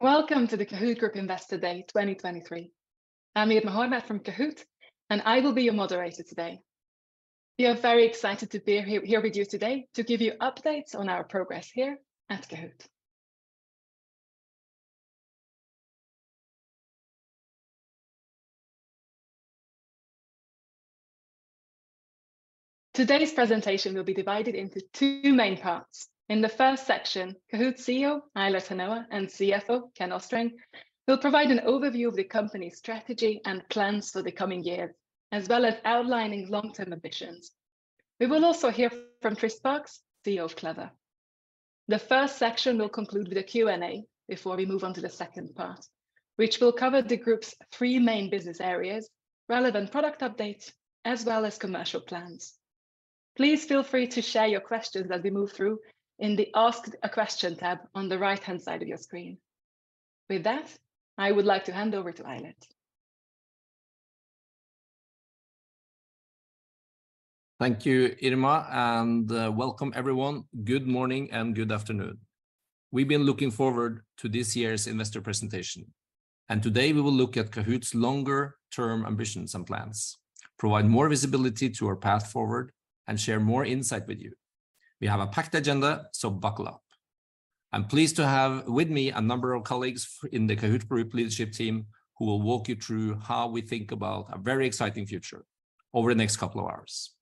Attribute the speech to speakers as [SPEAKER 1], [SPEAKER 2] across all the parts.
[SPEAKER 1] Welcome to the Kahoot! Group Investor Day 2023. I'm Irma Horvath from Kahoot!, and I will be your moderator today. We are very excited to be here with you today to give you updates on our progress here at Kahoot!. Today's presentation will be divided into two main parts. In the first section, Kahoot!'s CEO, Eilert Hanoa, and CFO, Ken Østreng, will provide an overview of the company's strategy and plans for the coming years, as well as outlining long-term ambitions. We will also hear from Trish Sparks, CEO of Clever. The first section will conclude with a Q&A before we move on to the second part, which will cover the group's three main business areas, relevant product updates, as well as commercial plans. Please feel free to share your questions as we move through in the Ask a Question tab on the right-hand side of your screen. With that, I would like to hand over to Eilert.
[SPEAKER 2] Thank you, Irma, welcome everyone. Good morning and good afternoon. We've been looking forward to this year's investor presentation. Today we will look at Kahoot!'s longer-term ambitions and plans, provide more visibility to our path forward, and share more insight with you. We have a packed agenda. Buckle up. I'm pleased to have with me a number of colleagues in the Kahoot! Group leadership team, who will walk you through how we think about a very exciting future over the next couple of hours.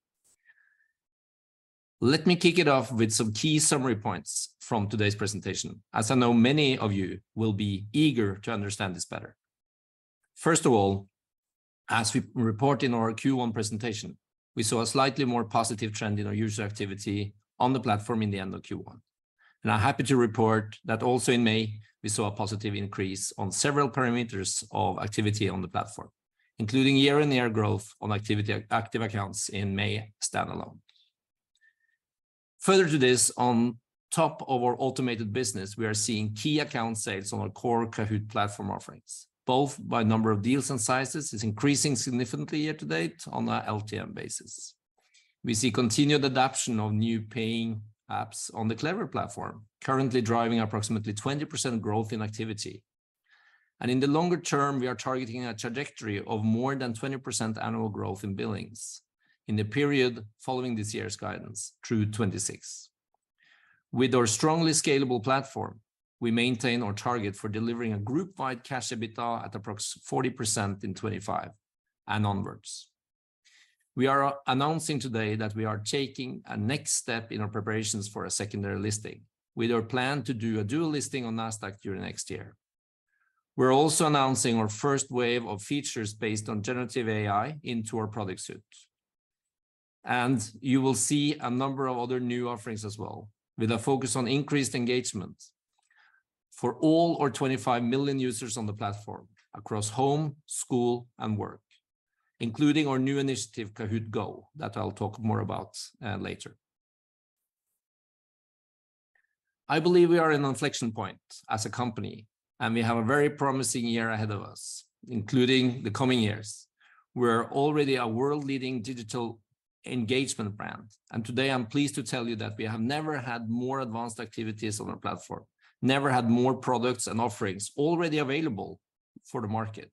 [SPEAKER 2] Let me kick it off with some key summary points from today's presentation, as I know many of you will be eager to understand this better. First of all, as we report in our Q1 presentation, we saw a slightly more positive trend in our user activity on the platform in the end of Q1, and I'm happy to report that also in May, we saw a positive increase on several parameters of activity on the platform, including year-on-year growth on activity, active accounts in May standalone. Further to this, on top of our automated business, we are seeing key account sales on our core Kahoot! platform offerings, both by number of deals and sizes. It's increasing significantly year to date on a LTM basis. We see continued adoption of new paying apps on the Clever platform, currently driving approximately 20% growth in activity. In the longer term, we are targeting a trajectory of more than 20% annual growth in billings in the period following this year's guidance through 2026. With our strongly scalable platform, we maintain our target for delivering a group-wide cash EBITDA at approx 40% in 2025 and onwards. We are announcing today that we are taking a next step in our preparations for a secondary listing, with our plan to do a dual listing on Nasdaq during next year. We're also announcing our first wave of features based on generative AI into our product suite. You will see a number of other new offerings as well, with a focus on increased engagement for all our 25 million users on the platform across home, school, and work, including our new initiative, Kahoot! GO, that I'll talk more about later. I believe we are in an inflection point as a company, and we have a very promising year ahead of us, including the coming years. We're already a world-leading digital engagement brand. Today I'm pleased to tell you that we have never had more advanced activities on our platform, never had more products and offerings already available for the market.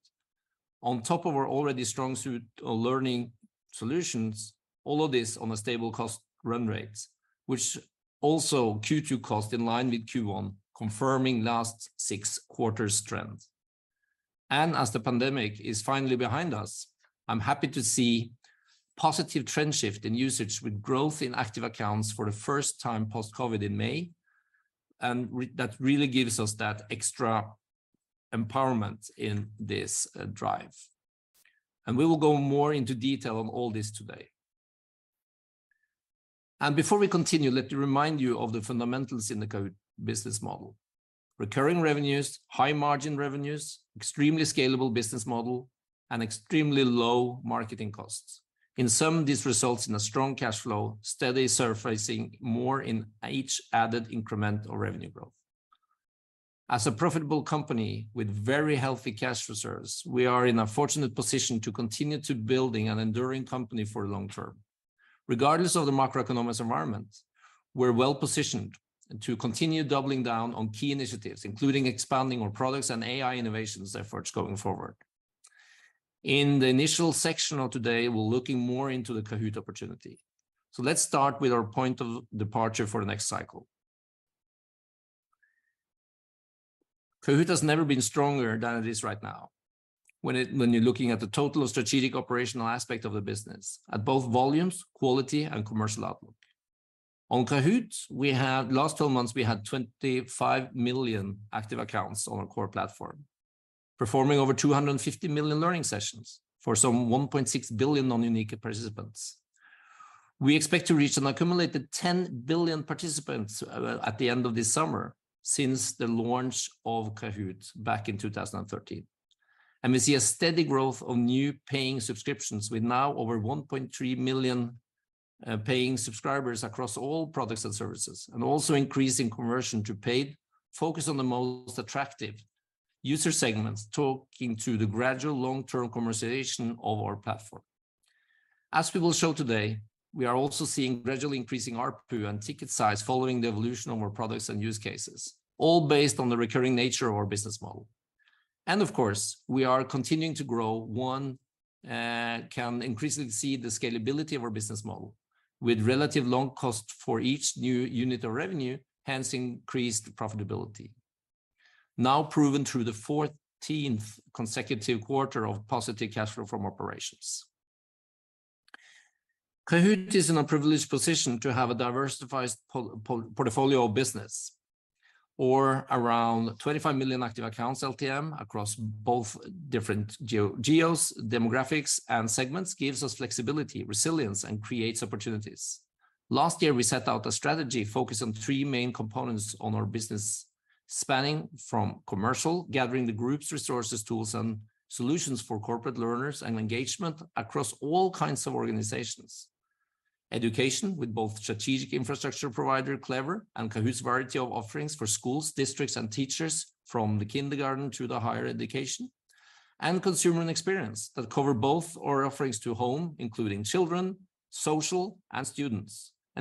[SPEAKER 2] On top of our already strong suite of learning solutions, all of this on a stable cost run rates, which also Q2 cost in line with Q1, confirming last six quarters trend. As the pandemic is finally behind us, I'm happy to see positive trend shift in usage, with growth in active accounts for the first time post-COVID in May, that really gives us that extra empowerment in this drive. We will go more into detail on all this today. Before we continue, let me remind you of the fundamentals in the Kahoot! business model. Recurring revenues, high-margin revenues, extremely scalable business model, and extremely low marketing costs. This results in a strong cash flow, steady surfacing more in each added incremental revenue growth. As a profitable company with very healthy cash reserves, we are in a fortunate position to continue building an enduring company for long-term. Regardless of the macroeconomic environment, we're well positioned to continue doubling down on key initiatives, including expanding our products and AI innovations efforts going forward. In the initial section of today, we're looking more into the Kahoot! opportunity. Let's start with our point of departure for the next cycle. Kahoot! has never been stronger than it is right now, when you're looking at the total strategic operational aspect of the business, at both volumes, quality, and commercial outlook. On Kahoot!, we had, last 12 months, we had 25 million active accounts on our core platform, performing over 250 million learning sessions for some 1.6 billion on unique participants. We expect to reach an accumulated 10 billion participants at the end of this summer since the launch of Kahoot! back in 2013. We see a steady growth of new paying subscriptions, with now over 1.3 million paying subscribers across all products and services, and also increasing conversion to paid, focused on the most attractive user segments, talking to the gradual long-term conversion of our platform. As we will show today, we are also seeing gradually increasing ARPU and ticket size following the evolution of our products and use cases, all based on the recurring nature of our business model. Of course, we are continuing to grow. One can increasingly see the scalability of our business model with relative low cost for each new unit of revenue, hence increased profitability. Now proven through the 14th consecutive quarter of positive cash flow from operations. Kahoot! is in a privileged position to have a diversified portfolio of business or around 25 million active accounts LTM across both different geos, demographics, and segments, gives us flexibility, resilience, and creates opportunities. Last year, we set out a strategy focused on three main components on our business, spanning from commercial, gathering the group's resources, tools, and solutions for corporate learners and engagement across all kinds of organizations. Education, with both strategic infrastructure provider, Clever, and Kahoot!'s variety of offerings for schools, districts, and teachers from the kindergarten to the higher education. Consumer and experience, that cover both our offerings to home, including children, social, and students.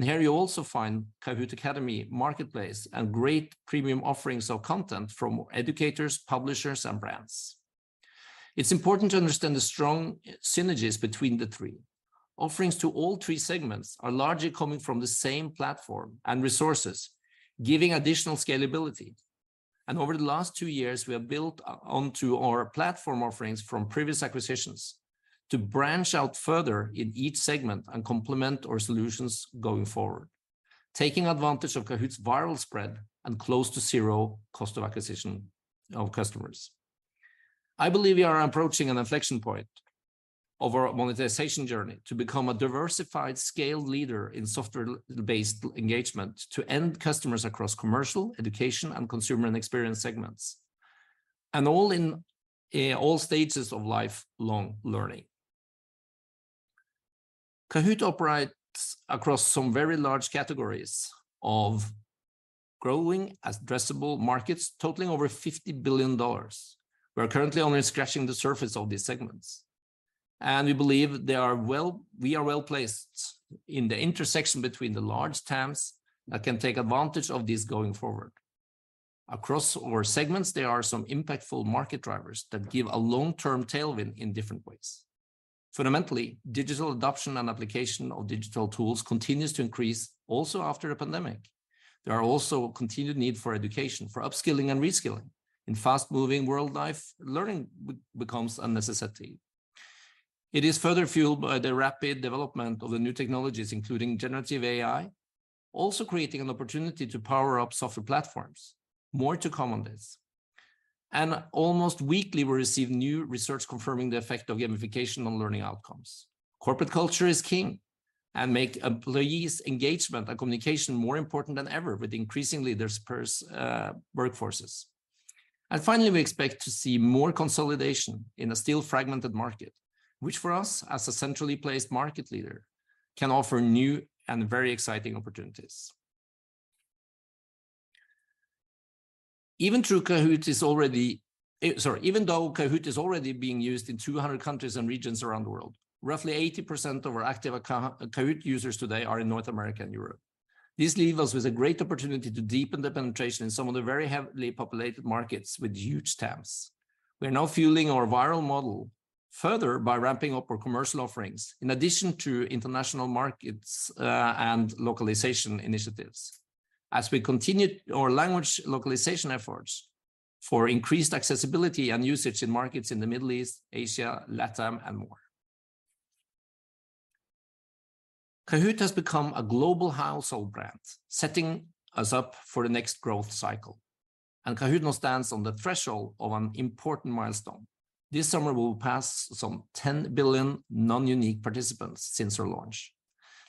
[SPEAKER 2] Here you also find Kahoot! Academy, Kahoot! Marketplace, and great premium offerings of content from educators, publishers, and brands. It's important to understand the strong synergies between the three. Offerings to all three segments are largely coming from the same platform and resources, giving additional scalability. Over the last two years, we have built up onto our platform offerings from previous acquisitions to branch out further in each segment and complement our solutions going forward, taking advantage of Kahoot!'s viral spread and close to zero cost of acquisition of customers. I believe we are approaching an inflection point of our monetization journey to become a diversified scale leader in software-based engagement to end customers across commercial, education, and consumer and experience segments, and all in all stages of lifelong learning. Kahoot! operates across some very large categories of growing addressable markets, totaling over $50 billion. We are currently only scratching the surface of these segments, we believe we are well-placed in the intersection between the large TAMs that can take advantage of this going forward. Across our segments, there are some impactful market drivers that give a long-term tailwind in different ways. Fundamentally, digital adoption and application of digital tools continues to increase also after the pandemic. There are also continued need for education, for upskilling and reskilling. In fast-moving world life, learning becomes a necessity. It is further fueled by the rapid development of the new technologies, including generative AI, also creating an opportunity to power up software platforms. More to come on this. Almost weekly, we receive new research confirming the effect of gamification on learning outcomes. Corporate culture is king, make employees' engagement and communication more important than ever with increasingly disperse workforces. Finally, we expect to see more consolidation in a still fragmented market, which for us, as a centrally placed market leader, can offer new and very exciting opportunities. Even though Kahoot! is already being used in 200 countries and regions around the world, roughly 80% of our active account Kahoot! users today are in North America and Europe. This leaves us with a great opportunity to deepen the penetration in some of the very heavily populated markets with huge TAMs. We are now fueling our viral model further by ramping up our commercial offerings, in addition to international markets, and localization initiatives, as we continue our language localization efforts for increased accessibility and usage in markets in the Middle East, Asia, LATAM, and more. Kahoot! has become a global household brand, setting us up for the next growth cycle, and Kahoot! now stands on the threshold of an important milestone. This summer, we will pass some 10 billion non-unique participants since our launch.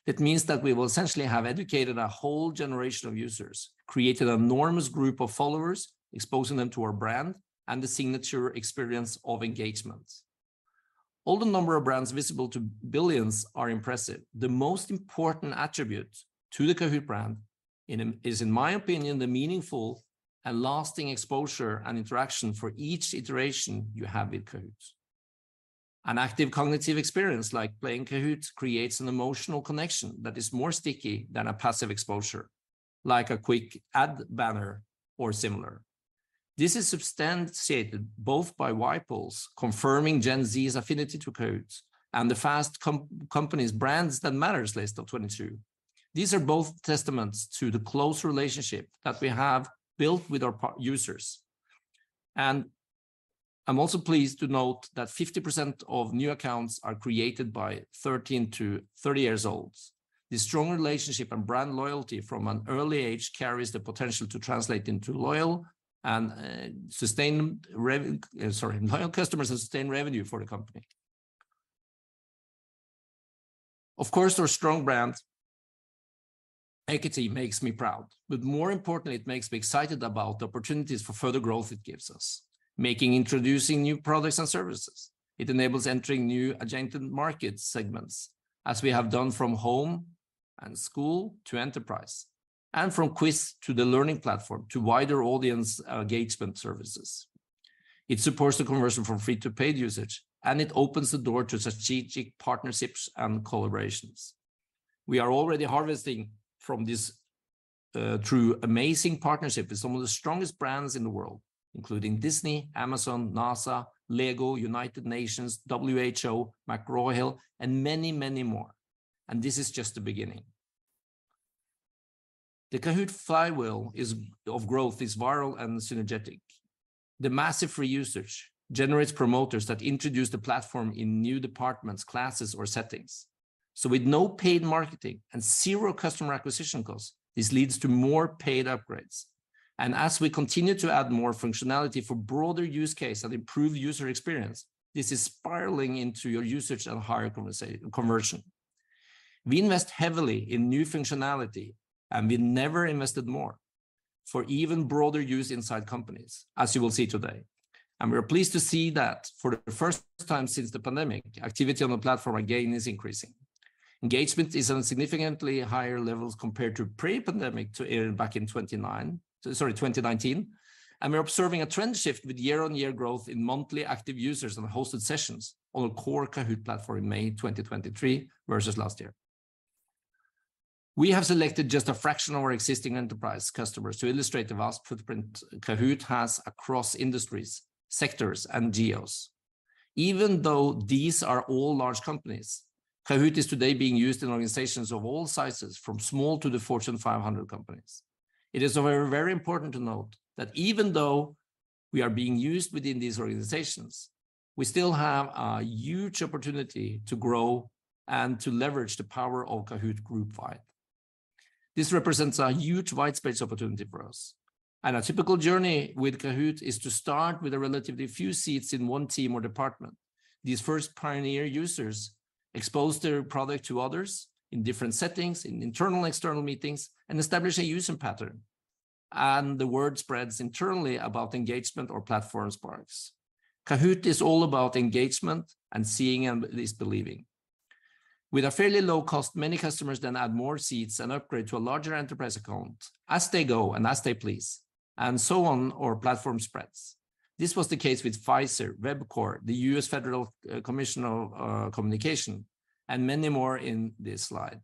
[SPEAKER 2] It means that we will essentially have educated a whole generation of users, created an enormous group of followers, exposing them to our brand and the signature experience of engagement. All the number of brands visible to billions are impressive. The most important attribute to the Kahoot! brand in, is, in my opinion, the meaningful and lasting exposure and interaction for each iteration you have with Kahoot! An active cognitive experience, like playing Kahoot!, creates an emotional connection that is more sticky than a passive exposure, like a quick ad banner or similar. This is substantiated both by YPulse, confirming Gen Z's affinity to Kahoot!, and the Fast Company's Brands That Matter List of 22. These are both testaments to the close relationship that we have built with our users. I'm also pleased to note that 50% of new accounts are created by 13 to 30 years olds. This strong relationship and brand loyalty from an early age carries the potential to translate into loyal customers and sustain revenue for the company. Our strong brand equity makes me proud, more importantly, it makes me excited about the opportunities for further growth it gives us, making, introducing new products and services. It enables entering new adjacent market segments, as we have done from home and school to enterprise, and from quiz to the learning platform to wider audience engagement services. It supports the conversion from free to paid usage, it opens the door to strategic partnerships and collaborations. We are already harvesting from this, true amazing partnership with some of the strongest brands in the world, including Disney, Amazon, NASA, LEGO, United Nations, WHO, McGraw Hill, and many, many more, this is just the beginning. The Kahoot! flywheel of growth is viral and synergetic. The massive free usage generates promoters that introduce the platform in new departments, classes, or settings. With no paid marketing and zero customer acquisition costs, this leads to more paid upgrades. As we continue to add more functionality for broader use case and improve user experience, this is spiraling into your usage and higher conversion. We invest heavily in new functionality, and we never invested more for even broader use inside companies, as you will see today. We're pleased to see that for the first time since the pandemic, activity on the platform again is increasing. Engagement is on significantly higher levels compared to pre-pandemic to era back in 2019. We're observing a trend shift with year-on-year growth in monthly active users and hosted sessions on the core Kahoot! platform in May 2023, versus last year. We have selected just a fraction of our existing enterprise customers to illustrate the vast footprint Kahoot! has across industries, sectors, and geos. Even though these are all large companies, Kahoot! is today being used in organizations of all sizes, from small to the Fortune 500 companies. It is very, very important to note that even though we are being used within these organizations, we still have a huge opportunity to grow and to leverage the power of Kahoot! group vibe. This represents a huge wide space opportunity for us. A typical journey with Kahoot! is to start with a relatively few seats in one team or department. These first pioneer users expose their product to others in different settings, in internal and external meetings, and establish a usage pattern. The word spreads internally about engagement or platform sparks. Kahoot! is all about engagement and seeing and is believing. With a fairly low cost, many customers add more seats and upgrade to a larger enterprise account as they go and as they please, our platform spreads. This was the case with Pfizer, Webcor, the U.S. Federal Communications Commission, and many more in this slide.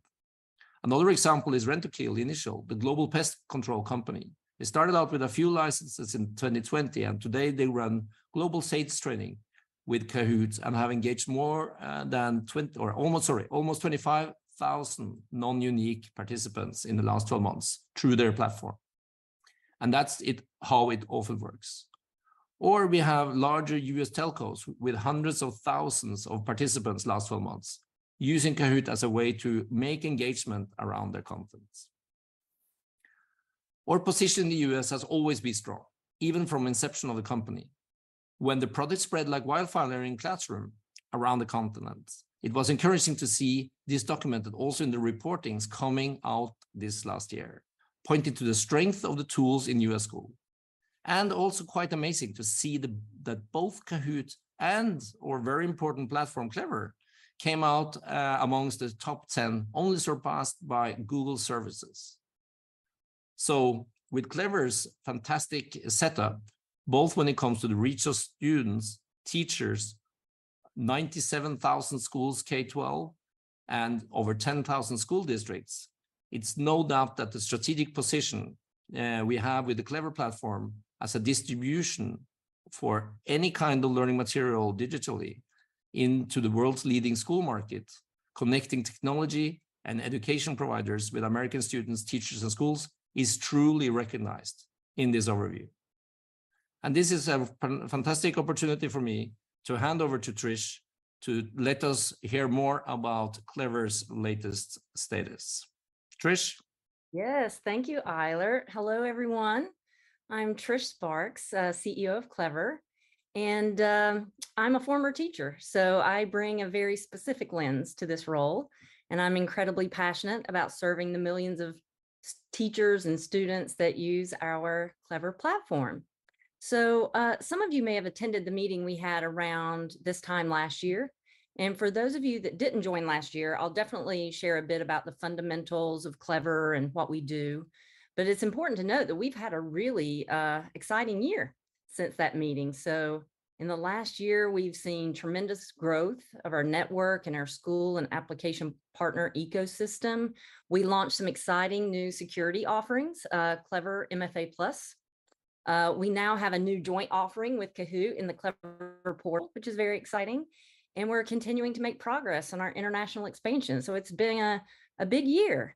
[SPEAKER 2] Another example is Rentokil Initial, the global pest control company. They started out with a few licenses in 2020, today they run global sales training with Kahoot! and have engaged more than almost 25,000 non-unique participants in the last 12 months through their platform, that's how it often works. We have larger U.S. telcos with hundreds of thousands of participants last 12 months, using Kahoot! as a way to make engagement around their conference. Our position in the U.S. has always been strong, even from inception of the company. When the product spread like wildfire in classrooms around the continent, it was encouraging to see this documented also in the reportings coming out this last year, pointing to the strength of the tools in U.S. schools. Also quite amazing to see that both Kahoot! and, or very important platform, Clever, came out amongst the top 10, only surpassed by Google services. With Clever's fantastic setup, both when it comes to the reach of students, teachers, 97,000 schools, K-12, and over 10,000 school districts, it's no doubt that the strategic position we have with the Clever platform as a distribution for any kind of learning material digitally into the world's leading school market, connecting technology and education providers with American students, teachers, and schools, is truly recognized in this overview. This is a fantastic opportunity for me to hand over to Trish to let us hear more about Clever's latest status. Trish?
[SPEAKER 3] Yes, thank you, Eilert. Hello, everyone, I'm Trish Sparks, CEO of Clever, and I'm a former teacher, so I bring a very specific lens to this role, and I'm incredibly passionate about serving the millions of teachers and students that use our Clever platform. Some of you may have attended the meeting we had around this time last year, and for those of you that didn't join last year, I'll definitely share a bit about the fundamentals of Clever and what we do. It's important to note that we've had a really exciting year since that meeting. In the last year, we've seen tremendous growth of our network and our school and application partner ecosystem. We launched some exciting new security offerings, Clever MFA+. We now have a new joint offering with Kahoot! in the Clever portal, which is very exciting, and we're continuing to make progress on our international expansion, so it's been a big year.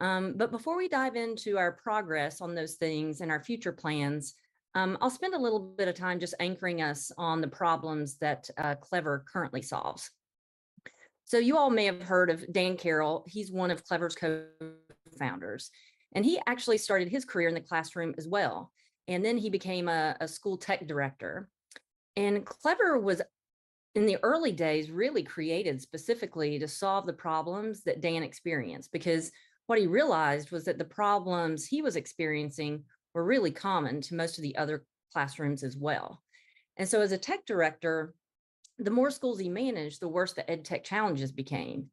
[SPEAKER 3] Before we dive into our progress on those things and our future plans, I'll spend a little bit of time just anchoring us on the problems that Clever currently solves. You all may have heard of Dan Carroll. He's one of Clever's co-founders, and he actually started his career in the classroom as well, and then he became a school tech director. Clever was, in the early days, really created specifically to solve the problems that Dan experienced, because what he realized was that the problems he was experiencing were really common to most of the other classrooms as well. As a tech director, the more schools he managed, the worse the edtech challenges became.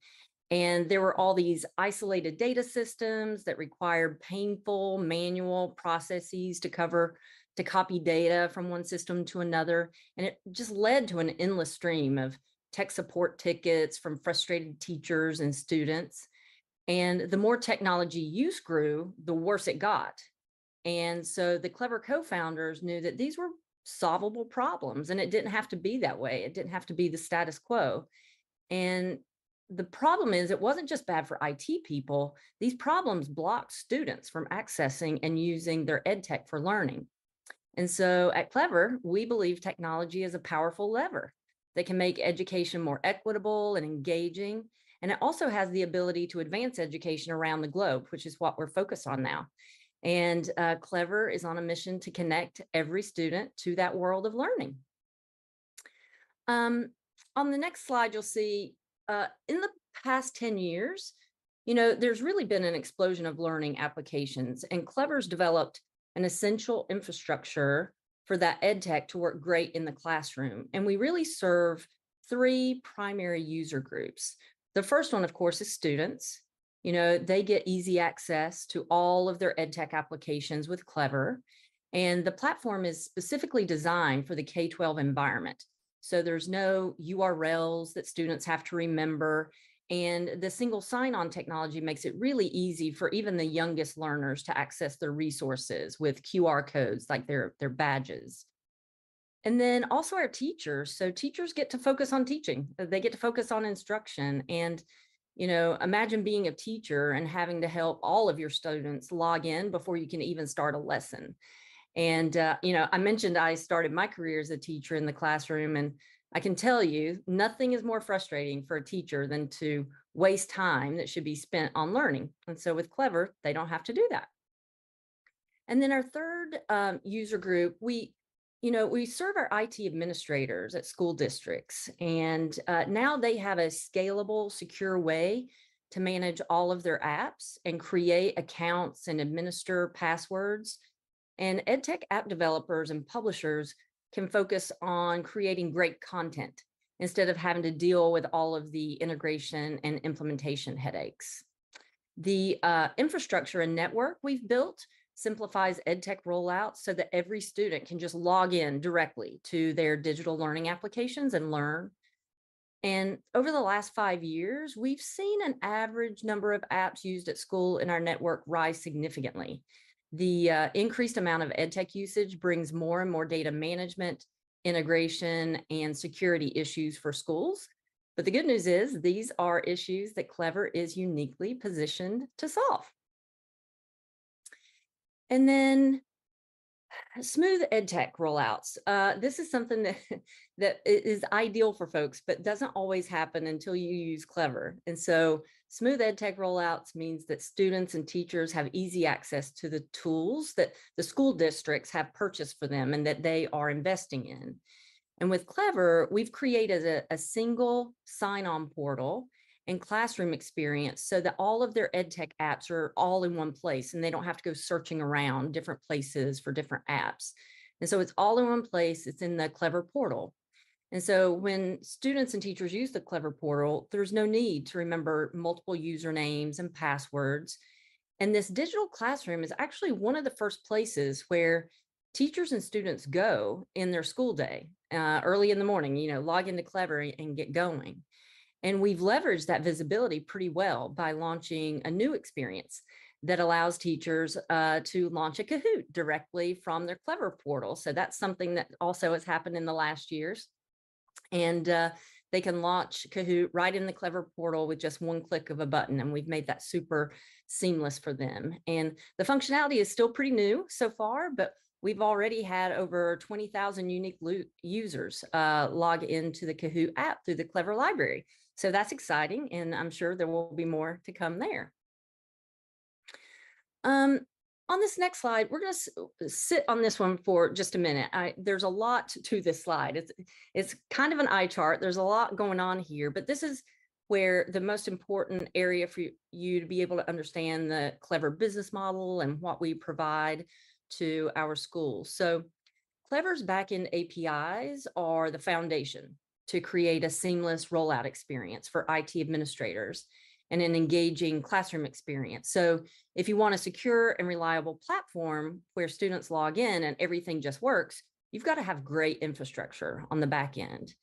[SPEAKER 3] There were all these isolated data systems that required painful manual processes to cover, to copy data from one system to another, and it just led to an endless stream of tech support tickets from frustrated teachers and students. The more technology use grew, the worse it got. The Clever co-founders knew that these were solvable problems, and it didn't have to be that way. It didn't have to be the status quo. The problem is, it wasn't just bad for IT people, these problems blocked students from accessing and using their edtech for learning. At Clever, we believe technology is a powerful lever that can make education more equitable and engaging, and it also has the ability to advance education around the globe, which is what we're focused on now. Clever is on a mission to connect every student to that world of learning. On the next slide, you'll see in the past 10 years, you know, there's really been an explosion of learning applications. Clever's developed an essential infrastructure for that edtech to work great in the classroom. We really serve three primary user groups. The first one, of course, is students. You know, they get easy access to all of their edtech applications with Clever. The platform is specifically designed for the K-12 environment, so there's no URLs that students have to remember. The single sign-on technology makes it really easy for even the youngest learners to access their resources with QR codes, like their badges. Also our teachers. Teachers get to focus on teaching. They get to focus on instruction. You know, imagine being a teacher and having to help all of your students log in before you can even start a lesson. You know, I mentioned I started my career as a teacher in the classroom, and I can tell you, nothing is more frustrating for a teacher than to waste time that should be spent on learning. With Clever, they don't have to do that. Our third user group, we, you know, we serve our IT administrators at school districts. Now they have a scalable, secure way to manage all of their apps and create accounts and administer passwords. Edtech app developers and publishers can focus on creating great content instead of having to deal with all of the integration and implementation headaches. The infrastructure and network we've built simplifies EdTech rollout so that every student can just log in directly to their digital learning applications and learn. Over the last five years, we've seen an average number of apps used at school in our network rise significantly. The increased amount of EdTech usage brings more and more data management, integration, and security issues for schools. The good news is, these are issues that Clever is uniquely positioned to solve. Smooth EdTech rollouts. This is something that is ideal for folks but doesn't always happen until you use Clever. Smooth EdTech rollouts means that students and teachers have easy access to the tools that the school districts have purchased for them and that they are investing in. With Clever, we've created a single sign-on portal and classroom experience so that all of their edtech apps are all in one place, and they don't have to go searching around different places for different apps. So it's all in one place. It's in the Clever portal. So when students and teachers use the Clever portal, there's no need to remember multiple usernames and passwords. This digital classroom is actually one of the first places where teachers and students go in their school day, early in the morning, you know, log in to Clever and get going. We've leveraged that visibility pretty well by launching a new experience that allows teachers to launch a Kahoot! directly from their Clever portal. So that's something that also has happened in the last years. They can launch Kahoot! We've made that super seamless for them. The functionality is still pretty new so far, but we've already had over 20,000 unique users log into the Kahoot! app through the Clever Library. That's exciting, and I'm sure there will be more to come there. On this next slide, we're gonna sit on this one for just a minute. There's a lot to this slide. It's kind of an eye chart. There's a lot going on here, but this is where the most important area for you to be able to understand the Clever business model and what we provide to our schools. Clever's backend APIs are the foundation to create a seamless rollout experience for IT administrators and an engaging classroom experience. If you want a secure and reliable platform where students log in and everything just works, you've got to have great infrastructure on the back end.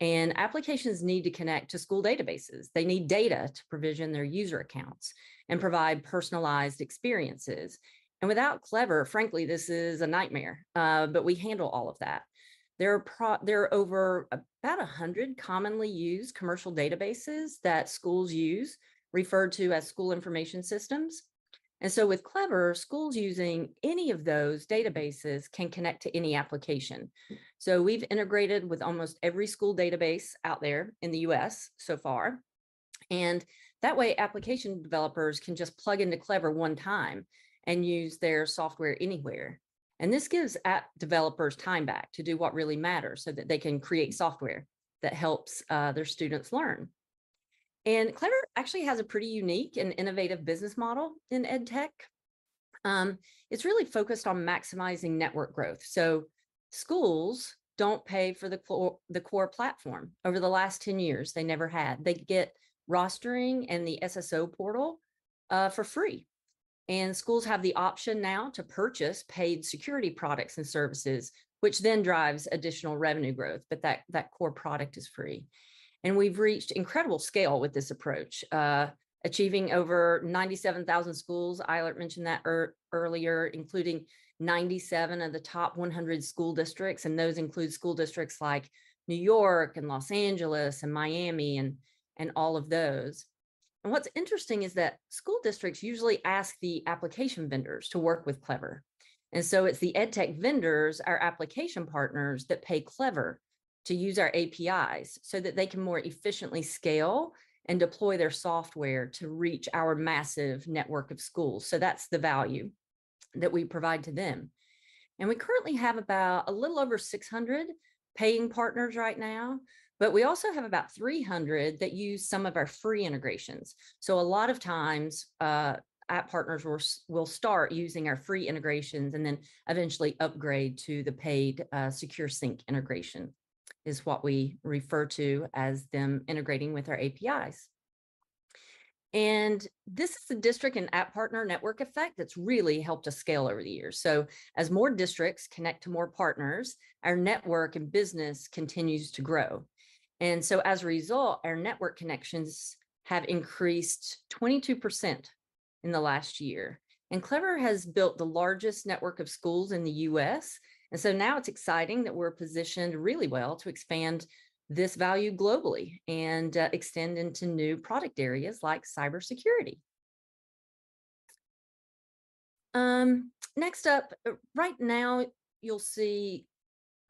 [SPEAKER 3] Applications need to connect to school databases. They need data to provision their user accounts and provide personalized experiences, and without Clever, frankly, this is a nightmare, but we handle all of that. There are over about 100 commonly used commercial databases that schools use, referred to as school information systems. With Clever, schools using any of those databases can connect to any application. We've integrated with almost every school database out there in the U.S. so far, and that way, application developers can just plug into Clever one time and use their software anywhere. This gives app developers time back to do what really matters so that they can create software that helps their students learn. Clever actually has a pretty unique and innovative business model in EdTech. It's really focused on maximizing network growth. Schools don't pay for the core, the core platform. Over the last 10 years, they never had. They get rostering and the SSO portal for free. Schools have the option now to purchase paid security products and services, which then drives additional revenue growth, but that core product is free. We've reached incredible scale with this approach, achieving over 97,000 schools. Eilert mentioned that earlier, including 97 of the top 100 school districts. Those include school districts like New York and Los Angeles and Miami and all of those. What's interesting is that school districts usually ask the application vendors to work with Clever, it's the EdTech vendors, our application partners, that pay Clever to use our APIs so that they can more efficiently scale and deploy their software to reach our massive network of schools. That's the value that we provide to them. We currently have about a little over 600 paying partners right now, but we also have about 300 that use some of our free integrations. A lot of times, app partners will start using our free integrations and then eventually upgrade to the paid, Secure Sync integration, is what we refer to as them integrating with our APIs. This is the district and app partner network effect that's really helped us scale over the years. As more districts connect to more partners, our network and business continues to grow. As a result, our network connections have increased 22% in the last year, and Clever has built the largest network of schools in the U.S. Now it's exciting that we're positioned really well to expand this value globally and extend into new product areas like cybersecurity. Next up, right now, you'll see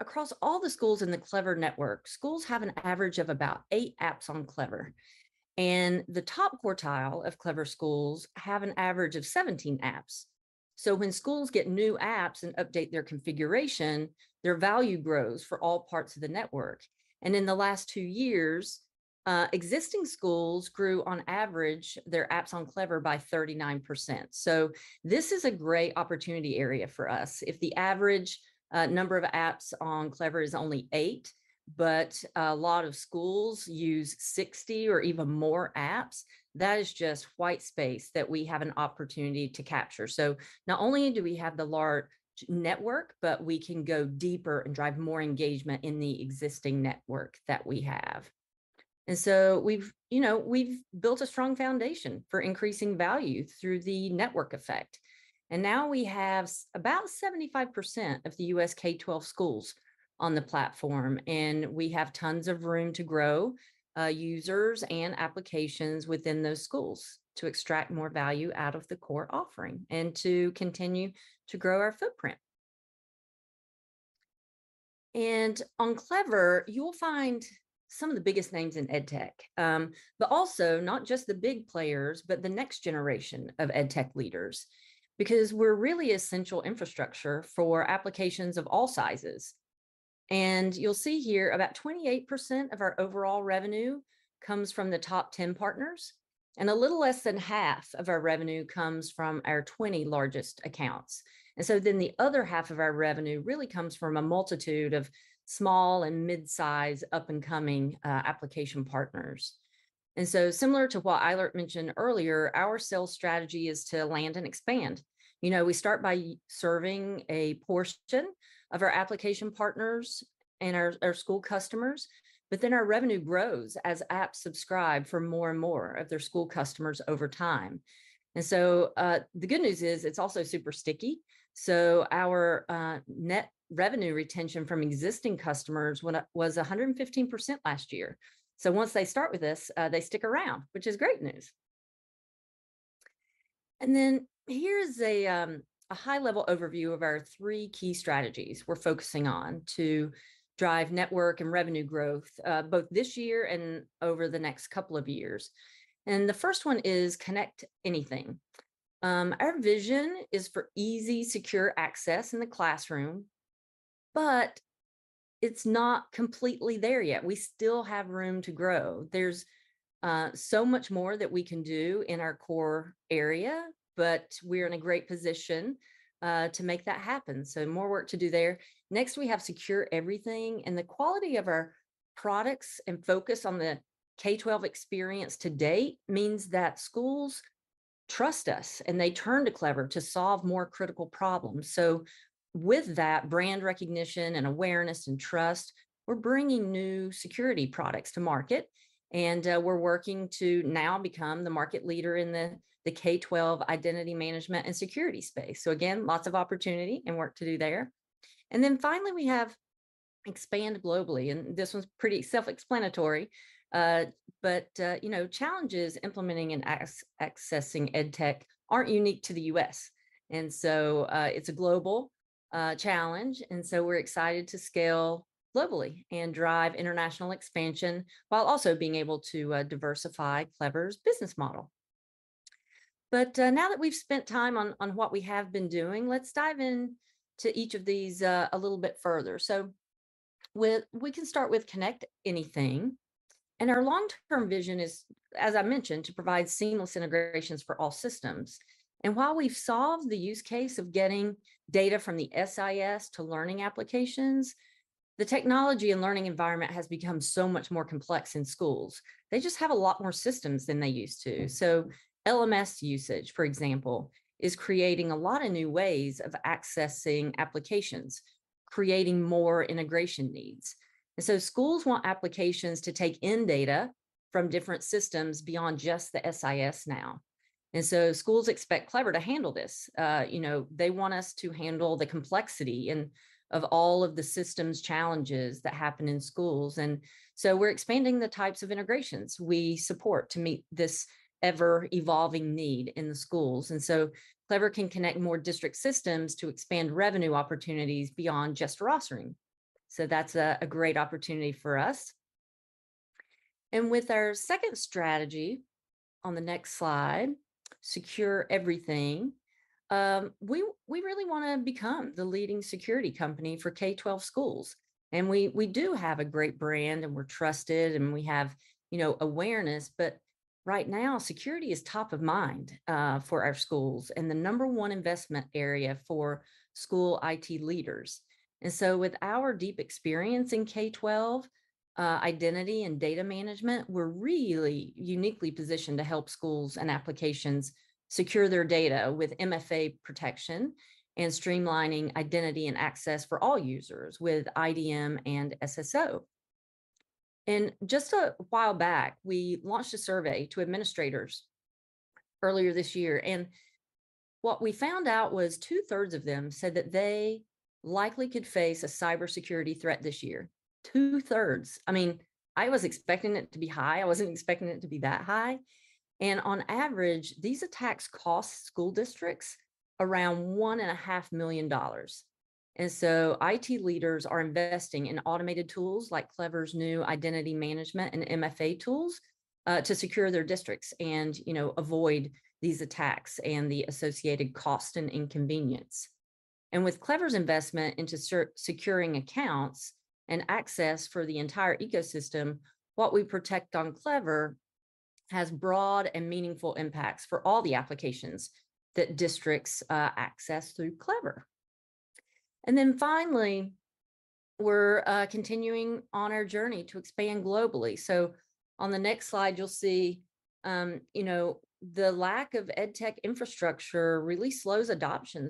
[SPEAKER 3] across all the schools in the Clever network, schools have an average of about eight apps on Clever, and the top quartile of Clever schools have an average of 17 apps. When schools get new apps and update their configuration, their value grows for all parts of the network. In the last two years, existing schools grew, on average, their apps on Clever by 39%. This is a great opportunity area for us. If the average number of apps on Clever is only eight, but a lot of schools use 60 or even more apps, that is just white space that we have an opportunity to capture. Not only do we have the large network, but we can go deeper and drive more engagement in the existing network that we have. We've, you know, we've built a strong foundation for increasing value through the network effect. Now we have about 75% of the U.S. K-12 schools on the platform, and we have tons of room to grow users and applications within those schools to extract more value out of the core offering and to continue to grow our footprint. On Clever, you'll find some of the biggest names in EdTech, but also not just the big players, but the next generation of EdTech leaders, because we're really essential infrastructure for applications of all sizes. You'll see here, about 28% of our overall revenue comes from the top 10 partners, and a little less than half of our revenue comes from our 20 largest accounts. The other half of our revenue really comes from a multitude of small and mid-size up-and-coming, application partners. Similar to what Eilert mentioned earlier, our sales strategy is to land and expand. You know, we start by serving a portion of our application partners and our school customers, but then our revenue grows as apps subscribe for more and more of their school customers over time. The good news is, it's also super sticky, our net revenue retention from existing customers was 115% last year. Once they start with us, they stick around, which is great news. Here's a high-level overview of our three key strategies we're focusing on to drive network and revenue growth, both this year and over the next couple of years, the first one is connect anything. Our vision is for easy, secure access in the classroom, it's not completely there yet. We still have room to grow. There's so much more that we can do in our core area, we're in a great position to make that happen, more work to do there. Next, we have secure everything. The quality of our products and focus on the K-12 experience to date means that schools trust us, and they turn to Clever to solve more critical problems. With that brand recognition and awareness and trust, we're bringing new security products to market, and we're working to now become the market leader in the K-12 Identity Management and security space. Again, lots of opportunity and work to do there. Finally, we have expand globally, and this one's pretty self-explanatory. You know, challenges implementing and accessing EdTech aren't unique to the U.S., and so it's a global challenge. We're excited to scale globally and drive international expansion, while also being able to diversify Clever's business model. Now that we've spent time on what we have been doing, let's dive in to each of these a little bit further. We can start with connect anything, and our long-term vision is, as I mentioned, to provide seamless integrations for all systems. While we've solved the use case of getting data from the SIS to learning applications, the technology and learning environment has become so much more complex in schools. They just have a lot more systems than they used to. LMS usage, for example, is creating a lot of new ways of accessing applications, creating more integration needs. Schools want applications to take in data from different systems beyond just the SIS now, schools expect Clever to handle this. You know, they want us to handle the complexity and of all of the systems challenges that happen in schools. We're expanding the types of integrations we support to meet this ever-evolving need in the schools. Clever can connect more district systems to expand revenue opportunities beyond just rostering, so that's a great opportunity for us. With our second strategy on the next slide, secure everything, we really wanna become the leading security company for K-12 schools. We do have a great brand, and we're trusted, and we have, you know, awareness, but right now security is top of mind for our schools, and the number one investment area for school IT leaders. With our deep experience in K-12 identity and data management, we're really uniquely positioned to help schools and applications secure their data with MFA protection and streamlining identity and access for all users with IdM and SSO. Just a while back, we launched a survey to administrators earlier this year, and what we found out was two-thirds of them said that they likely could face a cybersecurity threat this year. Two-thirds! I mean, I was expecting it to be high. I wasn't expecting it to be that high. On average, these attacks cost school districts around one and a half million dollars. So IT leaders are investing in automated tools like Clever's new identity management and MFA tools to secure their districts and, you know, avoid these attacks and the associated cost and inconvenience. With Clever's investment into securing accounts and access for the entire ecosystem, what we protect on Clever has broad and meaningful impacts for all the applications that districts access through Clever. Finally, we're continuing on our journey to expand globally. On the next slide, you'll see, you know, the lack of EdTech infrastructure really slows adoption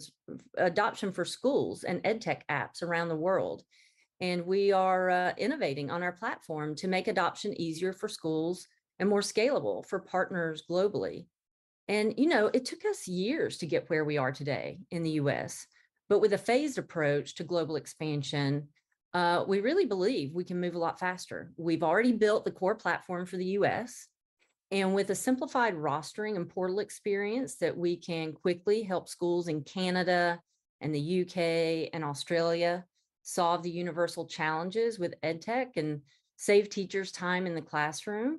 [SPEAKER 3] for schools and EdTech apps around the world, and we are innovating on our platform to make adoption easier for schools and more scalable for partners globally. You know, it took us years to get where we are today in the U.S., but with a phased approach to global expansion, we really believe we can move a lot faster. We've already built the core platform for the U.S., with a simplified rostering and portal experience that we can quickly help schools in Canada, the U.K., and Australia solve the universal challenges with edtech and save teachers time in the classroom,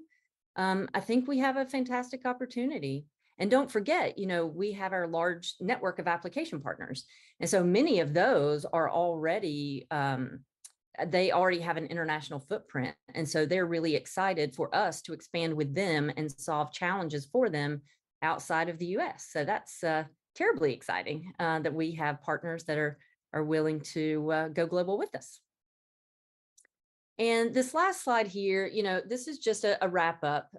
[SPEAKER 3] I think we have a fantastic opportunity. Don't forget, you know, we have our large network of application partners, many of those are already, they already have an international footprint, they're really excited for us to expand with them and solve challenges for them outside of the U.S. That's terribly exciting that we have partners that are willing to go global with us. This last slide here, you know, this is just a wrap up,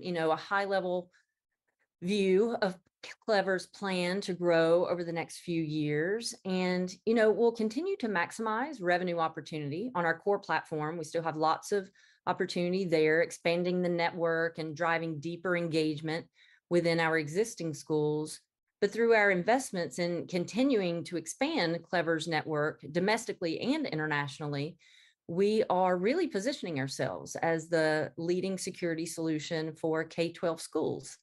[SPEAKER 3] you know, a high-level view of Clever's plan to grow over the next few years. You know, we'll continue to maximize revenue opportunity on our core platform. We still have lots of opportunity there, expanding the network and driving deeper engagement within our existing schools. Through our investments in continuing to expand Clever's network domestically and internationally, we are really positioning ourselves as the leading security solution for K-12 schools.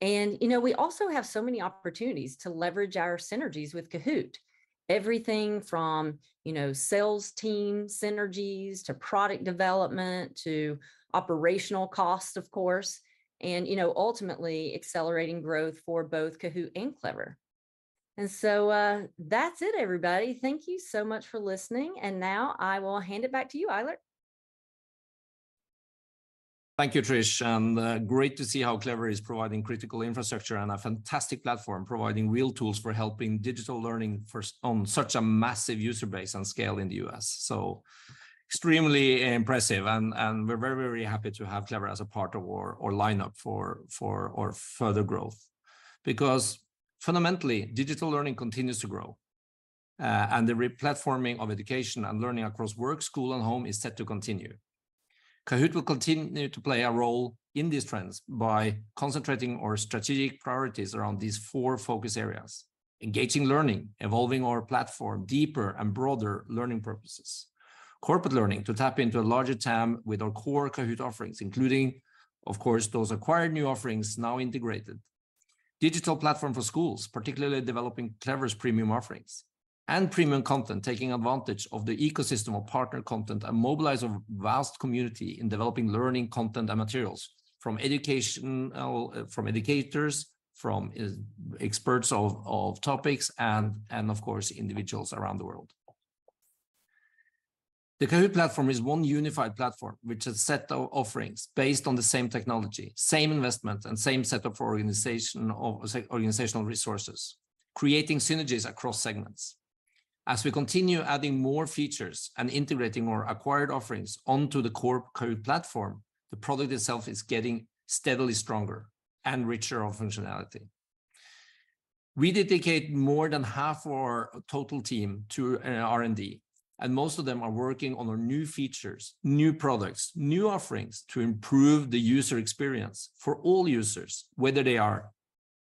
[SPEAKER 3] You know, we also have so many opportunities to leverage our synergies with Kahoot! Everything from, you know, sales team synergies to product development, to operational costs, of course, and, you know, ultimately accelerating growth for both Kahoot! and Clever. That's it, everybody. Thank you so much for listening, and now I will hand it back to you, Eilert.
[SPEAKER 2] Thank you, Trish, great to see how Clever is providing critical infrastructure and a fantastic platform, providing real tools for helping digital learning for, on such a massive user base and scale in the U.S. Extremely impressive, and we're very, very happy to have Clever as a part of our lineup for our further growth. Fundamentally, digital learning continues to grow, and the replatforming of education and learning across work, school, and home is set to continue. Kahoot! will continue to play a role in these trends by concentrating our strategic priorities around these four focus areas: engaging learning, evolving our platform, deeper and broader learning purposes. Corporate learning, to tap into a larger TAM with our core Kahoot! offerings, including, of course, those acquired new offerings now integrated. Digital platform for schools, particularly developing Clever's premium offerings.... and premium content, taking advantage of the ecosystem of partner content, and mobilize a vast community in developing learning content and materials from educational, from educators, from experts of topics, and of course, individuals around the world. Kahoot! platform is one unified platform, which is a set of offerings based on the same technology, same investment, and same set of organizational resources, creating synergies across segments. As we continue adding more features and integrating more acquired offerings onto the core Kahoot! platform, the product itself is getting steadily stronger and richer of functionality. We dedicate more than half our total team to R&D, and most of them are working on our new features, new products, new offerings to improve the user experience for all users, whether they are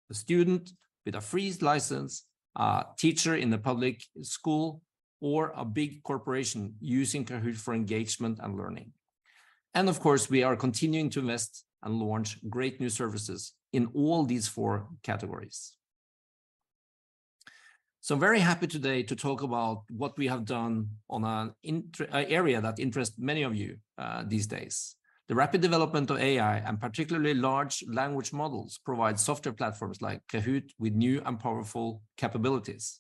[SPEAKER 2] a student with a freeze license, a teacher in the public school, or a big corporation using Kahoot! for engagement and learning. We are continuing to invest and launch great new services in all these four categories. Very happy today to talk about what we have done on an area that interests many of you these days. The rapid development of AI, and particularly large language models, provide software platforms like Kahoot! with new and powerful capabilities.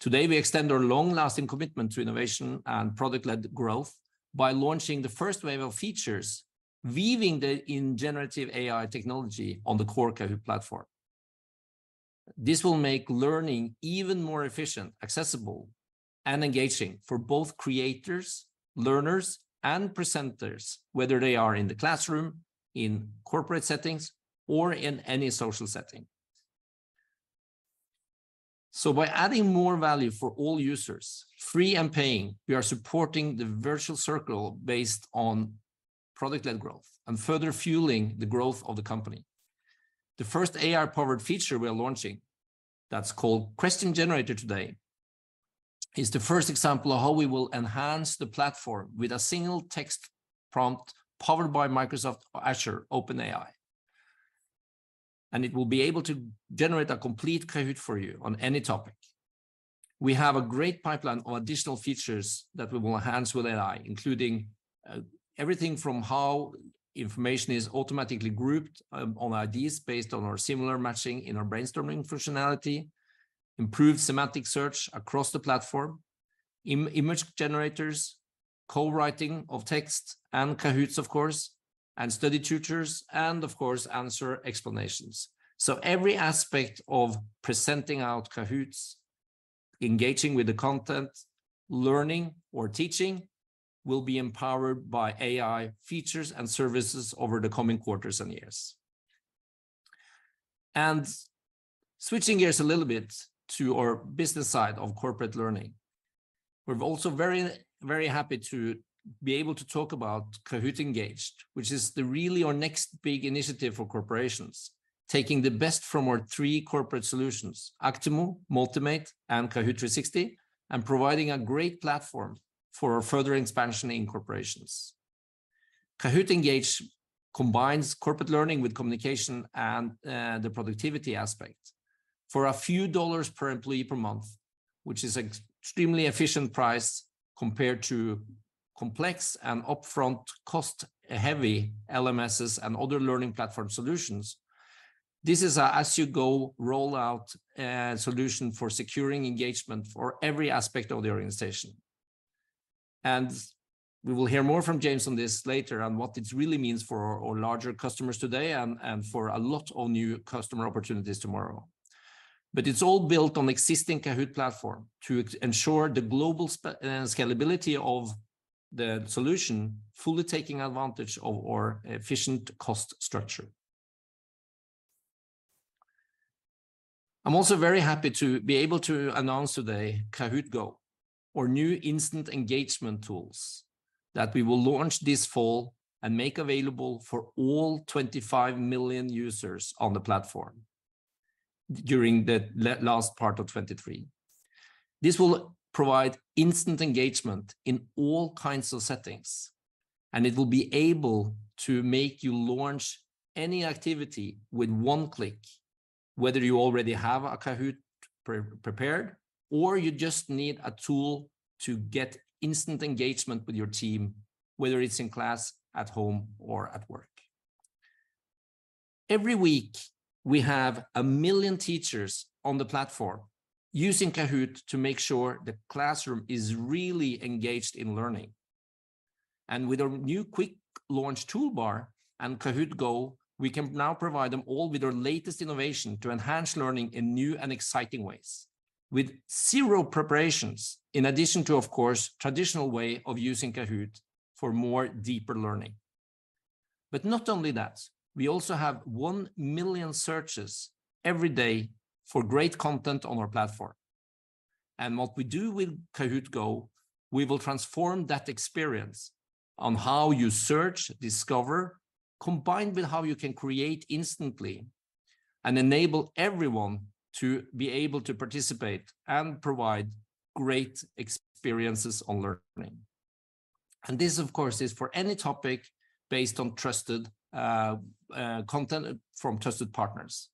[SPEAKER 2] Today, we extend our long-lasting commitment to innovation and product-led growth by launching the first wave of features, weaving the in generative AI technology on the core Kahoot! platform. This will make learning even more efficient, accessible, and engaging for both creators, learners, and presenters, whether they are in the classroom, in corporate settings, or in any social setting. By adding more value for all users, free and paying, we are supporting the virtual circle based on product-led growth and further fueling the growth of the company. The first AI-powered feature we are launching, that's called Question Generator today, is the first example of how we will enhance the platform with a single text prompt powered by Microsoft Azure OpenAI, and it will be able to generate a complete Kahoot! for you on any topic. We have a great pipeline of additional features that we will enhance with AI, including everything from how information is automatically grouped on ideas based on our similar matching in our brainstorming functionality, improved semantic search across the platform, image generators, co-writing of text, and kahoots, of course, and study tutors, and of course, answer explanations. Every aspect of presenting out kahoots, engaging with the content, learning or teaching, will be empowered by AI features and services over the coming quarters and years. Switching gears a little bit to our business side of corporate learning, we're also very happy to be able to talk about Kahoot! Engaged, which is really our next big initiative for corporations, taking the best from our three corporate solutions, Actimo, Motimate, and Kahoot! 360, and providing a great platform for further expansion in corporations. Engaged combines corporate learning with communication and the productivity aspect. For a few dollars per employee per month, which is extremely efficient price compared to complex and upfront cost, heavy LMSs and other learning platform solutions, this is a as-you-go rollout solution for securing engagement for every aspect of the organization. We will hear more from James on this later on what this really means for our larger customers today and for a lot of new customer opportunities tomorrow. It's all built on existing Kahoot! platform to ensure the global scalability of the solution, fully taking advantage of our efficient cost structure. I'm also very happy to be able to announce today, Kahoot! Go, our new instant engagement tools that we will launch this fall and make available for all 25 million users on the platform during the last part of 2023. This will provide instant engagement in all kinds of settings, it will be able to make you launch any activity with one click, whether you already have a Kahoot! prepared, or you just need a tool to get instant engagement with your team, whether it's in class, at home, or at work. Every week, we have 1 million teachers on the platform using Kahoot! to make sure the classroom is really engaged in learning. With our new quick launch toolbar and Kahoot! GO, we can now provide them all with our latest innovation to enhance learning in new and exciting ways, with 0 preparations, in addition to, of course, traditional way of using Kahoot! for more deeper learning. Not only that, we also have 1 million searches every day for great content on our platform. What we do with Kahoot! We will transform that experience on how you search, discover, combined with how you can create instantly, and enable everyone to be able to participate and provide great experiences on learning. This, of course, is for any topic based on trusted content from trusted partners.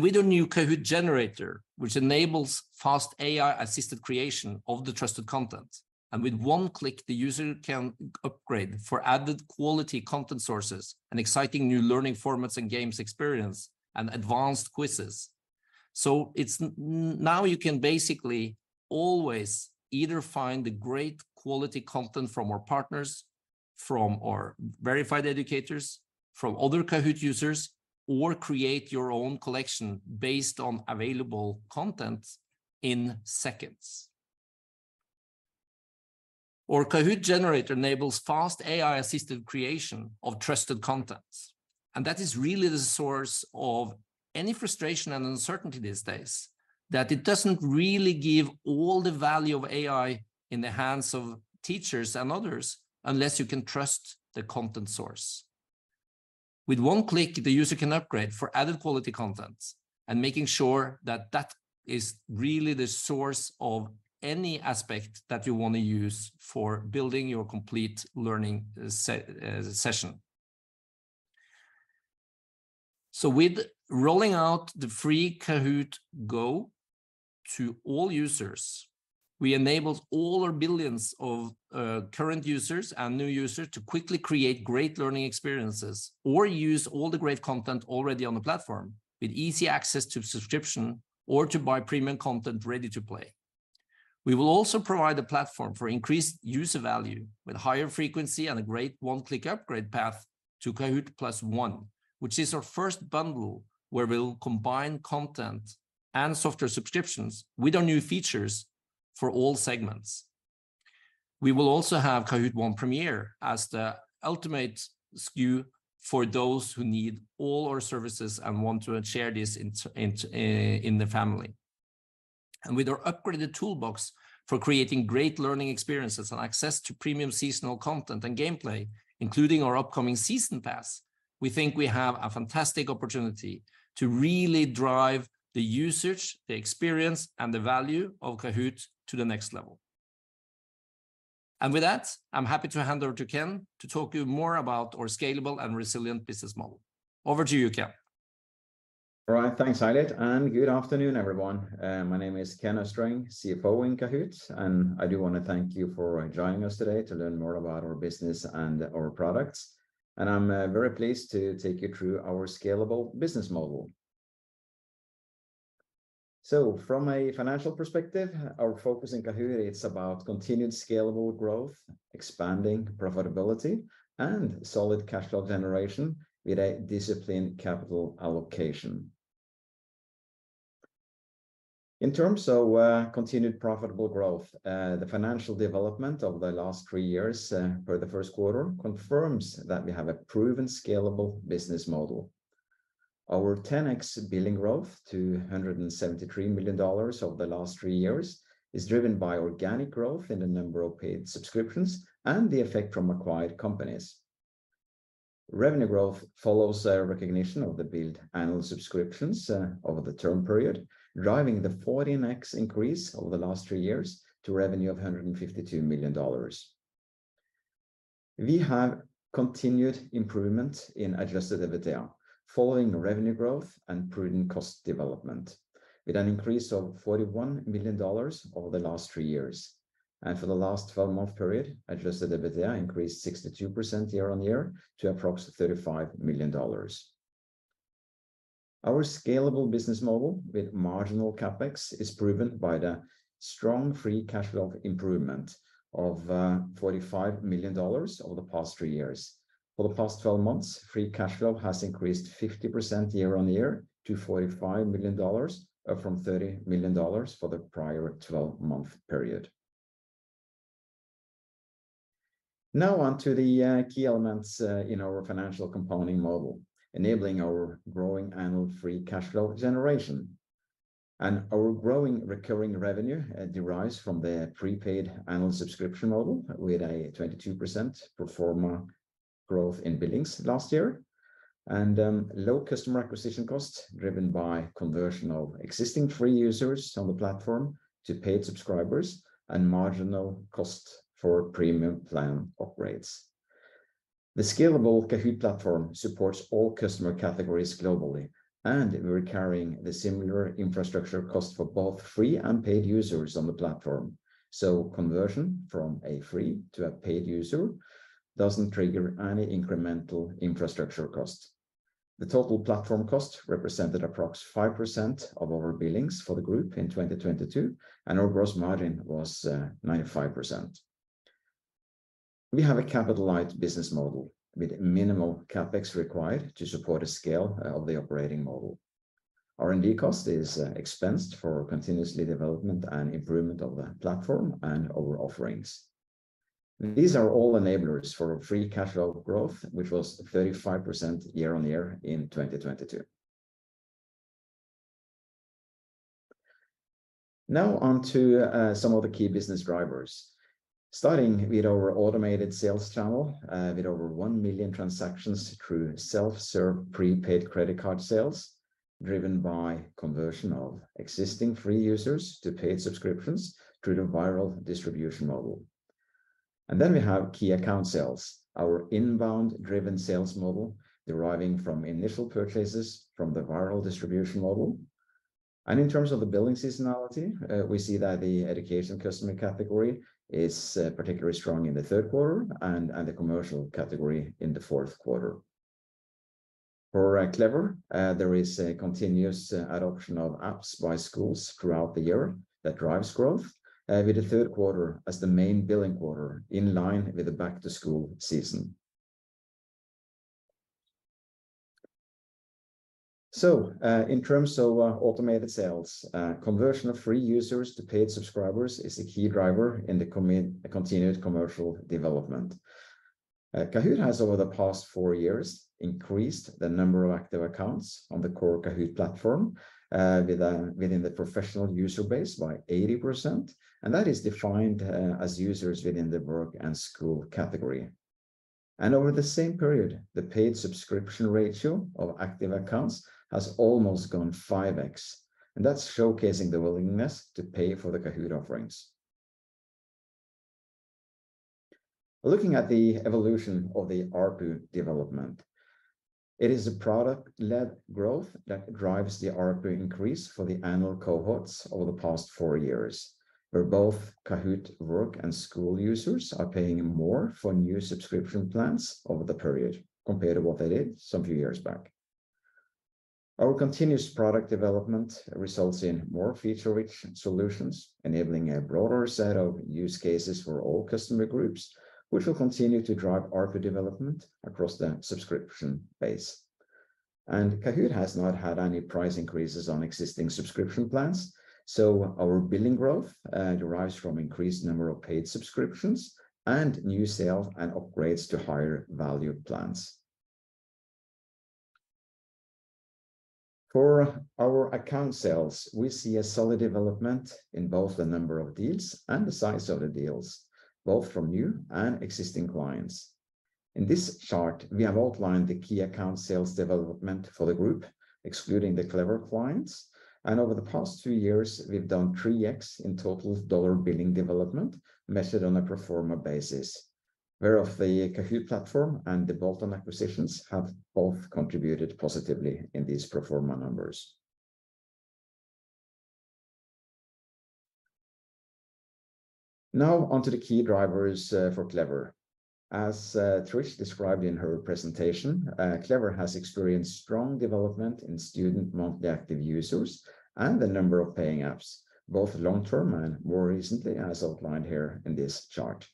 [SPEAKER 2] With our new Kahoot! Generator, which enables fast AI-assisted creation of the trusted content, and with one click, the user can upgrade for added quality content sources and exciting new learning formats and games experience, and advanced quizzes. It's now you can basically always either find the great quality content from our partners, from our verified educators, from other Kahoot! users, or create your own collection based on available content in seconds. Our Kahoot!. Generator enables fast AI-assisted creation of trusted content, that is really the source of any frustration and uncertainty these days, that it doesn't really give all the value of AI in the hands of teachers and others, unless you can trust the content source. With one click, the user can upgrade for added quality content and making sure that that is really the source of any aspect that you wanna use for building your complete learning session. With rolling out the free Kahoot! GO to all users, we enabled all our billions of current users and new users to quickly create great learning experiences or use all the great content already on the platform, with easy access to subscription or to buy premium content ready to play. We will also provide a platform for increased user value, with higher frequency and a great one-click upgrade path to Kahoot!+ One, which is our first bundle, where we'll combine content and software subscriptions with our new features for all segments. We will also have Kahoot!+ One Premier as the ultimate SKU for those who need all our services and want to share this in their family. With our upgraded toolbox for creating great learning experiences and access to premium seasonal content and gameplay, including our upcoming Season Pass, we think we have a fantastic opportunity to really drive the usage, the experience, and the value of Kahoot! to the next level. With that, I'm happy to hand over to Ken to talk to you more about our scalable and resilient business model. Over to you, Ken.
[SPEAKER 4] All right, thanks, Eilert, and good afternoon, everyone. My name is Ken Østreng, CFO in Kahoot!, and I do wanna thank you for joining us today to learn more about our business and our products. I'm very pleased to take you through our scalable business model. From a financial perspective, our focus in Kahoot! is about continued scalable growth, expanding profitability, and solid cash flow generation, with a disciplined capital allocation. In terms of continued profitable growth, the financial development over the last three years, per the first quarter, confirms that we have a proven scalable business model. Our 10x billing growth to $173 million over the last three years is driven by organic growth in the number of paid subscriptions and the effect from acquired companies. Revenue growth follows a recognition of the billed annual subscriptions over the term period, driving the 14x increase over the last three years to revenue of $152 million. We have continued improvement in adjusted EBITDA following revenue growth and prudent cost development, with an increase of $41 million over the last three years. For the last 12-month period, adjusted EBITDA increased 62% year-over-year to approx $35 million. Our scalable business model, with marginal CapEx, is proven by the strong free cash flow improvement of $45 million over the past three years. For the past 12 months, free cash flow has increased 50% year-over-year to $45 million from $30 million for the prior 12-month period. Now on to the key elements in our financial component model, enabling our growing annual free cash flow generation. Our growing recurring revenue derives from the prepaid annual subscription model, with a 22% pro forma growth in billings last year, low customer acquisition costs, driven by conversion of existing free users on the platform to paid subscribers and marginal cost for premium plan upgrades. The scalable Kahoot! platform supports all customer categories globally, and we're carrying the similar infrastructure cost for both free and paid users on the platform, so conversion from a free to a paid user doesn't trigger any incremental infrastructure costs. The total platform cost represented approx 5% of our billings for the group in 2022, and our gross margin was 95%. We have a capital-light business model, with minimal CapEx required to support the scale of the operating model. R&D cost is expensed for continuous development and improvement of the platform and our offerings. These are all enablers for free cash flow growth, which was 35% year-on-year in 2022. On to some of the key business drivers. Starting with our automated sales channel, with over 1 million transactions through self-serve prepaid credit card sales driven by conversion of existing free users to paid subscriptions through the viral distribution model. We have key account sales, our inbound-driven sales model, deriving from initial purchases from the viral distribution model. In terms of the billing seasonality, we see that the education customer category is particularly strong in the third quarter and the commercial category in the fourth quarter. Clever, there is a continuous adoption of apps by schools throughout the year that drives growth with the third quarter as the main billing quarter, in line with the back-to-school season. In terms of automated sales, conversion of free users to paid subscribers is a key driver in the continued commercial development. Kahoot! has, over the past four years, increased the number of active accounts on the core Kahoot! platform within the professional user base by 80%, and that is defined as users within the work and school category. Over the same period, the paid subscription ratio of active accounts has almost gone 5x, and that's showcasing the willingness to pay for the Kahoot! offerings. Looking at the evolution of the ARPU development, it is a product-led growth that drives the ARPU increase for the annual cohorts over the past four years, where both Kahoot! work and school users are paying more for new subscription plans over the period compared to what they did some few years back. Our continuous product development results in more feature-rich solutions, enabling a broader set of use cases for all customer groups, which will continue to drive ARPU development across the subscription base. Kahoot! has not had any price increases on existing subscription plans, so our billing growth derives from increased number of paid subscriptions and new sales and upgrades to higher value plans. For our account sales, we see a solid development in both the number of deals and the size of the deals, both from new and existing clients. In this chart, we have outlined the key account sales development for the group, excluding the Clever clients. Over the past two years, we've done 3x in total dollar billing development, measured on a pro forma basis, whereof the Kahoot! platform and the bolt-on acquisitions have both contributed positively in these pro forma numbers. On to the key drivers for Clever. As Trish described in her presentation, Clever has experienced strong development in student monthly active users and the number of paying apps, both long-term and more recently, as outlined here in this chart.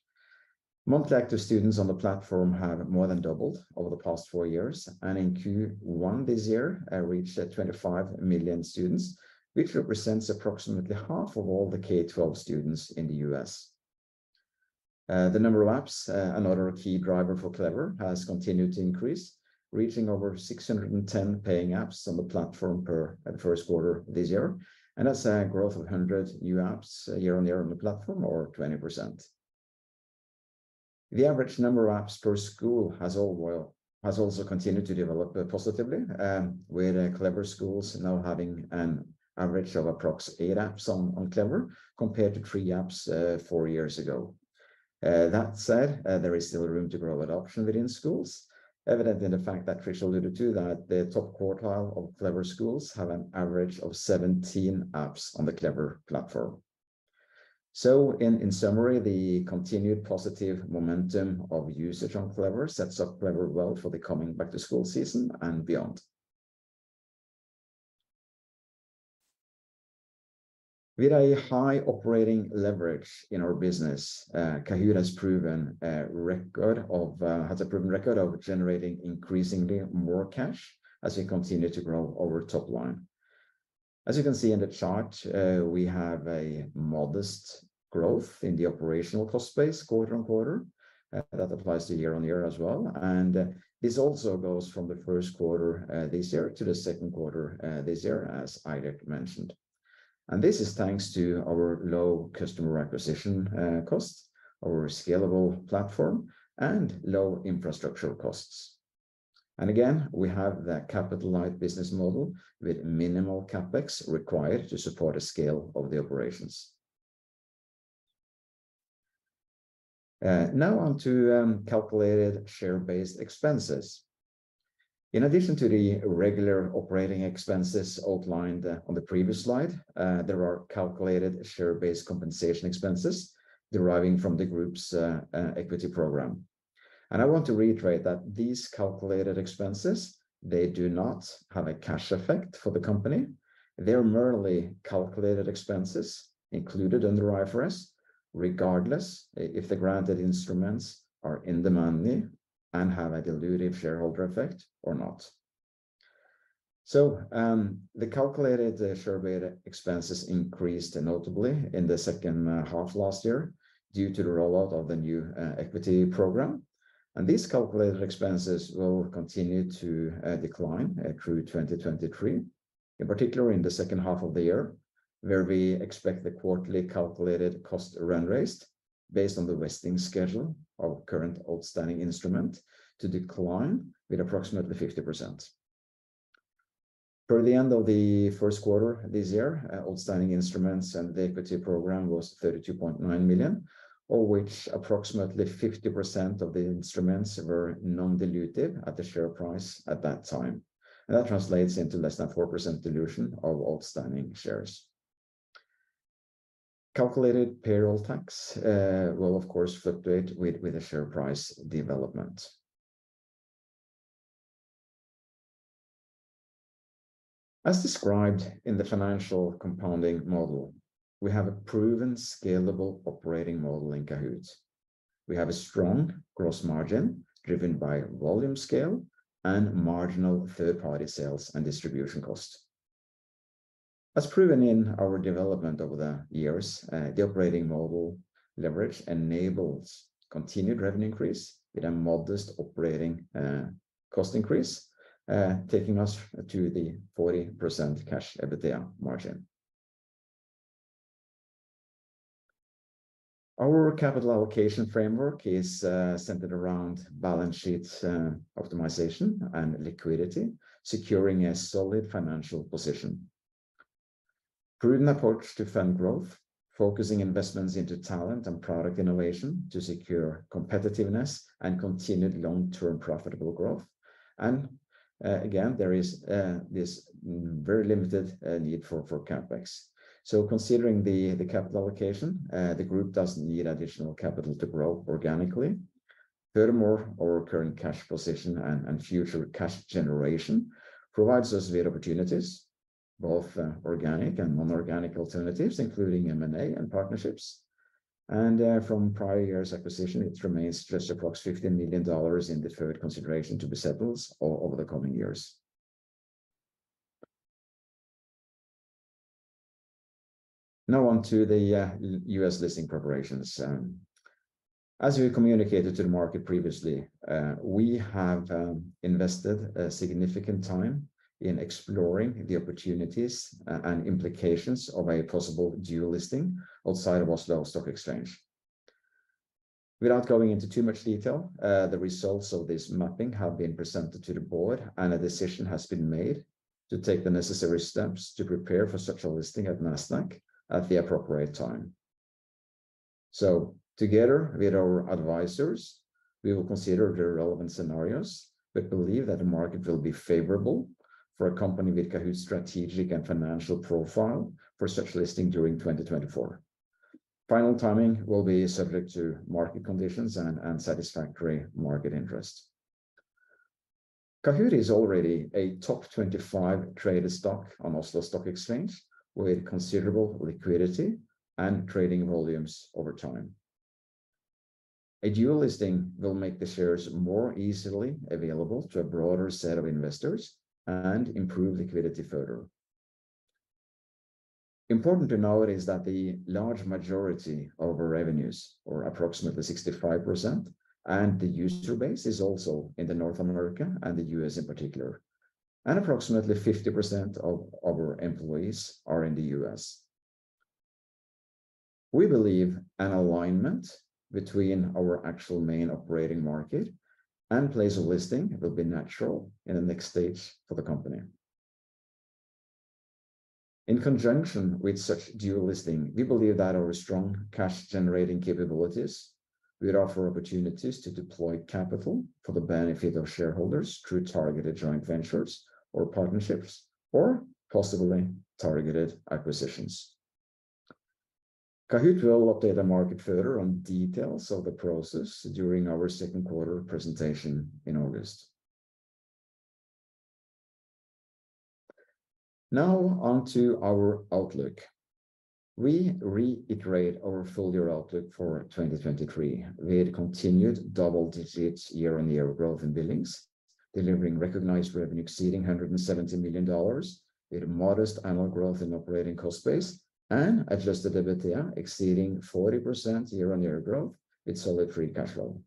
[SPEAKER 4] Monthly active students on the platform have more than doubled over the past four years, and in Q1 this year, reached 25 million students, which represents approximately half of all the K-12 students in the U.S. The number of apps, another key driver for Clever, has continued to increase, reaching over 610 paying apps on the platform per 1st quarter this year, that's a growth of 100 new apps year-over-year on the platform or 20%. The average number of apps per school has also continued to develop positively, with Clever schools now having an average of approx eight apps on Clever, compared to three apps four years ago. That said, there is still room to grow adoption within schools, evident in the fact that Trish alluded to, that the top quartile of Clever schools have an average of 17 apps on the Clever platform. In summary, the continued positive momentum of usage on Clever sets up Clever well for the coming back-to-school season and beyond. With a high operating leverage in our business, Kahoot! has a proven record of generating increasingly more cash as we continue to grow our top line. As you can see in the chart, we have a modest growth in the operational cost base quarter-over-quarter. That applies to year-over-year as well. This also goes from the first quarter this year to the second quarter this year, as Eilert mentioned. This is thanks to our low customer acquisition costs, our scalable platform, and low infrastructural costs. Again, we have the capital light business model with minimal CapEx required to support the scale of the operations. Now on to calculated share-based expenses. In addition to the regular operating expenses outlined on the previous slide, there are calculated share-based compensation expenses deriving from the group's equity program. I want to reiterate that these calculated expenses, they do not have a cash effect for the company. They are merely calculated expenses included in the IFRS, regardless if the granted instruments are in the money and have a dilutive shareholder effect or not. The calculated share-based expenses increased notably in the second half last year due to the rollout of the new equity program. These calculated expenses will continue to decline through 2023, in particular in the second half of the year. Where we expect the quarterly calculated cost run rate, based on the vesting schedule of current outstanding instrument, to decline with approximately 50%. For the end of the first quarter this year, outstanding instruments and the equity program was $32.9 million, of which approximately 50% of the instruments were non-dilutive at the share price at that time. That translates into less than 4% dilution of outstanding shares. Calculated payroll tax will of course fluctuate with the share price development. As described in the financial compounding model, we have a proven, scalable operating model in Kahoot!. We have a strong gross margin driven by volume scale and marginal third-party sales and distribution costs. As proven in our development over the years, the operating model leverage enables continued revenue increase with a modest operating cost increase, taking us to the 40% cash EBITDA margin. Our capital allocation framework is centered around balance sheets optimization and liquidity, securing a solid financial position. Prudent approach to fund growth, focusing investments into talent and product innovation to secure competitiveness and continued long-term profitable growth. Again, there is this very limited need for CapEx. Considering the capital allocation, the group doesn't need additional capital to grow organically. Furthermore, our current cash position and future cash generation provides us with opportunities, both organic and non-organic alternatives, including M&A and partnerships. From prior years' acquisition, it remains just approx $50 million in deferred consideration to be settled over the coming years. Now on to the US listing preparations. As we communicated to the market previously, we have invested a significant time in exploring the opportunities and implications of a possible dual listing outside of Oslo Stock Exchange. Without going into too much detail, the results of this mapping have been presented to the board, a decision has been made to take the necessary steps to prepare for such a listing at Nasdaq at the appropriate time. Together with our advisors, we will consider the relevant scenarios. We believe that the market will be favorable for a company with Kahoot!'s strategic and financial profile for such listing during 2024. Final timing will be subject to market conditions and satisfactory market interest. Kahoot! is already a top 25 traded stock on Oslo Stock Exchange, with considerable liquidity and trading volumes over time. A dual listing will make the shares more easily available to a broader set of investors and improve liquidity further. Important to note is that the large majority of our revenues, or approximately 65%, and the user base, is also in North America and the U.S. in particular, and approximately 50% of our employees are in the U.S. We believe an alignment between our actual main operating market and place of listing will be natural in the next stage for the company. In conjunction with such dual listing, we believe that our strong cash-generating capabilities will offer opportunities to deploy capital for the benefit of shareholders through targeted joint ventures or partnerships, or possibly targeted acquisitions. Kahoot! will update the market further on details of the process during our second quarter presentation in August. On to our outlook. We reiterate our full-year outlook for 2023, with continued double-digit year-on-year growth in billings, delivering recognized revenue exceeding $170 million, with a modest annual growth in operating cost base and adjusted EBITDA exceeding 40% year-on-year growth, with solid free cash flow.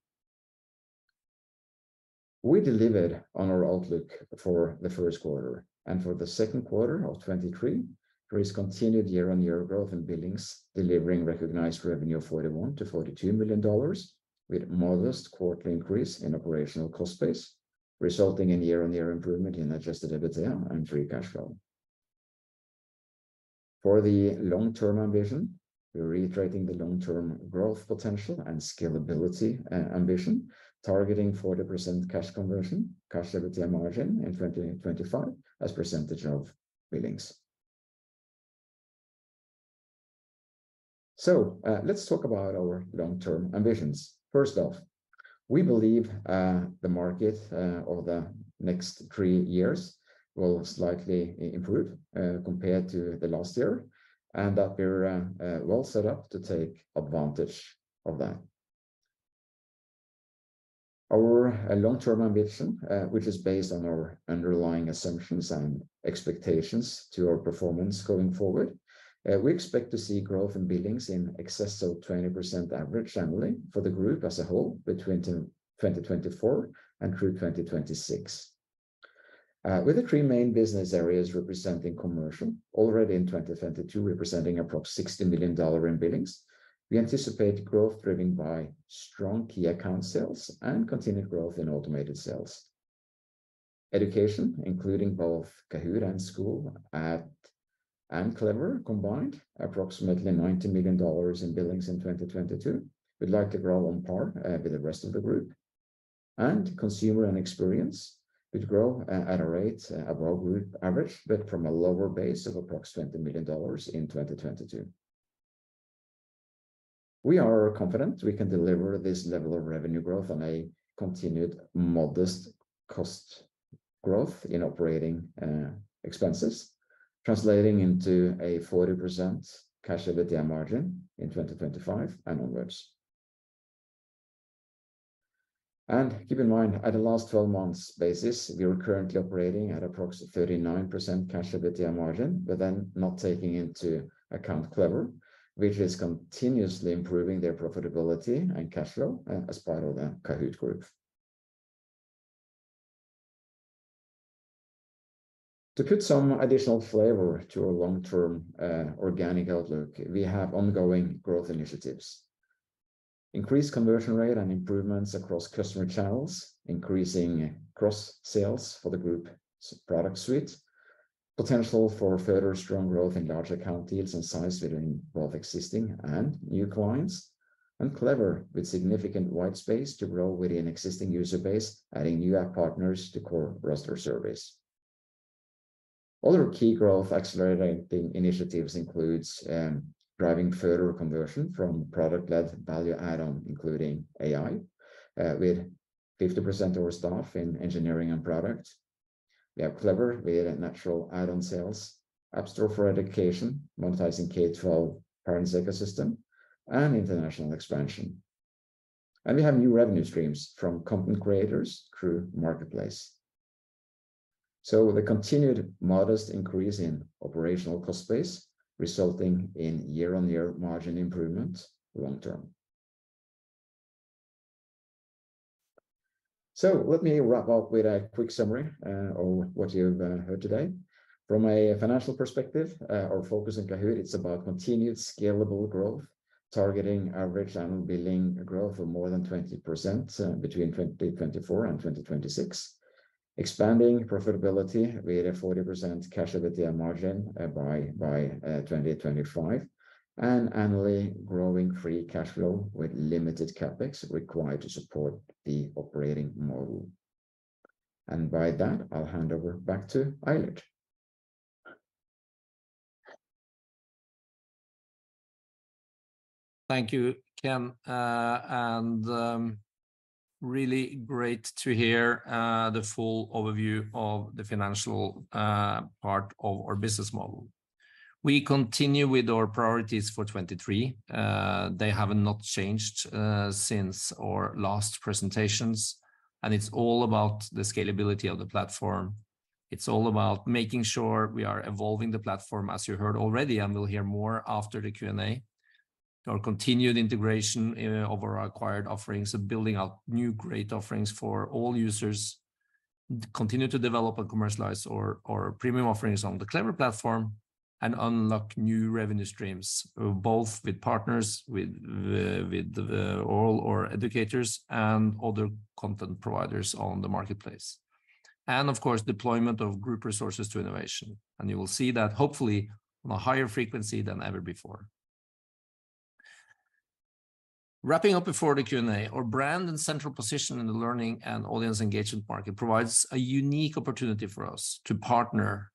[SPEAKER 4] We delivered on our outlook for the first quarter. For the second quarter of 2023, there is continued year-on-year growth in billings, delivering recognized revenue of $41 million-$42 million, with modest quarterly increase in operational cost base, resulting in year-on-year improvement in adjusted EBITDA and free cash flow. For the long-term ambition, we're reiterating the long-term growth potential and scalability ambition, targeting 40% cash conversion, cash EBITDA margin in 2025 as percentage of billings. Let's talk about our long-term ambitions. First off, we believe the market over the next three years will slightly improve compared to the last year, and that we're well set up to take advantage of that. Our long-term ambition, which is based on our underlying assumptions and expectations to our performance going forward, we expect to see growth in billings in excess of 20% average annually for the group as a whole between 2024 and through 2026. With the three main business areas representing commercial, already in 2022, representing approx $60 million in billings, we anticipate growth driven by strong key account sales and continued growth in automated sales. Education, including both Kahoot! and School and Clever combined, approximately $90 million in billings in 2022. We'd like to grow on par with the rest of the group. Consumer and experience, which grow at a rate above group average, but from a lower base of approx $20 million in 2022. We are confident we can deliver this level of revenue growth on a continued modest cost growth in operating expenses, translating into a 40% cash EBITDA margin in 2025 and onwards. Keep in mind, at the last 12 months basis, we are currently operating at approx 39% cash EBITDA margin, but then not taking into account Clever, which is continuously improving their profitability and cash flow as part of the Kahoot! Group. To put some additional flavor to our long-term organic outlook, we have ongoing growth initiatives. Increased conversion rate and improvements across customer channels, increasing cross-sales for the group's product suite. Potential for further strong growth in large account deals and size within both existing and new clients. Clever, with significant white space to grow within existing user base, adding new app partners to core rest or service. Other key growth accelerating initiatives includes driving further conversion from product-led value add-on, including AI, with 50% of our staff in engineering and product. We have Clever with a natural add-on sales app store for education, monetizing K-12 parents' ecosystem, and international expansion. We have new revenue streams from content creators through marketplace. The continued modest increase in operational cost base, resulting in year-on-year margin improvement long term. Let me wrap up with a quick summary of what you've heard today. From a financial perspective, our focus in Kahoot!, it's about continued scalable growth, targeting average annual billing growth of more than 20% between 2024 and 2026. Expanding profitability with a 40% cash EBITDA margin by 2025, and annually growing free cash flow with limited CapEx required to support the operating model. By that, I'll hand over back to Eilert.
[SPEAKER 2] Thank you, Ken. Really great to hear the full overview of the financial part of our business model. We continue with our priorities for 23. They have not changed since our last presentations, it's all about the scalability of the platform. It's all about making sure we are evolving the platform, as you heard already, and we'll hear more after the Q&A. Our continued integration in of our acquired offerings and building out new great offerings for all users. Continue to develop and commercialize our premium offerings on the Clever platform, unlock new revenue streams, both with partners, with all our educators and other content providers on the Marketplace. Of course, deployment of group resources to innovation, and you will see that hopefully on a higher frequency than ever before. Wrapping up before the Q&A, our brand and central position in the learning and audience engagement market provides a unique opportunity for us to partner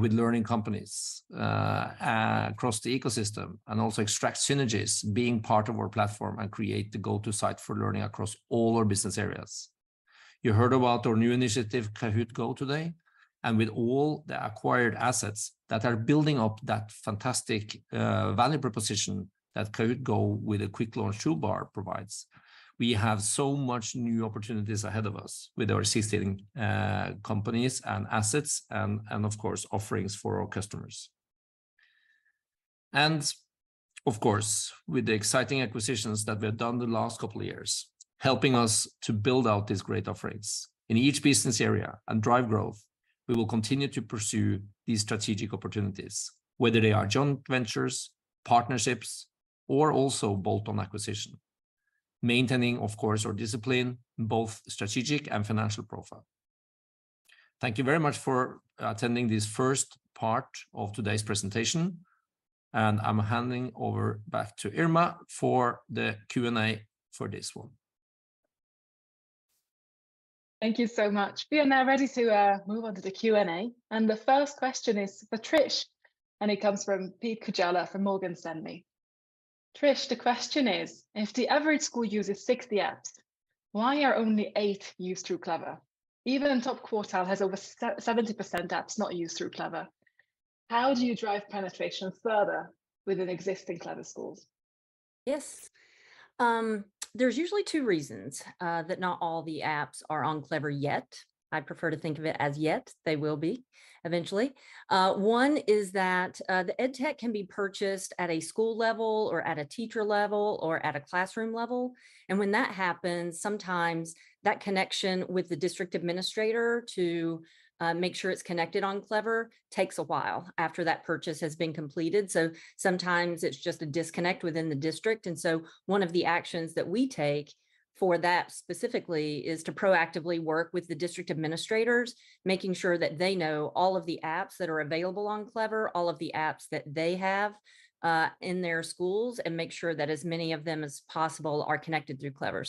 [SPEAKER 2] with learning companies across the ecosystem, and also extract synergies, being part of our platform and create the go-to site for learning across all our business areas. You heard about our new initiative, Kahoot! GO, today, and with all the acquired assets that are building up that fantastic value proposition that Kahoot! GO with a quick launch toolbar provides, we have so much new opportunities ahead of us with our existing companies and assets and of course, offerings for our customers. Of course, with the exciting acquisitions that we have done the last couple of years, helping us to build out these great offerings. In each business area and drive growth, we will continue to pursue these strategic opportunities, whether they are joint ventures, partnerships, or also bolt-on acquisition, maintaining, of course, our discipline, both strategic and financial profile. Thank you very much for attending this first part of today's presentation, and I'm handing over back to Irma for the Q&A for this one.
[SPEAKER 1] Thank you so much. We are now ready to move on to the Q&A. The first question is for Trish. It comes from Pete-Veikko Kujala from Morgan Stanley. Trish, the question is: If the average school uses 60 apps, why are only eight used through Clever? Even top quartile has over 70% apps not used through Clever. How do you drive penetration further within existing Clever schools?
[SPEAKER 3] Yes. There's usually two reasons that not all the apps are on Clever yet. I prefer to think of it as yet. They will be eventually. One is that the edtech can be purchased at a school level, or at a teacher level, or at a classroom level, and when that happens, sometimes that connection with the district administrator to make sure it's connected on Clever takes a while after that purchase has been completed. Sometimes it's just a disconnect within the district. One of the actions that we take for that specifically is to proactively work with the district administrators, making sure that they know all of the apps that are available on Clever, all of the apps that they have in their schools, and make sure that as many of them as possible are connected through Clever.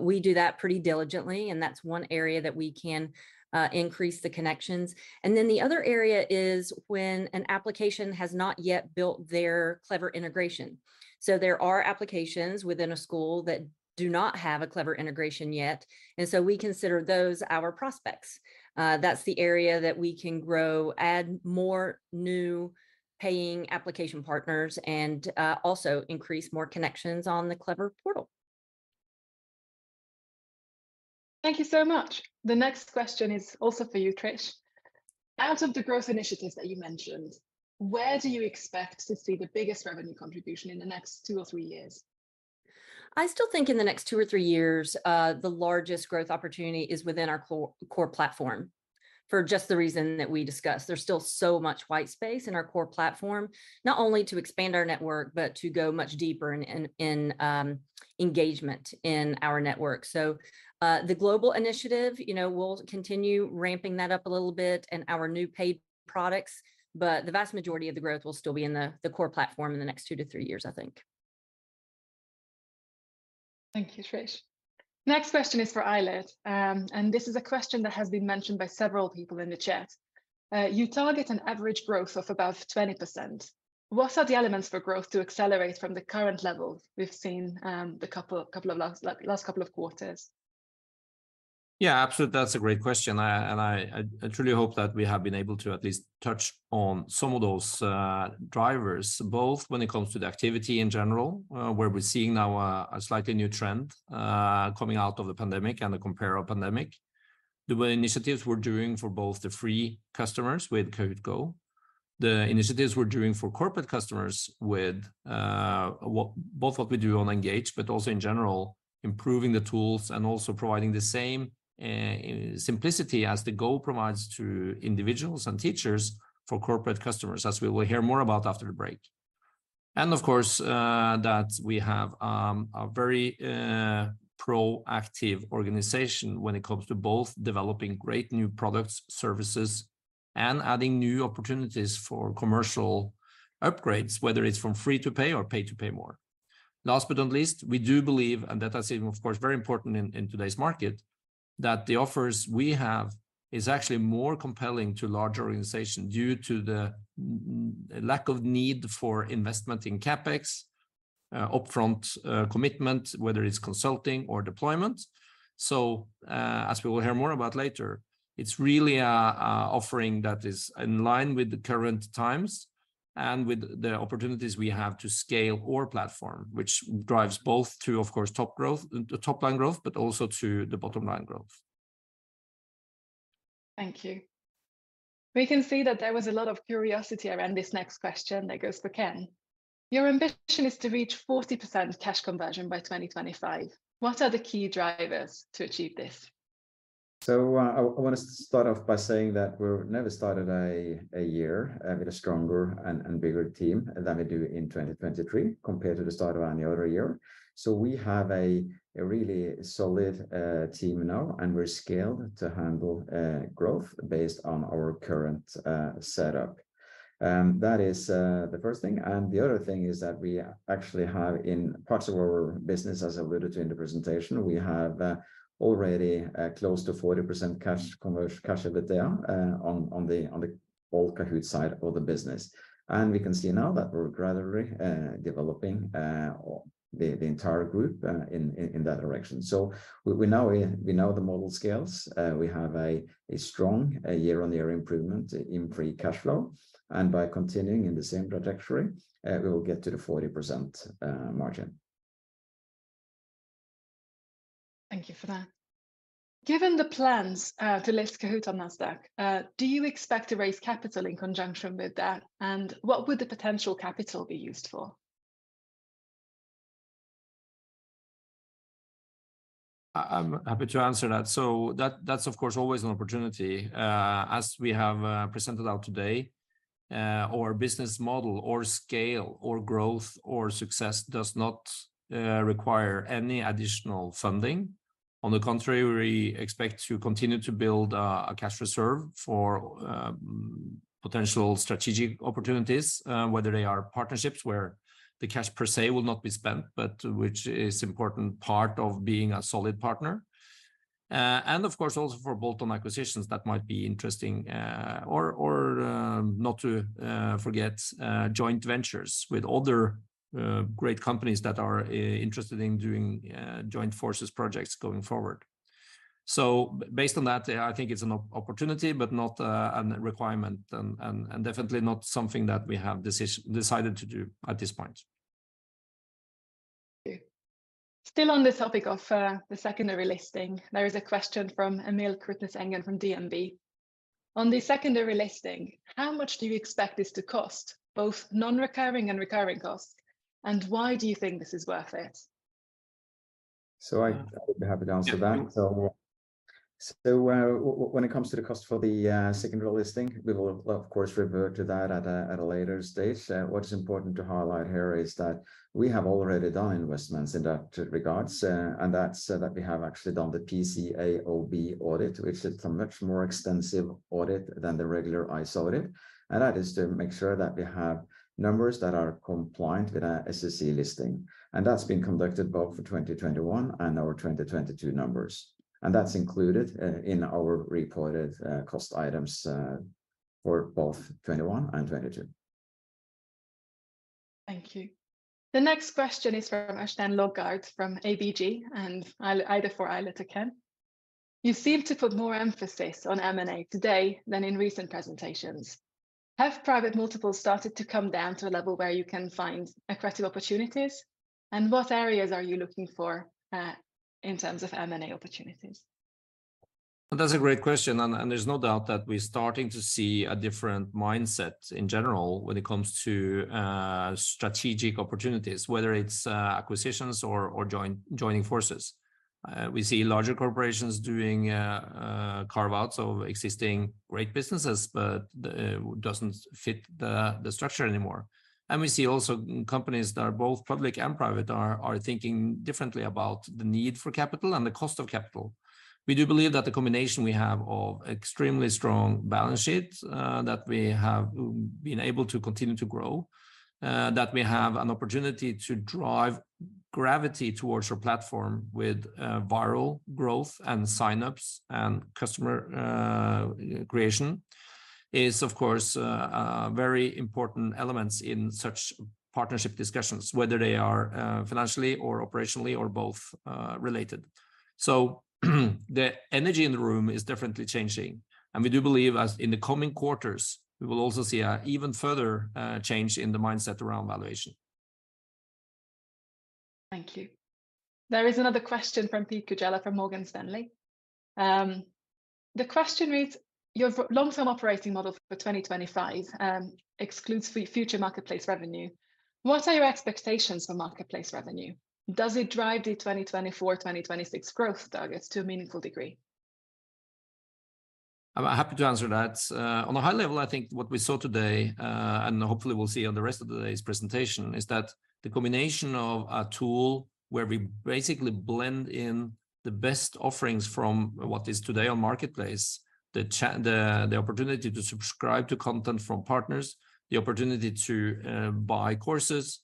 [SPEAKER 3] We do that pretty diligently, and that's one area that we can increase the connections. The other area is when an application has not yet built their Clever integration. There are applications within a school that do not have a Clever integration yet, we consider those our prospects. That's the area that we can grow, add more new paying application partners, and also increase more connections on the Clever portal.
[SPEAKER 1] Thank you so much. The next question is also for you, Trish. Out of the growth initiatives that you mentioned, where do you expect to see the biggest revenue contribution in the next two or three years?
[SPEAKER 3] I still think in the next two or three years, the largest growth opportunity is within our core platform, for just the reason that we discussed. There's still so much white space in our core platform, not only to expand our network, but to go much deeper in engagement in our network. The global initiative, you know, we'll continue ramping that up a little bit and our new paid products, but the vast majority of the growth will still be in the core platform in the next two to three years, I think.
[SPEAKER 1] Thank you, Trish. Next question is for Eilert. This is a question that has been mentioned by several people in the chat. You target an average growth of about 20%. What are the elements for growth to accelerate from the current level we've seen the couple of last couple of quarters?
[SPEAKER 2] Yeah, absolutely, that's a great question. I truly hope that we have been able to at least touch on some of those drivers, both when it comes to the activity in general, where we're seeing now a slightly new trend coming out of the pandemic and the compare pandemic. The initiatives we're doing for both the free customers with Kahoot! GO, the initiatives we're doing for corporate customers with both what we do on Engage, but also in general, improving the tools and also providing the same simplicity as the GO provides to individuals and teachers for corporate customers, as we will hear more about after the break. Of course, that we have a very proactive organization when it comes to both developing great new products, services, and adding new opportunities for commercial upgrades, whether it's from free to pay or pay to pay more. Last but not least, we do believe, and that is, of course, very important in today's market, that the offers we have is actually more compelling to large organizations due to the lack of need for investment in CapEx, upfront commitment, whether it's consulting or deployment. As we will hear more about later, it's really a offering that is in line with the current times and with the opportunities we have to scale our platform, which drives both through, of course, top-line growth, but also through the bottom-line growth.
[SPEAKER 1] Thank you. We can see that there was a lot of curiosity around this next question that goes for Ken. Your ambition is to reach 40% cash conversion by 2025. What are the key drivers to achieve this?
[SPEAKER 4] I wanna start off by saying that we've never started a year with a stronger and bigger team than we do in 2023, compared to the start of any other year. We have a really solid team now, and we're scaled to handle growth based on our current setup. That is the first thing, and the other thing is that we actually have, in parts of our business, as alluded to in the presentation, we have already close to 40% cash conversion- cash EBITDA on the old Kahoot! side of the business. We can see now that we're gradually developing the entire group in that direction. We know the model scales. We have a strong year-on-year improvement in free cash flow, and by continuing in the same trajectory, we will get to the 40% margin.
[SPEAKER 1] Thank you for that. Given the plans, to list Kahoot! on Nasdaq, do you expect to raise capital in conjunction with that? What would the potential capital be used for?
[SPEAKER 2] I'm happy to answer that. That's of course, always an opportunity. As we have presented out today, our business model, or scale, or growth, or success does not require any additional funding. On the contrary, we expect to continue to build a cash reserve for potential strategic opportunities, whether they are partnerships where the cash per se will not be spent, but which is important part of being a solid partner. Of course, also for bolt-on acquisitions that might be interesting, or not to forget, joint ventures with other great companies that are interested in doing joint forces projects going forward. Based on that, yeah, I think it's an opportunity, but not a requirement, and definitely not something that we have decided to do at this point.
[SPEAKER 1] Thank you. Still on this topic of the secondary listing, there is a question from Emil Kruttsengen from DNB: "On the secondary listing, how much do you expect this to cost, both non-recurring and recurring costs? Why do you think this is worth it?
[SPEAKER 4] I'd be happy to answer that. When it comes to the cost for the secondary listing, we will, of course, revert to that at a later stage. What's important to highlight here is that we have already done investments in that regards, and that's that we have actually done the PCAOB audit, which is a much more extensive audit than the regular ISA audit, and that is to make sure that we have numbers that are compliant with our SEC listing. That's been conducted both for 2021 and our 2022 numbers, and that's included in our reported cost items for both 2021 and 2022.
[SPEAKER 1] Thank you. The next question is from Ashden Logart from ABG, and either for Eilert or Ken: "You seem to put more emphasis on M&A today than in recent presentations. Have private multiples started to come down to a level where you can find accretive opportunities, and what areas are you looking for in terms of M&A opportunities?
[SPEAKER 2] That's a great question, and there's no doubt that we're starting to see a different mindset in general when it comes to strategic opportunities, whether it's acquisitions or joining forces. We see larger corporations doing carve-outs of existing great businesses, but the doesn't fit the structure anymore. We see also companies that are both public and private are thinking differently about the need for capital and the cost of capital. We do believe that the combination we have of extremely strong balance sheet, that we have been able to continue to grow, that we have an opportunity to drive gravity towards our platform with, viral growth, and sign-ups, and customer, creation, is, of course, a very important elements in such partnership discussions, whether they are, financially or operationally or both, related. The energy in the room is definitely changing. We do believe, as in the coming quarters, we will also see a even further, change in the mindset around valuation.
[SPEAKER 1] Thank you. There is another question from Pete-Veikko Kujala from Morgan Stanley. The question reads: "Your long-term operating model for 2025, excludes future marketplace revenue. What are your expectations for marketplace revenue? Does it drive the 2024-2026 growth targets to a meaningful degree?
[SPEAKER 2] I'm happy to answer that. On a high level, I think what we saw today, and hopefully we'll see on the rest of today's presentation, is that the combination of a tool where we basically blend in the best offerings from what is today on Marketplace, the opportunity to subscribe to content from partners, the opportunity to buy courses,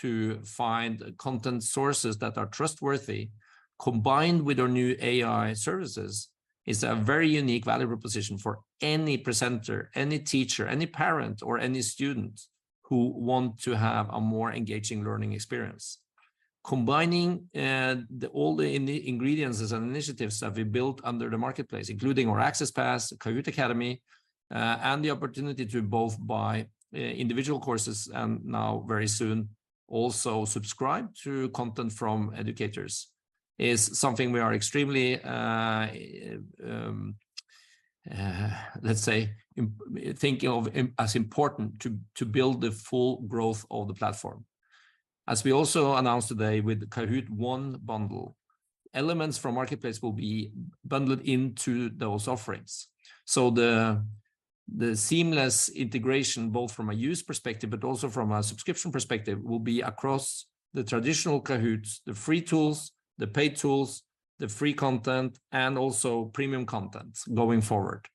[SPEAKER 2] to find content sources that are trustworthy, combined with our new AI services, is a very unique, valuable position for any presenter, any teacher, any parent, or any student who want to have a more engaging learning experience. Combining the all the ingredients and initiatives that we built under the marketplace, including our AccessPass, Kahoot! Academy, and the opportunity to both buy individual courses and now very soon, also subscribe to content from educators, is something we are extremely, let's say, think of, as important to build the full growth of the platform. As we also announced today with Kahoot!+ One bundle, elements from Marketplace will be bundled into those offerings. The seamless integration, both from a use perspective, but also from a subscription perspective, will be across the traditional kahoots, the free tools, the paid tools, the free content, and also premium content going forward.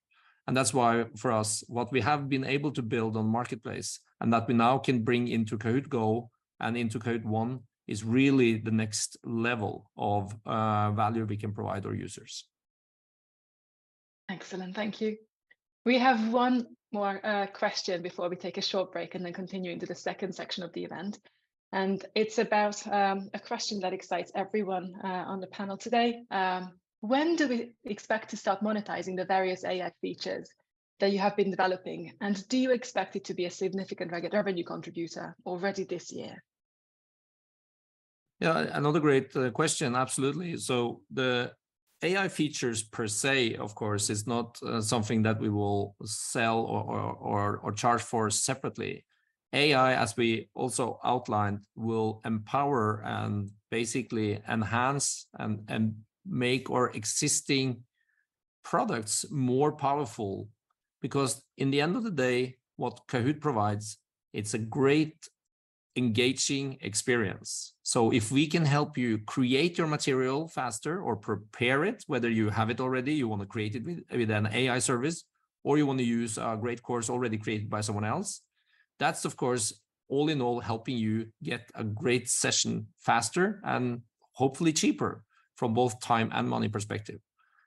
[SPEAKER 2] That's why, for us, what we have been able to build on Marketplace, and that we now can bring into Kahoot! GO and into Kahoot! One, is really the next level of value we can provide our users.
[SPEAKER 1] Excellent, thank you. We have one more question before we take a short break and then continue into the second section of the event. It's about a question that excites everyone on the panel today. When do we expect to start monetizing the various AI features that you have been developing? Do you expect it to be a significant revenue contributor already this year?
[SPEAKER 2] Yeah, another great question. Absolutely. The AI features, per se, of course, is not something that we will sell or charge for separately. AI, as we also outlined, will empower and basically enhance and make our existing products more powerful. Because in the end of the day, what Kahoot! provides, it's a great engaging experience. If we can help you create your material faster or prepare it, whether you have it already, you want to create it with an AI service, or you want to use a great course already created by someone else, that's, of course, all in all, helping you get a great session faster and hopefully cheaper from both time and money perspective.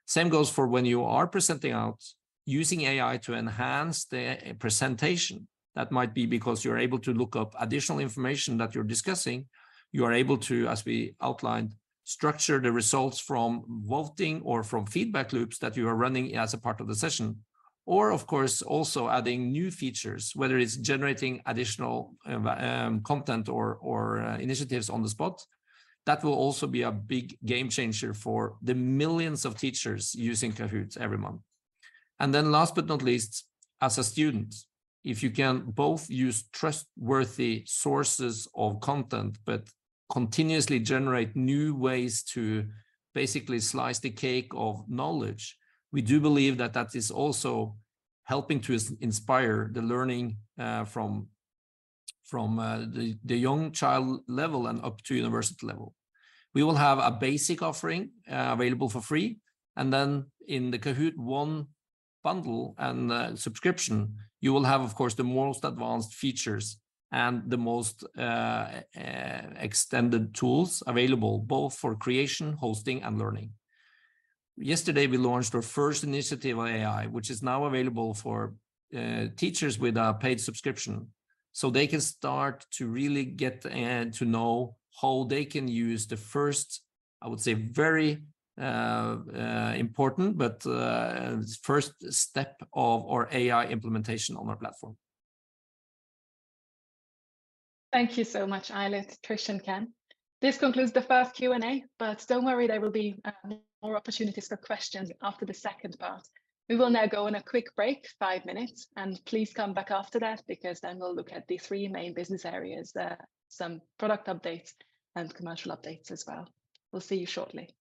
[SPEAKER 2] Same goes for when you are presenting out, using AI to enhance the presentation. That might be because you're able to look up additional information that you're discussing. You are able to, as we outlined, structure the results from voting or from feedback loops that you are running as a part of the session. Or of course, also adding new features, whether it's generating additional content or initiatives on the spot, that will also be a big game changer for the millions of teachers using Kahoot! every month. Last but not least, as a student, if you can both use trustworthy sources of content but continuously generate new ways to basically slice the cake of knowledge, we do believe that that is also helping to inspire the learning from the young child level and up to university level. We will have a basic offering available for free, and then in the Kahoot! One bundle and subscription, you will have, of course, the most advanced features and the most extended tools available, both for creation, hosting, and learning. Yesterday, we launched our first initiative on AI, which is now available for teachers with a paid subscription, so they can start to really get to know how they can use the first, I would say, very important, but first step of our AI implementation on our platform.
[SPEAKER 1] Thank you so much, Eilert, Trish, and Ken. This concludes the first Q&A, but don't worry, there will be more opportunities for questions after the second part. We will now go on a quick break, five minutes, and please come back after that because then we'll look at the three main business areas, some product updates, and commercial updates as well. We'll see you shortly.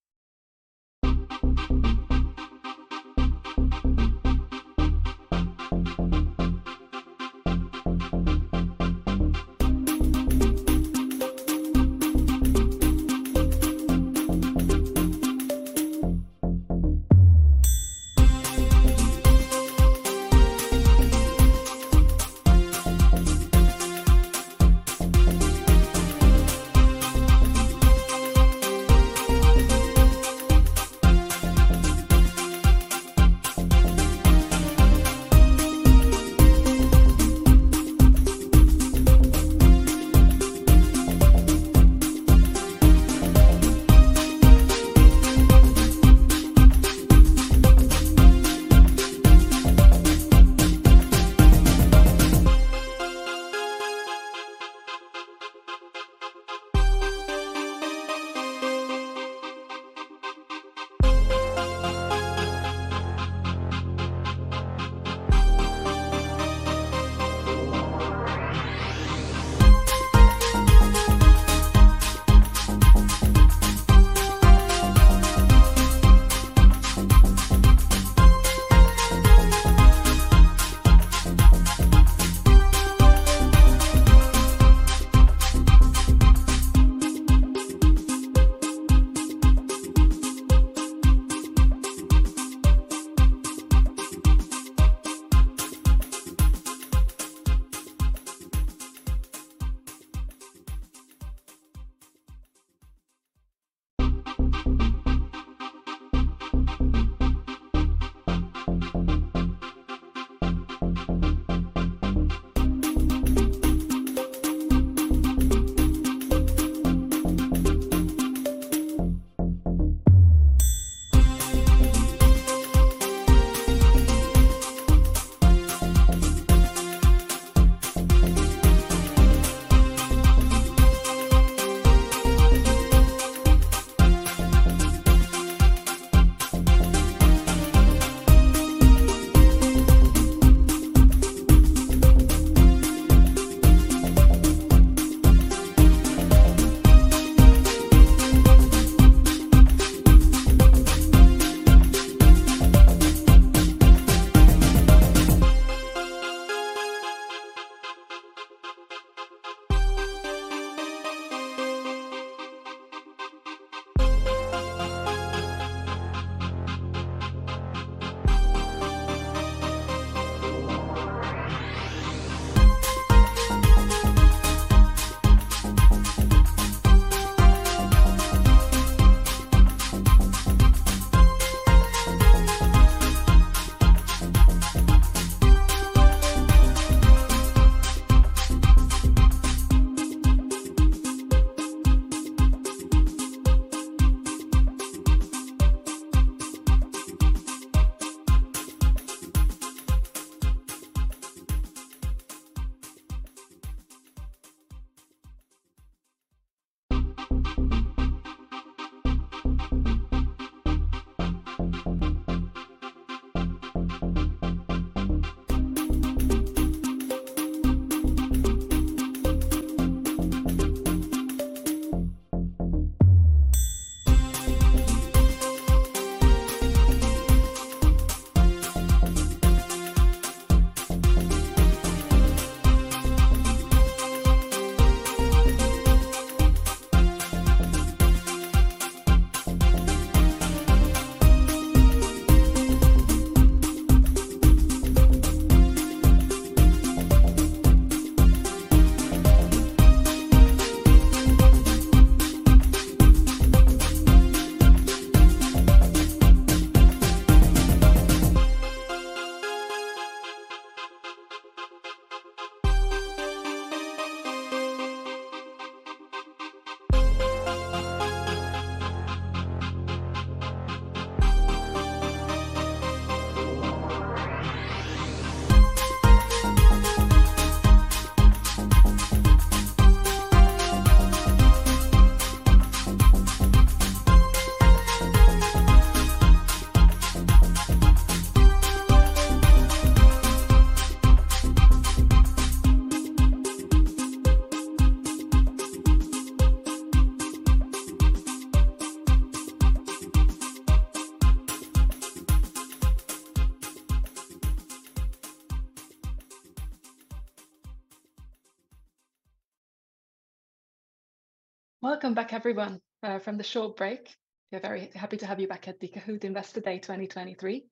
[SPEAKER 1] Welcome back, everyone, from the short break. We're very happy to have you back at the Kahoot! Investor Day 2023.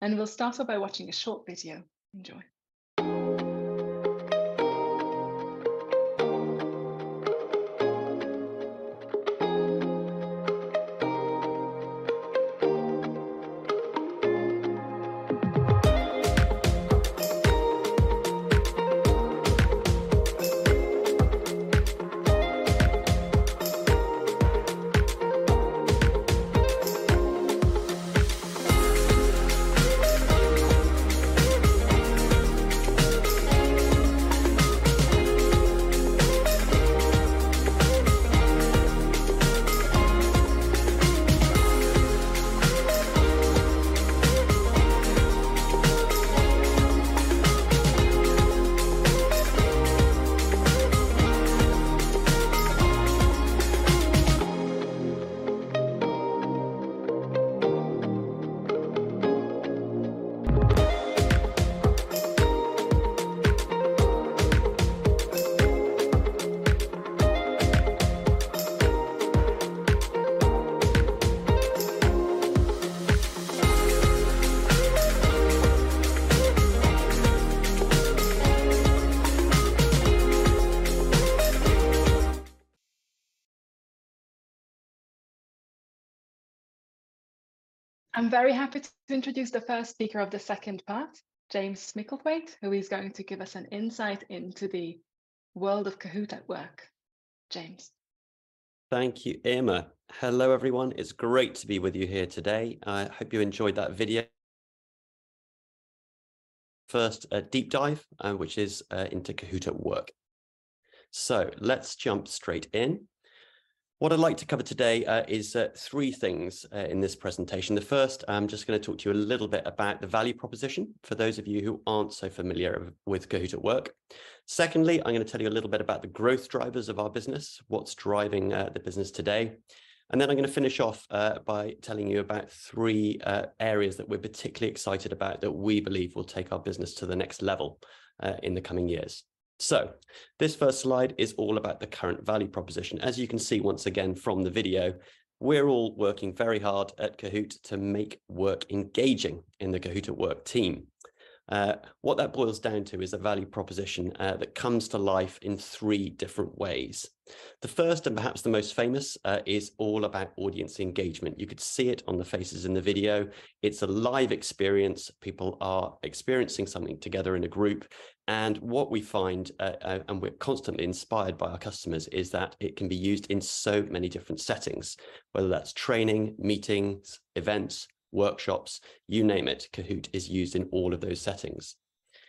[SPEAKER 1] We'll start off by watching a short video. Enjoy. I'm very happy to introduce the first speaker of the second part, James Micklethwait, who is going to give us an insight into the world of Kahoot! at Work. James?
[SPEAKER 5] Thank you, Irma. Hello, everyone. It's great to be with you here today. I hope you enjoyed that video. First, a deep dive, which is into Kahoot! at Work. Let's jump straight in. What I'd like to cover today is three things in this presentation. The first, I'm just gonna talk to you a little bit about the value proposition for those of you who aren't so familiar with Kahoot! at Work. Secondly, I'm gonna tell you a little bit about the growth drivers of our business, what's driving the business today. Then I'm gonna finish off by telling you about three areas that we're particularly excited about, that we believe will take our business to the next level in the coming years. This first slide is all about the current value proposition. As you can see, once again from the video, we're all working very hard at Kahoot! to make work engaging in the Kahoot! at Work team. What that boils down to is a value proposition that comes to life in three different ways. The first, and perhaps the most famous, is all about audience engagement. You could see it on the faces in the video. It's a live experience. People are experiencing something together in a group, and what we find, and we're constantly inspired by our customers, is that it can be used in so many different settings, whether that's training, meetings, events, workshops, you name it, Kahoot! is used in all of those settings.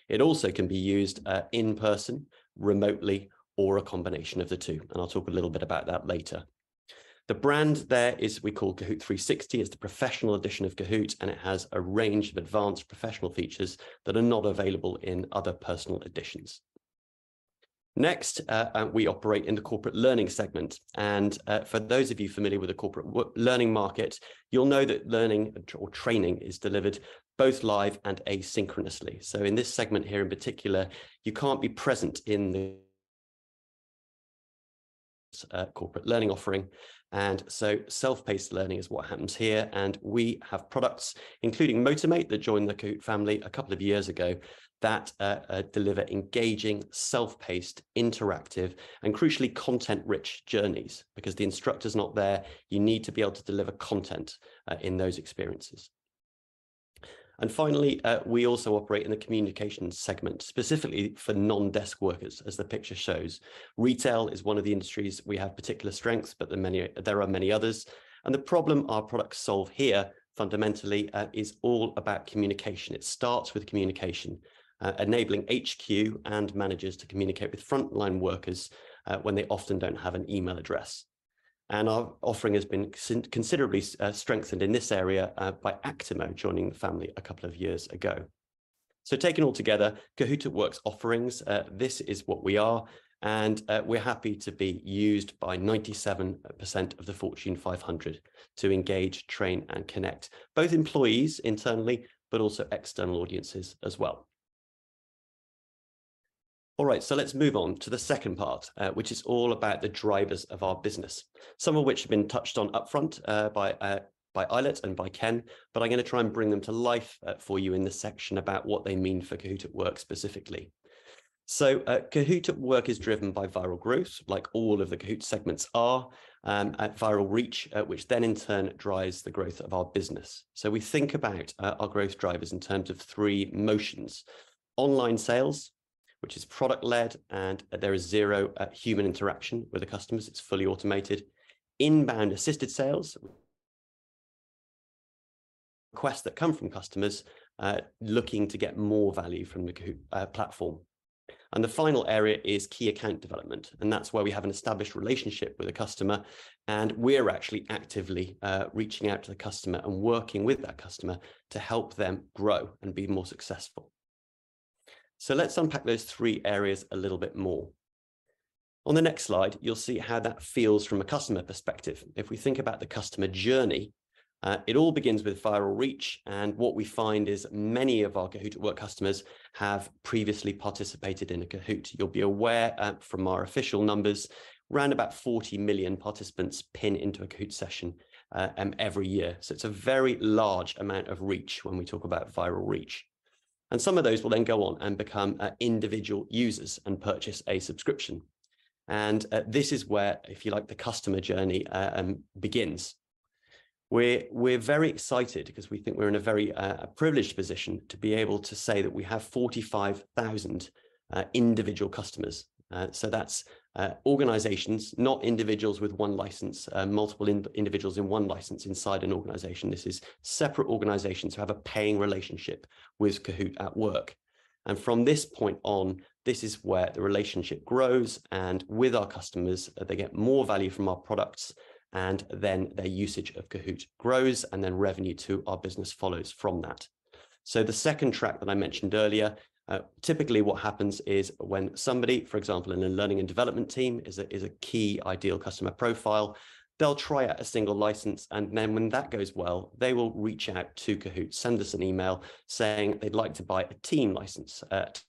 [SPEAKER 5] It also can be used in person, remotely, or a combination of the two, and I'll talk a little bit about that later. The brand there is we call Kahoot! 360. It's the professional edition of Kahoot!, and it has a range of advanced professional features that are not available in other personal editions. Next, we operate in the corporate learning segment, and for those of you familiar with the corporate learning market, you'll know that learning or training is delivered both live and asynchronously. In this segment here in particular, you can't be present in the corporate learning offering, and so self-paced learning is what happens here. We have products, including Motimate, that joined the Kahoot! family a couple of years ago, that deliver engaging, self-paced, interactive and crucially content-rich journeys. Because the instructor's not there, you need to be able to deliver content in those experiences. Finally, we also operate in the communication segment, specifically for non-desk workers, as the picture shows. Retail is one of the industries we have particular strengths, but there are many others. The problem our products solve here, fundamentally, is all about communication. It starts with communication, enabling HQ and managers to communicate with frontline workers, when they often don't have an email address. Our offering has been considerably strengthened in this area by Actimo joining the family a couple of years ago. Taken all together, Kahoot! at Work's offerings, this is what we are, and we're happy to be used by 97% of the Fortune 500 to engage, train, and connect both employees internally, but also external audiences as well. All right, let's move on to the second part, which is all about the drivers of our business. Some of which have been touched on upfront, by Eilert and by Ken, I'm gonna try and bring them to life for you in this section about what they mean for Kahoot! at Work specifically. Kahoot! at Work is driven by viral growth, like all of the Kahoot! segments are, and viral reach, which then in turn drives the growth of our business. We think about our growth drivers in terms of three motions: online sales, which is product-led, and there is zero human interaction with the customers. It's fully automated. Inbound assisted sales, requests that come from customers, looking to get more value from the Kahoot! platform. The final area is key account development, and that's where we have an established relationship with a customer, and we're actually actively reaching out to the customer and working with that customer to help them grow and be more successful. Let's unpack those three areas a little bit more. On the next slide, you'll see how that feels from a customer perspective. If we think about the customer journey, it all begins with viral reach, and what we find is many of our Kahoot! at Work customers have previously participated in a Kahoot!. You'll be aware from our official numbers, round about 40 million participants pin into a Kahoot! session every year. It's a very large amount of reach when we talk about viral reach. Some of those will then go on and become individual users and purchase a subscription. This is where, if you like, the customer journey begins. We're very excited because we think we're in a very privileged position to be able to say that we have 45,000 individual customers. That's organizations, not individuals with one license, multiple individuals in one license inside an organization. This is separate organizations who have a paying relationship with Kahoot! at Work. From this point on, this is where the relationship grows, and with our customers, they get more value from our products, and then their usage of Kahoot! grows, and then revenue to our business follows from that. The second track that I mentioned earlier, typically what happens is when somebody, for example, in a learning and development team, is a key ideal customer profile, they'll try out a one license, and then when that goes well, they will reach out to Kahoot!, send us an email, saying they'd like to buy a team license at...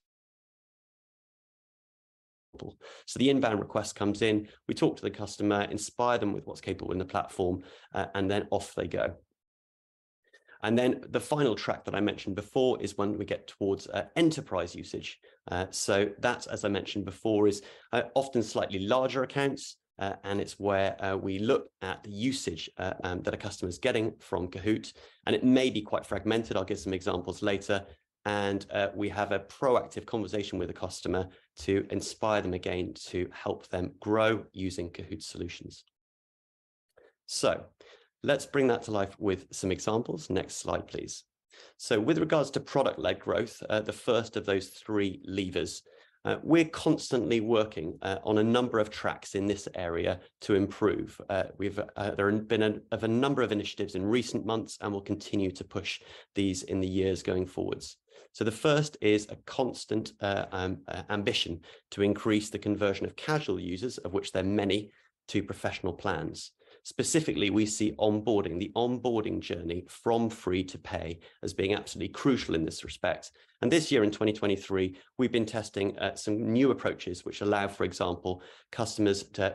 [SPEAKER 5] The inbound request comes in, we talk to the customer, inspire them with what's capable in the platform, and then off they go. The final track that I mentioned before is when we get towards enterprise usage. That, as I mentioned before, is often slightly larger accounts, and it's where we look at the usage that a customer is getting from Kahoot! It may be quite fragmented, I'll give some examples later, and we have a proactive conversation with the customer to inspire them again, to help them grow using Kahoot! solutions. Let's bring that to life with some examples. Next slide, please. With regards to product-led growth, the first of those three levers, we're constantly working on a number of tracks in this area to improve. We've, there have been a number of initiatives in recent months, and we'll continue to push these in the years going forwards. The first is a constant ambition to increase the conversion of casual users, of which there are many, to professional plans. Specifically, we see onboarding, the onboarding journey from free to pay, as being absolutely crucial in this respect. This year, in 2023, we've been testing some new approaches which allow, for example,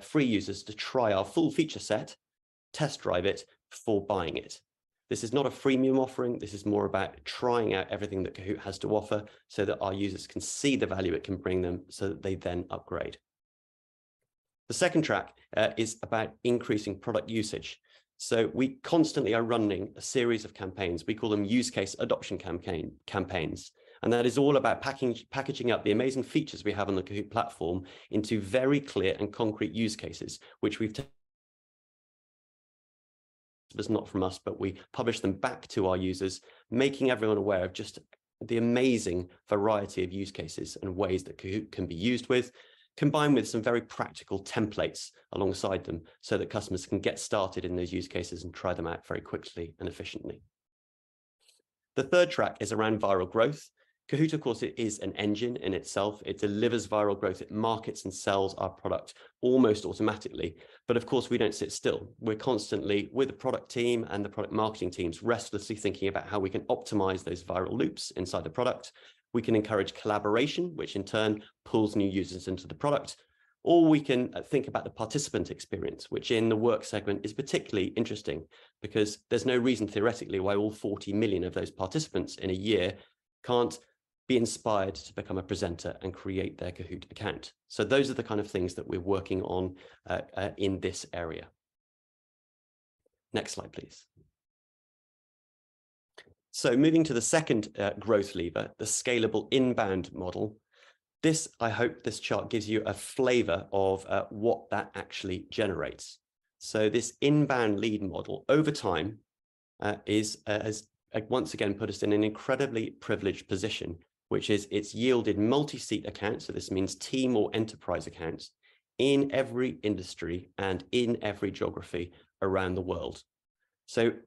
[SPEAKER 5] free users to try our full feature set, test drive it before buying it. This is not a freemium offering, this is more about trying out everything that Kahoot! has to offer so that our users can see the value it can bring them, so that they then upgrade. The second track is about increasing product usage. We constantly are running a series of campaigns. We call them use case adoption campaigns, that is all about packaging up the amazing features we have on the Kahoot! platform into very clear and concrete use cases, that's not from us, but we publish them back to our users, making everyone aware of just the amazing variety of use cases and ways that Kahoot! Can be used with, combined with some very practical templates alongside them, that customers can get started in those use cases and try them out very quickly and efficiently. The third track is around viral growth. Kahoot! of course, it is an engine in itself. It delivers viral growth. It markets and sells our product almost automatically. Of course, we don't sit still. We're constantly, with the product team and the product marketing teams, restlessly thinking about how we can optimize those viral loops inside the product. We can encourage collaboration, which in turn pulls new users into the product. We can think about the participant experience, which in the work segment is particularly interesting, because there's no reason, theoretically, why all 40 million of those participants in a year can't be inspired to become a presenter and create their Kahoot! account. Those are the kind of things that we're working on in this area. Next slide, please. Moving to the second growth lever, the scalable inbound model. I hope this chart gives you a flavor of what that actually generates. This inbound lead model, over time, is has once again, put us in an incredibly privileged position, which is it's yielded multi-seat accounts, so this means team or enterprise accounts, in every industry and in every geography around the world.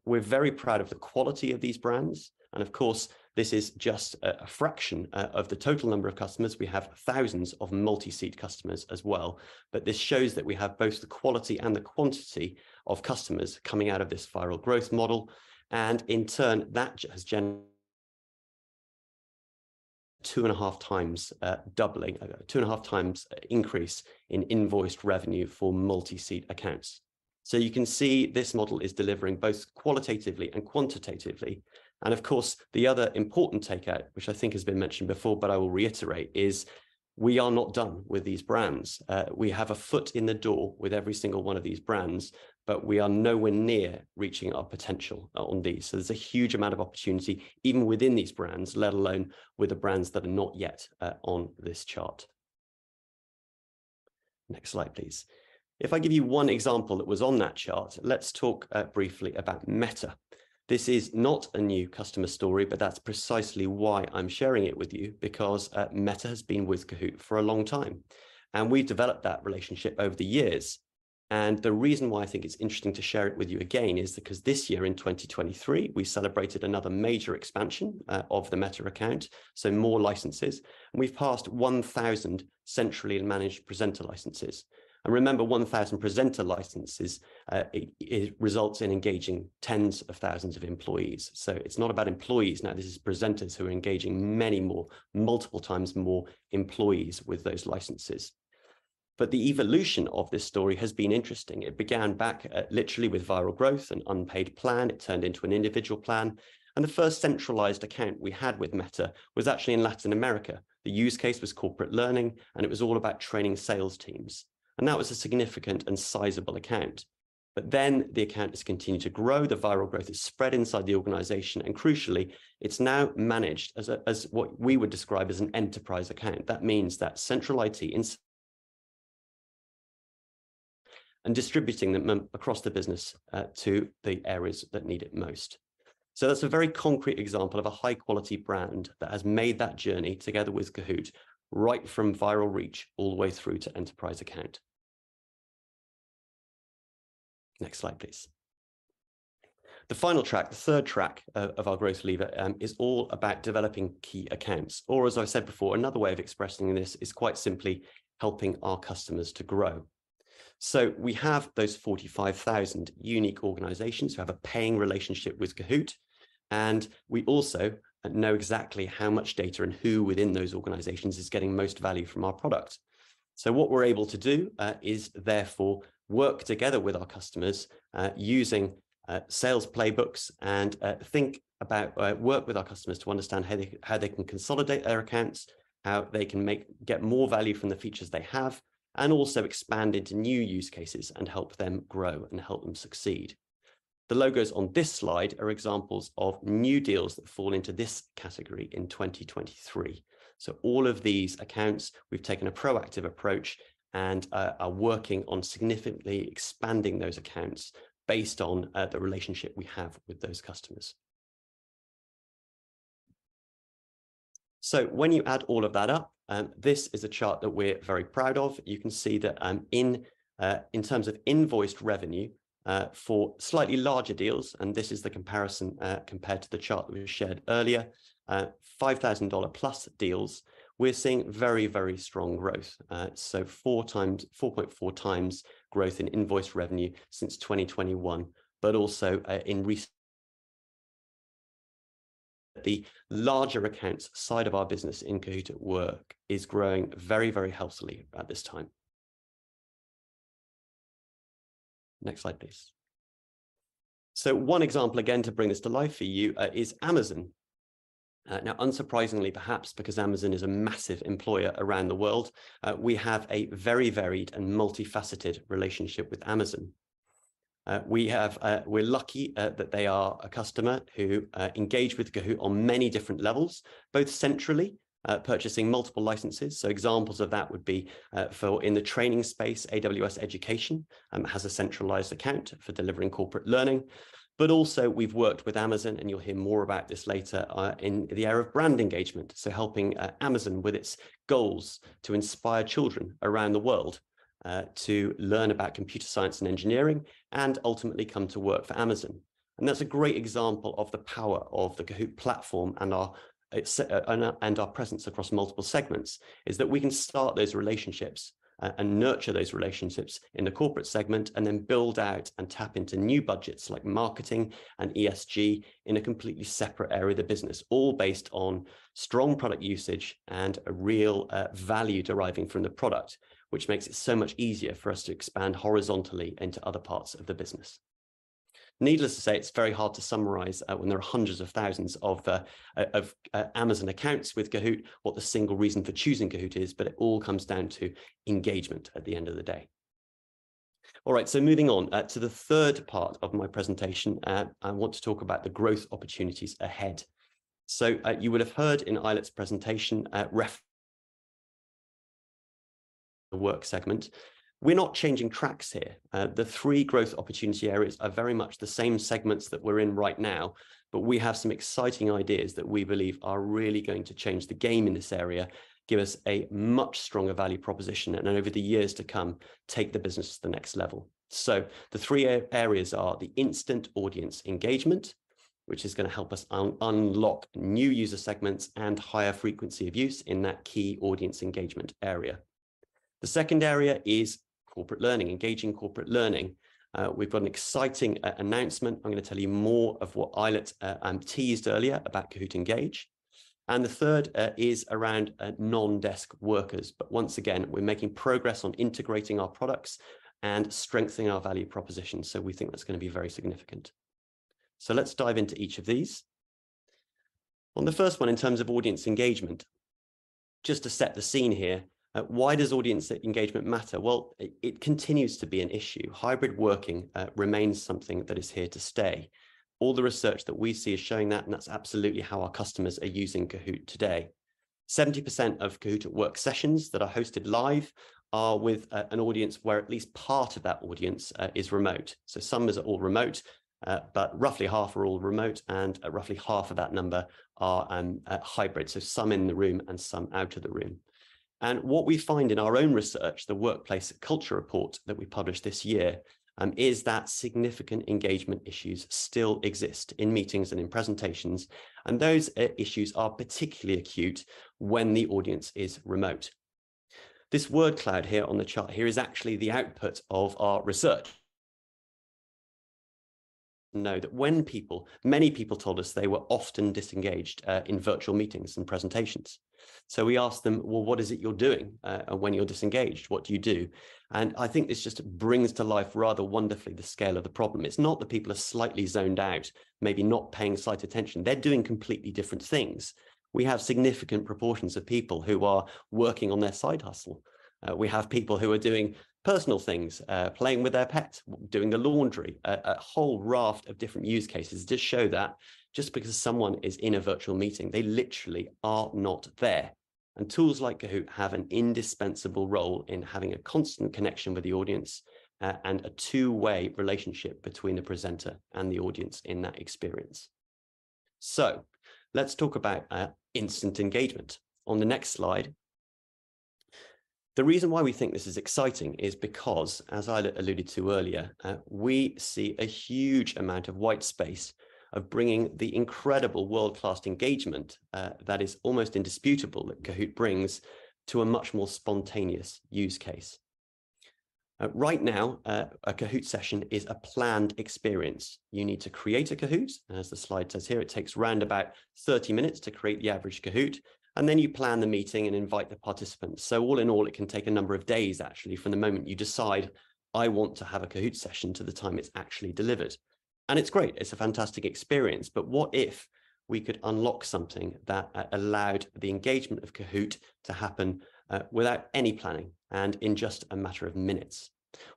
[SPEAKER 5] We're very proud of the quality of these brands, and of course, this is just a fraction of the total number of customers. We have thousands of multi-seat customers as well. This shows that we have both the quality and the quantity of customers coming out of this viral growth model, in turn, that has 2.5 times doubling, 2.5 times increase in invoiced revenue for multi-seat accounts. You can see this model is delivering both qualitatively and quantitatively. Of course, the other important takeout, which I think has been mentioned before, but I will reiterate, is we are not done with these brands. We have a foot in the door with every single one of these brands, but we are nowhere near reaching our potential on these. There's a huge amount of opportunity, even within these brands, let alone with the brands that are not yet on this chart. Next slide, please. If I give you one example that was on that chart, let's talk briefly about Meta. This is not a new customer story, but that's precisely why I'm sharing it with you, because Meta has been with Kahoot! for a long time, and we've developed that relationship over the years. The reason why I think it's interesting to share it with you again is because this year, in 2023, we celebrated another major expansion of the Meta account, so more licenses. We've passed 1,000 centrally managed presenter licenses. Remember, 1,000 presenter licenses, it results in engaging tens of thousands of employees. It's not about employees now, this is presenters who are engaging many more, multiple times more employees with those licenses. The evolution of this story has been interesting. It began back at literally with viral growth and unpaid plan. The first centralized account we had with Meta was actually in Latin America. The use case was corporate learning, and it was all about training sales teams. That was a significant and sizable account. The account has continued to grow, the viral growth has spread inside the organization, and crucially, it's now managed as what we would describe as an enterprise account. That means that central IT distributing them across the business to the areas that need it most. That's a very concrete example of a high-quality brand that has made that journey together with Kahoot!, right from viral reach all the way through to enterprise account. Next slide, please. The final track, the third track, of our growth lever, is all about developing key accounts. As I said before, another way of expressing this is quite simply helping our customers to grow. We have those 45,000 unique organizations who have a paying relationship with Kahoot!, and we also know exactly how much data and who within those organizations is getting most value from our product. What we're able to do, is therefore work together with our customers, using sales playbooks and work with our customers to understand how they can consolidate their accounts, how they can get more value from the features they have, and also expand into new use cases and help them grow and help them succeed. The logos on this slide are examples of new deals that fall into this category in 2023. All of these accounts, we've taken a proactive approach and are working on significantly expanding those accounts based on the relationship we have with those customers. When you add all of that up, this is a chart that we're very proud of. You can see that in terms of invoiced revenue for slightly larger deals, and this is the comparison compared to the chart that we shared earlier, $5,000+ deals, we're seeing very, very strong growth. Four times, 4.4 times growth in invoice revenue since 2021, but also in the larger accounts side of our business in Kahoot! at Work is growing very, very healthily at this time. Next slide, please. One example, again, to bring this to life for you, is Amazon. Now, unsurprisingly, perhaps because Amazon is a massive employer around the world, we have a very varied and multifaceted relationship with Amazon. We're lucky that they are a customer who engage with Kahoot! on many different levels, both centrally, purchasing multiple licenses. Examples of that would be, for in the training space, AWS Educate has a centralized account for delivering corporate learning. Also we've worked with Amazon, and you'll hear more about this later, in the area of brand engagement. Helping Amazon with its goals to inspire children around the world, to learn about computer science and engineering, and ultimately come to work for Amazon. That's a great example of the power of the Kahoot! platform and our presence across multiple segments, is that we can start those relationships and nurture those relationships in the corporate segment, and then build out and tap into new budgets like marketing and ESG in a completely separate area of the business, all based on strong product usage and a real value deriving from the product, which makes it so much easier for us to expand horizontally into other parts of the business. Needless to say, it's very hard to summarize, when there are hundreds of thousands of Amazon accounts with Kahoot!, what the single reason for choosing Kahoot! is, but it all comes down to engagement at the end of the day. All right, moving on, to the third part of my presentation, I want to talk about the growth opportunities ahead. You will have heard in Eilert's presentation, the work segment. We're not changing tracks here. The three growth opportunity areas are very much the same segments that we're in right now, but we have some exciting ideas that we believe are really going to change the game in this area, give us a much stronger value proposition, and over the years to come, take the business to the next level. The three areas are the instant audience engagement, which is gonna help us unlock new user segments and higher frequency of use in that key audience engagement area. The second area is corporate learning, engaging corporate learning. We've got an exciting announcement. I'm gonna tell you more of what Eilert teased earlier about Kahoot! Engage. The third is around non-desk workers. Once again, we're making progress on integrating our products and strengthening our value proposition, so we think that's gonna be very significant. Let's dive into each of these. On the first one, in terms of audience engagement, just to set the scene here, why does audience engagement matter? Well, it continues to be an issue. Hybrid working remains something that is here to stay. All the research that we see is showing that, and that's absolutely how our customers are using Kahoot! today. 70% of Kahoot! at Work sessions that are hosted live are with an audience where at least part of that audience is remote. Some is all remote, but roughly half are all remote, and roughly half of that number are hybrid, so some in the room and some out of the room. What we find in our own research, the Workplace Culture Report that we published this year, is that significant engagement issues still exist in meetings and in presentations, those issues are particularly acute when the audience is remote. This word cloud here on the chart here is actually the output of our research. Know that when many people told us they were often disengaged in virtual meetings and presentations. We asked them, "Well, what is it you're doing when you're disengaged? What do you do?" I think this just brings to life rather wonderfully the scale of the problem. It's not that people are slightly zoned out, maybe not paying slight attention. They're doing completely different things. We have significant proportions of people who are working on their side hustle. We have people who are doing personal things, playing with their pet, doing the laundry. A whole raft of different use cases just show that just because someone is in a virtual meeting, they literally are not there. Tools like Kahoot! have an indispensable role in having a constant connection with the audience, and a two-way relationship between the presenter and the audience in that experience. Let's talk about instant engagement. On the next slide, the reason why we think this is exciting is because, as I alluded to earlier, we see a huge amount of white space of bringing the incredible world-class engagement, that is almost indisputable, that Kahoot! brings to a much more spontaneous use case. Right now, a Kahoot! session is a planned experience. You need to create a Kahoot!. As the slide says here, it takes round about 30 minutes to create the average Kahoot!, and then you plan the meeting and invite the participants. All in all, it can take a number of days, actually, from the moment you decide: I want to have a Kahoot! session, to the time it's actually delivered. It's great. It's a fantastic experience, but what if we could unlock something that allowed the engagement of Kahoot! to happen without any planning and in just a matter of minutes?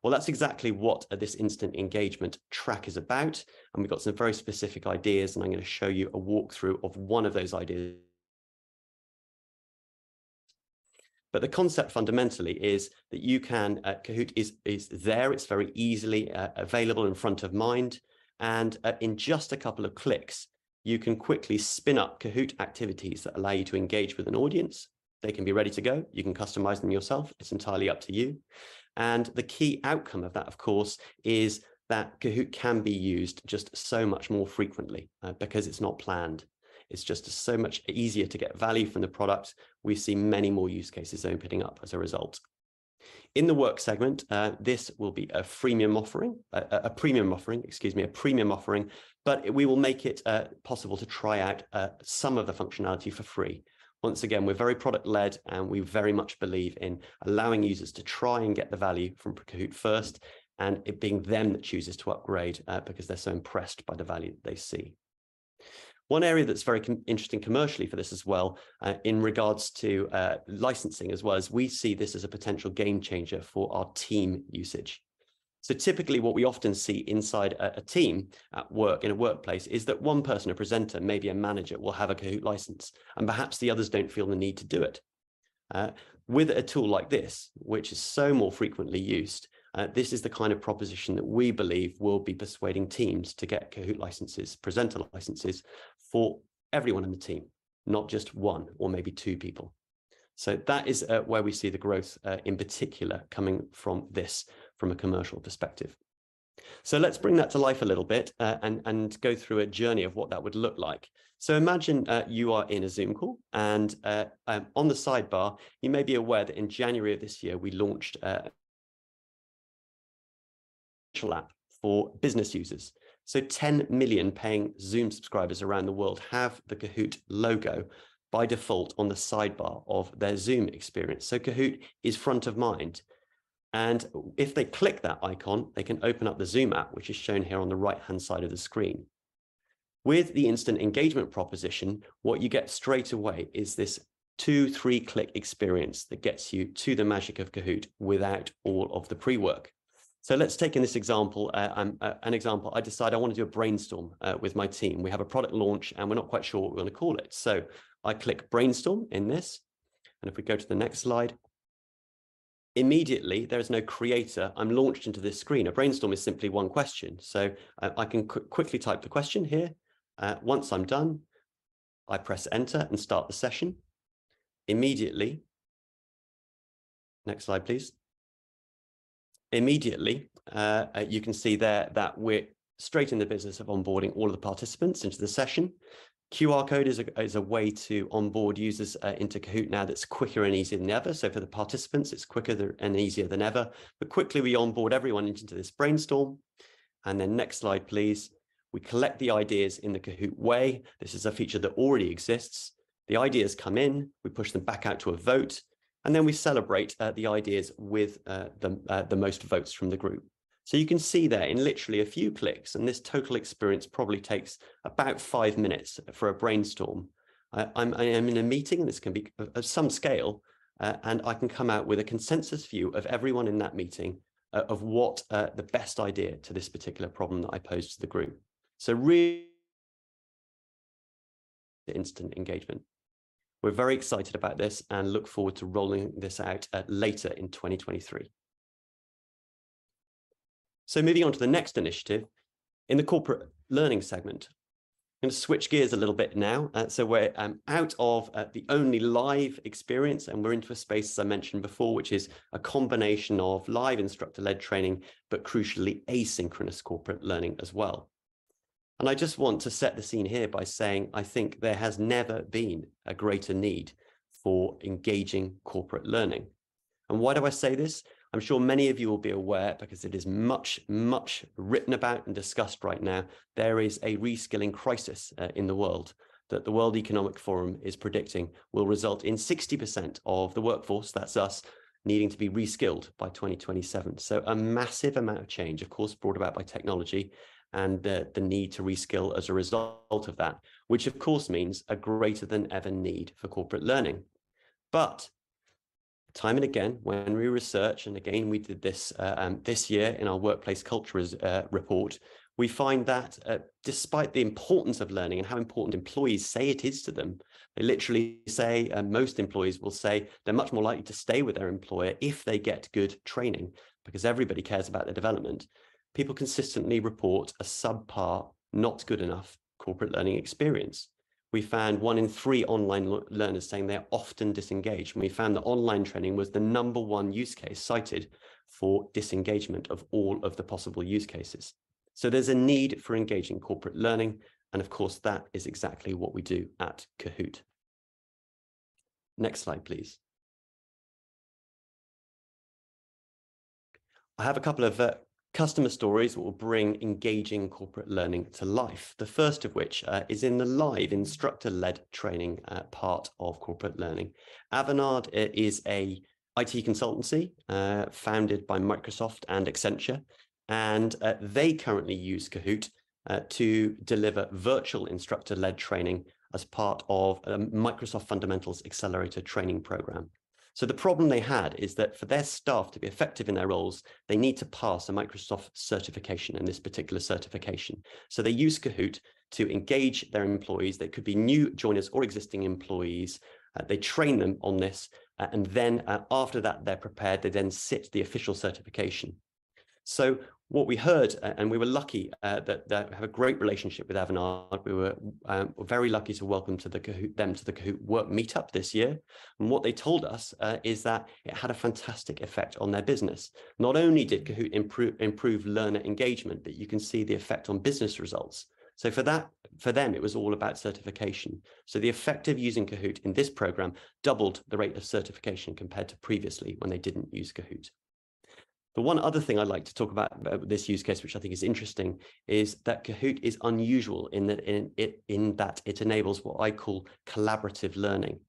[SPEAKER 5] Well, that's exactly what this instant engagement track is about, and we've got some very specific ideas, and I'm gonna show you a walkthrough of one of those ideas. The concept fundamentally is that you can... Kahoot! is there, it's very easily available in front of mind, and in just a couple of clicks, you can quickly spin up Kahoot! activities that allow you to engage with an audience. They can be ready to go. You can customize them yourself. It's entirely up to you. The key outcome of that, of course, is that Kahoot! can be used just so much more frequently, because it's not planned. It's just so much easier to get value from the product. We've seen many more use cases opening up as a result. In the work segment, this will be a freemium offering, a premium offering, excuse me, a premium offering, we will make it possible to try out some of the functionality for free. Once again, we're very product-led, and we very much believe in allowing users to try and get the value from Kahoot! first, and it being them that chooses to upgrade because they're so impressed by the value that they see. One area that's very interesting commercially for this as well, in regards to licensing as well, is we see this as a potential game changer for our team usage. Typically, what we often see inside a team at work, in a workplace, is that one person, a presenter, maybe a manager, will have a Kahoot! license, and perhaps the others don't feel the need to do it. With a tool like this, which is so more frequently used, this is the kind of proposition that we believe will be persuading teams to get Kahoot! licenses, presenter licenses for everyone in the team, not just one or maybe two people. That is where we see the growth in particular coming from this from a commercial perspective. Let's bring that to life a little bit, and go through a journey of what that would look like. Imagine, you are in a Zoom call, and on the sidebar, you may be aware that in January of this year, we launched app for business users. 10 million paying Zoom subscribers around the world have the Kahoot! logo by default on the sidebar of their Zoom experience. Kahoot! is front of mind, and if they click that icon, they can open up the Kahoot! app, which is shown here on the right-hand side of the screen. With the instant engagement proposition, what you get straight away is this two, three-click experience that gets you to the magic of Kahoot! without all of the pre-work. Let's take in this example, an example. I decide I want to do a brainstorm with my team. We have a product launch, and we're not quite sure what we're gonna call it. I click Brainstorm in this, and if we go to the next slide, immediately, there is no creator. I'm launched into this screen. A brainstorm is simply one question. I can quickly type the question here. Once I'm done, I press Enter and start the session. Immediately. Next slide, please. Immediately, you can see there that we're straight in the business of onboarding all of the participants into the session. QR code is a way to onboard users into Kahoot! now that's quicker and easier than ever. For the participants, it's quicker and easier than ever, but quickly we onboard everyone into this brainstorm. Next slide, please. We collect the ideas in the Kahoot! way. This is a feature that already exists. The ideas come in, we push them back out to a vote, and then we celebrate the ideas with the most votes from the group. You can see there, in literally a few clicks, and this total experience probably takes about five minutes for a brainstorm. I am in a meeting, this can be of some scale, and I can come out with a consensus view of everyone in that meeting, of what the best idea to this particular problem that I posed to the group. Really the instant engagement. We're very excited about this and look forward to rolling this out later in 2023. Moving on to the next initiative. In the corporate learning segment, I'm gonna switch gears a little bit now. We're out of the only live experience, and we're into a space, as I mentioned before, which is a combination of live instructor-led training, but crucially, asynchronous corporate learning as well. I just want to set the scene here by saying, I think there has never been a greater need for engaging corporate learning. Why do I say this? I'm sure many of you will be aware because it is much, much written about and discussed right now, there is a reskilling crisis in the world, that the World Economic Forum is predicting will result in 60% of the workforce, that's us, needing to be reskilled by 2027. A massive amount of change, of course, brought about by technology and the need to reskill as a result of that. Which, of course, means a greater than ever need for corporate learning. Time and again, when we research, and again we did this year in our Workplace Culture Report, we find that despite the importance of learning and how important employees say it is to them, they literally say, and most employees will say, they're much more likely to stay with their employer if they get good training, because everybody cares about their development. People consistently report a subpar, not good enough corporate learning experience. We found one in three online learners saying they're often disengaged, and we found that online training was the number one use case cited for disengagement of all of the possible use cases. There's a need for engaging corporate learning, and of course, that is exactly what we do at Kahoot! Next slide, please. I have a couple of customer stories that will bring engaging corporate learning to life. The first of which is in the live instructor-led training part of corporate learning. Avanade is an IT consultancy founded by Microsoft and Accenture. They currently use Kahoot! to deliver virtual instructor-led training as part of Microsoft Fundamentals Accelerator training program. The problem they had is that for their staff to be effective in their roles, they need to pass a Microsoft certification and this particular certification. They use Kahoot! to engage their employees. They could be new joiners or existing employees. They train them on this, after that, they're prepared, they then sit the official certification. What we heard, and we were lucky that have a great relationship with Avanade. We were very lucky to welcome to the Kahoot! WorkMeetup this year. What they told us is that it had a fantastic effect on their business. Not only did Kahoot! improve learner engagement, but you can see the effect on business results. For them, it was all about certification. The effect of using Kahoot! in this program doubled the rate of certification compared to previously when they didn't use Kahoot! One other thing I'd like to talk about this use case, which I think is interesting, is that Kahoot! is unusual in that it enables what I call collaborative learning.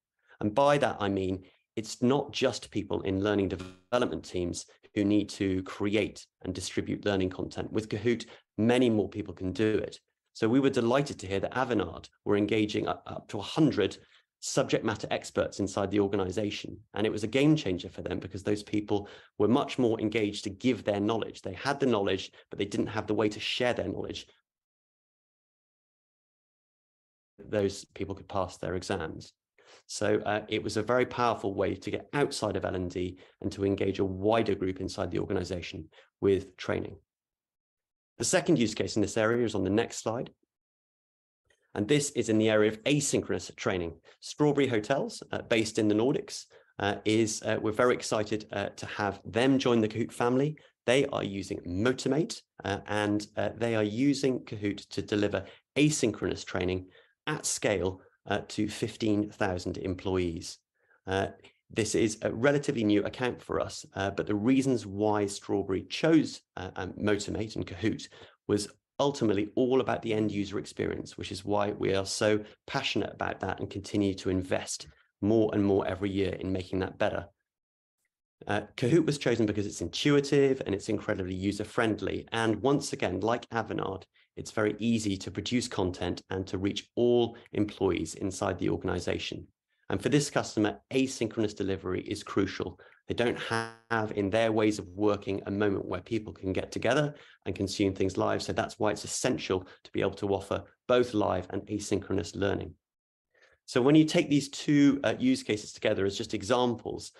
[SPEAKER 5] By that, I mean, it's not just people in learning development teams who need to create and distribute learning content. With Kahoot!, many more people can do it. We were delighted to hear that Avanade were engaging up to 100 subject matter experts inside the organization, and it was a game changer for them because those people were much more engaged to give their knowledge. They had the knowledge, but they didn't have the way to share their knowledge. Those people could pass their exams. It was a very powerful way to get outside of L&D and to engage a wider group inside the organization with training. The second use case in this area is on the next slide, and this is in the area of asynchronous training. Strawberry Hotels, based in the Nordics, We're very excited to have them join the Kahoot! family. They are using Motimate, and they are using Kahoot! to deliver asynchronous training at scale to 15,000 employees. This is a relatively new account for us, the reasons why Strawberry chose Motimate and Kahoot! was ultimately all about the end-user experience, which is why we are so passionate about that and continue to invest more and more every year in making that better. Kahoot! was chosen because it's intuitive and it's incredibly user-friendly, and once again, like Avanade, it's very easy to produce content and to reach all employees inside the organization. For this customer, asynchronous delivery is crucial. They don't have, in their ways of working, a moment where people can get together and consume things live. That's why it's essential to be able to offer both live and asynchronous learning. When you take these two use cases together as just examples,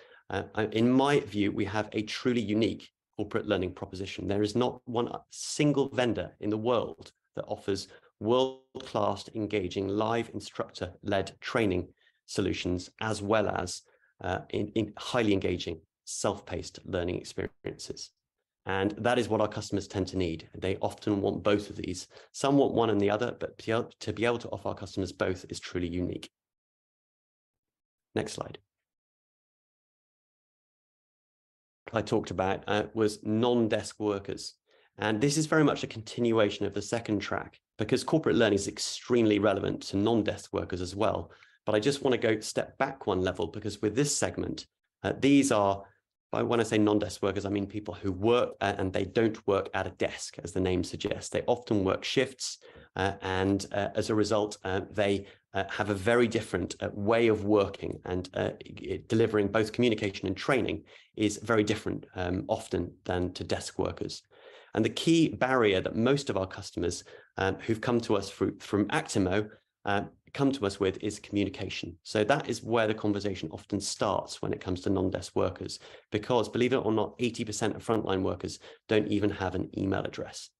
[SPEAKER 5] in my view, we have a truly unique corporate learning proposition. There is not one single vendor in the world that offers world-class, engaging, live instructor-led training solutions, as well as in highly engaging, self-paced learning experiences. That is what our customers tend to need. They often want both of these. Some want one and the other, but to be able to offer our customers both is truly unique. Next slide. I talked about non-desk workers. This is very much a continuation of the second track because corporate learning is extremely relevant to non-desk workers as well. I just wanna go step back one level because with this segment, I want to say non-desk workers, I mean, people who work and they don't work at a desk, as the name suggests. They often work shifts, and as a result, they have a very different way of working, and delivering both communication and training is very different often than to desk workers. The key barrier that most of our customers, who've come to us through from Actimo, come to us with, is communication. That is where the conversation often starts when it comes to non-desk workers, because believe it or not, 80% of frontline workers don't even have an email address.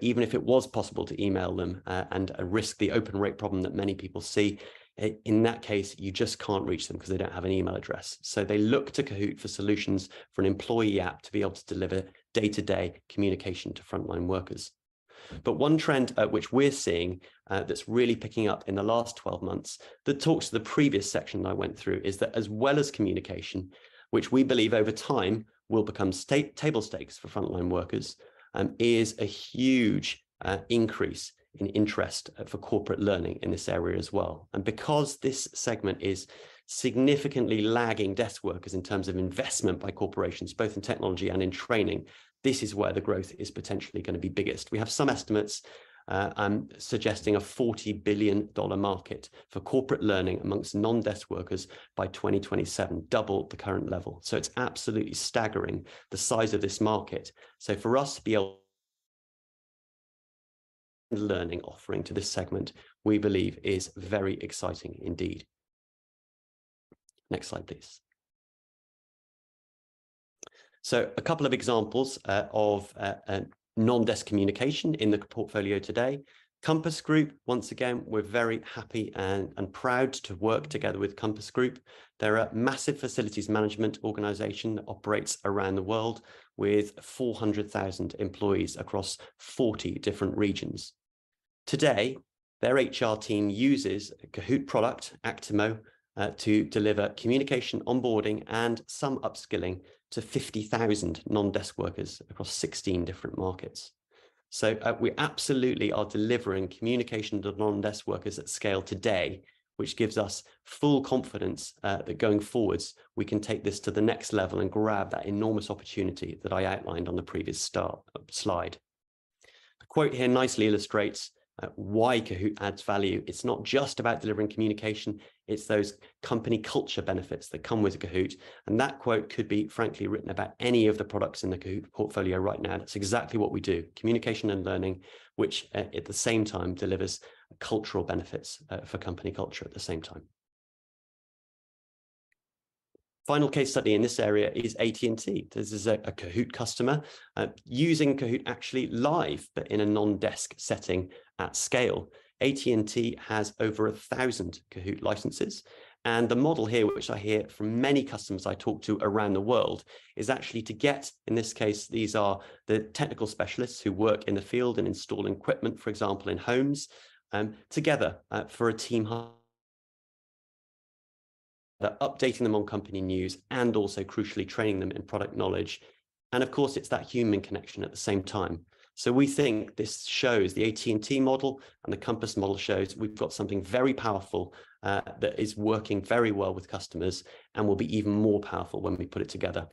[SPEAKER 5] Even if it was possible to email them, and risk the open rate problem that many people see, in that case, you just can't reach them 'cause they don't have an email address. They look to Kahoot! for solutions for an employee app to be able to deliver day-to-day communication to frontline workers. One trend, which we're seeing, that's really picking up in the last 12 months, that talks to the previous section I went through, is that as well as communication, which we believe over time will become table stakes for frontline workers, is a huge increase in interest for corporate learning in this area as well. Because this segment is significantly lagging desk workers in terms of investment by corporations, both in technology and in training, this is where the growth is potentially gonna be biggest. We have some estimates suggesting a $40 billion market for corporate learning amongst non-desk workers by 2027, double the current level. It's absolutely staggering the size of this market. For us to be a learning offering to this segment, we believe is very exciting indeed. Next slide, please. A couple of examples, of non-desk communication in the portfolio today. Compass Group, once again, we're very happy and proud to work together with Compass Group. They're a massive facilities management organization that operates around the world with 400,000 employees across 40 different regions. Today, their HR team uses a Kahoot! product, Actimo, to deliver communication, onboarding, and some upskilling to 50,000 non-desk workers across 16 different markets. We absolutely are delivering communication to non-desk workers at scale today, which gives us full confidence, that going forwards, we can take this to the next level and grab that enormous opportunity that I outlined on the previous slide. The quote here nicely illustrates, why Kahoot! adds value. It's not just about delivering communication, it's those company culture benefits that come with Kahoot! That quote could be frankly written about any of the products in the Kahoot! portfolio right now. That's exactly what we do, communication and learning, which, at the same time delivers cultural benefits, for company culture at the same time. Final case study in this area is AT&T. This is a Kahoot! customer, using Kahoot! actually live, but in a non-desk setting at scale. AT&T has over 1,000 Kahoot! licenses. The model here, which I hear from many customers I talk to around the world, is actually to get In this case, these are the technical specialists who work in the field and install equipment, for example, in homes, together for a team updating them on company news, and also crucially, training them in product knowledge. Of course, it's that human connection at the same time. We think this shows the AT&T model, and the Compass model shows we've got something very powerful that is working very well with customers and will be even more powerful when we put it together.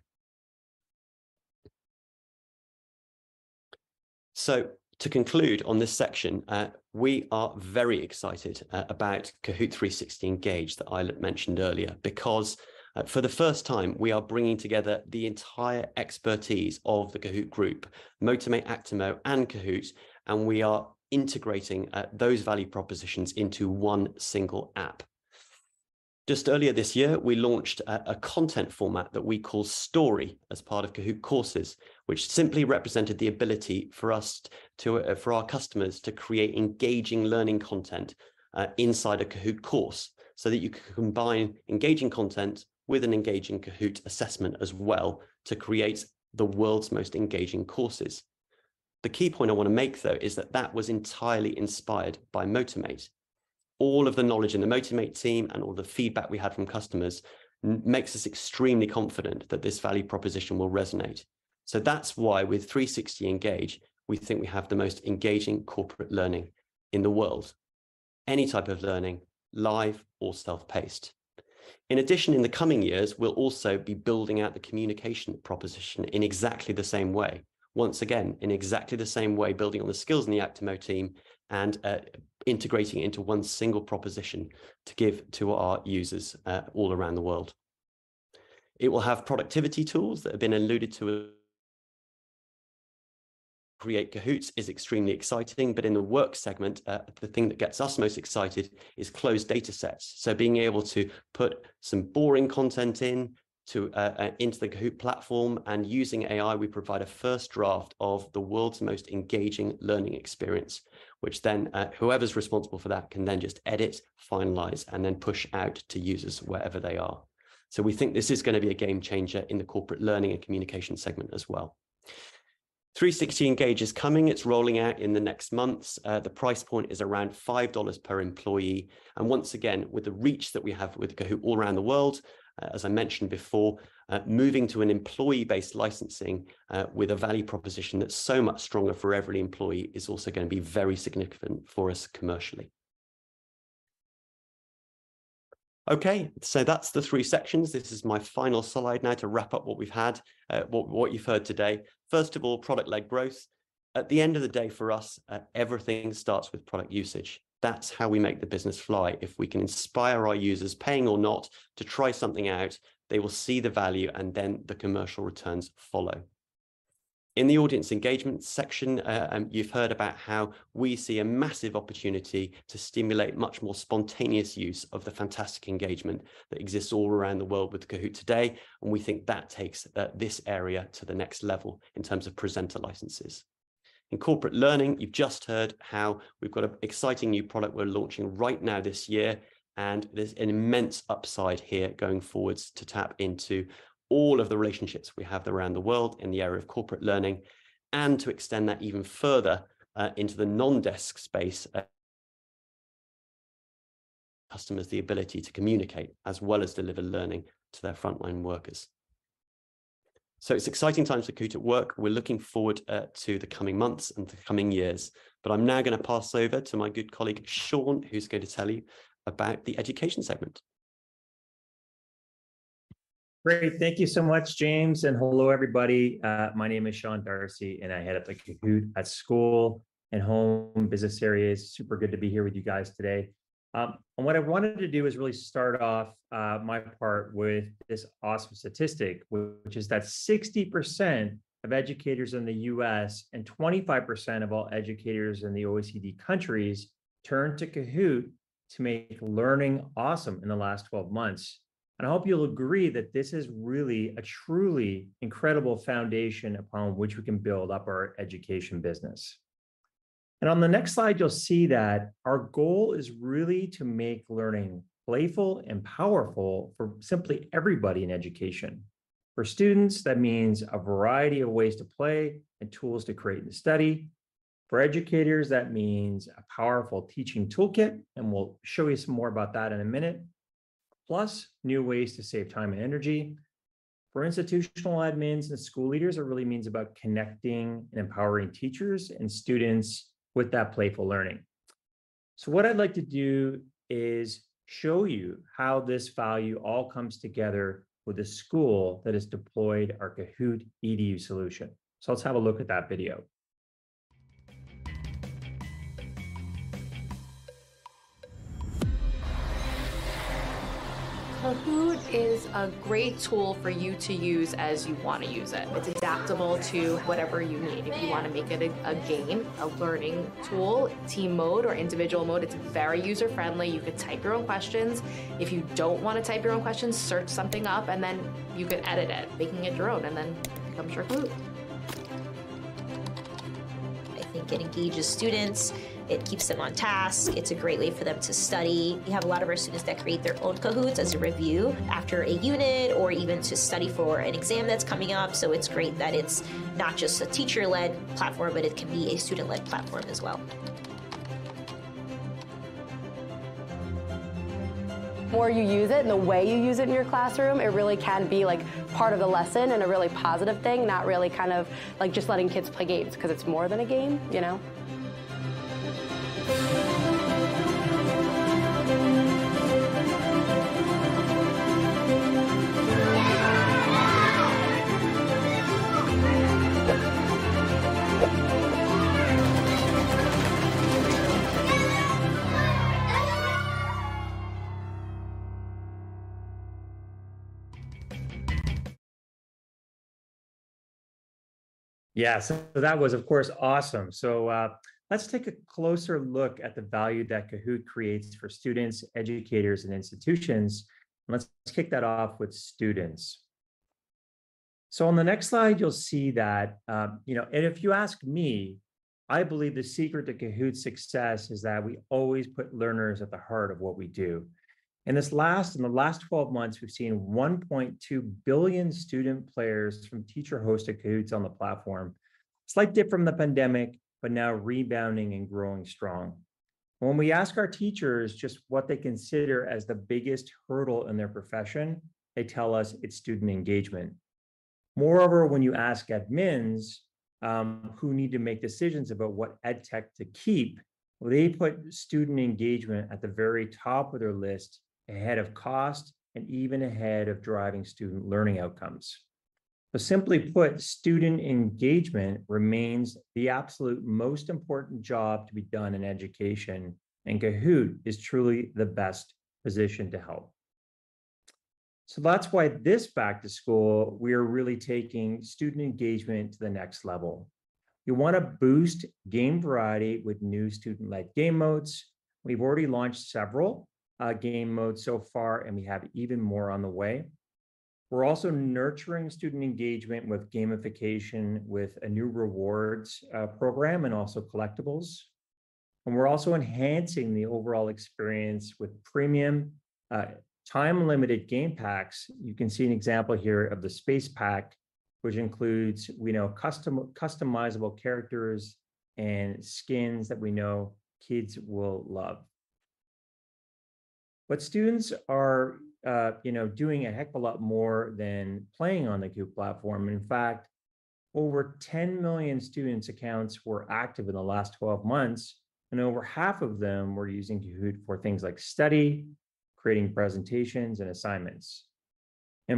[SPEAKER 5] To conclude on this section, we are very excited about Kahoot! 360 Engage that I mentioned earlier, because for the first time, we are bringing together the entire expertise of the Kahoot! Group, Motimate, Actimo, and Kahoot!, and we are integrating those value propositions into one single app. Just earlier this year, we launched a content format that we call Story as part of Kahoot! courses, which simply represented the ability for us to for our customers to create engaging learning content inside a Kahoot! course, so that you can combine engaging content with an engaging Kahoot! assessment as well to create the world's most engaging courses. The key point I wanna make, though, is that that was entirely inspired by Motimate. All of the knowledge in the Motimate team and all the feedback we had from customers makes us extremely confident that this value proposition will resonate. That's why with 360 Engage, we think we have the most engaging corporate learning in the world, any type of learning, live or self-paced. In addition, in the coming years, we'll also be building out the communication proposition in exactly the same way. Once again, in exactly the same way, building on the skills in the Actimo team and integrating into one single proposition to give to our users all around the world. It will have productivity tools that have been alluded to. Create kahoots is extremely exciting, but in the work segment, the thing that gets us most excited is closed datasets. Being able to put some boring content in to into the Kahoot! platform, and using AI, we provide a first draft of the world's most engaging learning experience, which whoever's responsible for that, can then just edit, finalize, and then push out to users wherever they are. We think this is gonna be a game changer in the corporate learning and communication segment as well. 360 Engage is coming. It's rolling out in the next months. The price point is around $5 per employee, and once again, with the reach that we have with Kahoot! all around the world, as I mentioned before, moving to an employee-based licensing, with a value proposition that's so much stronger for every employee, is also gonna be very significant for us commercially. That's the three sections. This is my final slide now to wrap up what we've had, what you've heard today. First of all, product-led growth. At the end of the day, for us, everything starts with product usage. That's how we make the business fly. If we can inspire our users, paying or not, to try something out, they will see the value, and then the commercial returns follow. In the audience engagement section, you've heard about how we see a massive opportunity to stimulate much more spontaneous use of the fantastic engagement that exists all around the world with Kahoot! Today, we think that takes this area to the next level in terms of presenter licenses. In corporate learning, you've just heard how we've got an exciting new product we're launching right now this year. There's an immense upside here going forwards to tap into all of the relationships we have around the world in the area of corporate learning. To extend that even further into the non-desk space... customers the ability to communicate as well as deliver learning to their frontline workers. It's exciting times for Kahoot! at Work. We're looking forward to the coming months and the coming years. I'm now gonna pass over to my good colleague, Sean, who's going to tell you about the education segment.
[SPEAKER 6] Great. Thank you so much, James, and hello, everybody. My name is Sean D'Arcy, and I head up the Kahoot! at School and Home business areas. Super good to be here with you guys today. What I wanted to do is really start off my part with this awesome statistic, which is that 60% of educators in the U.S. and 25% of all educators in the OECD countries turned to Kahoot! to make learning awesome in the last 12 months. I hope you'll agree that this is really a truly incredible foundation upon which we can build up our education business. On the next slide, you'll see that our goal is really to make learning playful and powerful for simply everybody in education. For students, that means a variety of ways to play and tools to create and study. For educators, that means a powerful teaching toolkit, and we'll show you some more about that in a minute, plus new ways to save time and energy. For institutional admins and school leaders, it really means about connecting and empowering teachers and students with that playful learning. What I'd like to do is show you how this value all comes together with a school that has deployed our Kahoot! EDU solution. Let's have a look at that video.
[SPEAKER 7] Kahoot! is a great tool for you to use as you wanna use it. It's adaptable to whatever you need. If you wanna make it a game, a learning tool, team mode or individual mode, it's very user-friendly. You could type your own questions. If you don't wanna type your own questions, search something up, you can edit it, making it your own, become your Kahoot! I think it engages students. It keeps them on task. It's a great way for them to study. We have a lot of our students that create their own Kahoots as a review after a unit or even to study for an exam that's coming up, so it's great that it's not just a teacher-led platform, but it can be a student-led platform as well. The more you use it and the way you use it in your classroom, it really can be like part of the lesson and a really positive thing, not really kind of like just letting kids play games, 'cause it's more than a game, you know?
[SPEAKER 6] That was, of course, awesome. Let's take a closer look at the value that Kahoot! creates for students, educators, and institutions, and let's kick that off with students. On the next slide, you'll see that, you know, if you ask me, I believe the secret to Kahoot!'s success is that we always put learners at the heart of what we do. In the last 12 months, we've seen 1.2 billion student players from teacher-hosted Kahoots on the platform. Slight dip from the pandemic, now rebounding and growing strong. When we ask our teachers just what they consider as the biggest hurdle in their profession, they tell us it's student engagement. Moreover, when you ask admins, who need to make decisions about what edtech to keep, they put student engagement at the very top of their list, ahead of cost and even ahead of driving student learning outcomes. Simply put, student engagement remains the absolute most important job to be done in education, and Kahoot! is truly the best positioned to help. That's why this back to school, we are really taking student engagement to the next level. We wanna boost game variety with new student-led game modes. We've already launched several game modes so far, and we have even more on the way. We're also nurturing student engagement with gamification, with a new rewards program, and also collectibles. We're also enhancing the overall experience with premium, time-limited game packs. You can see an example here of the space pack, which includes, we know, customizable characters and skins that we know kids will love. Students are, you know, doing a heck of a lot more than playing on the Kahoot! platform. Over 10 million students' accounts were active in the last 12 months, and over half of them were using Kahoot! for things like study, creating presentations, and assignments.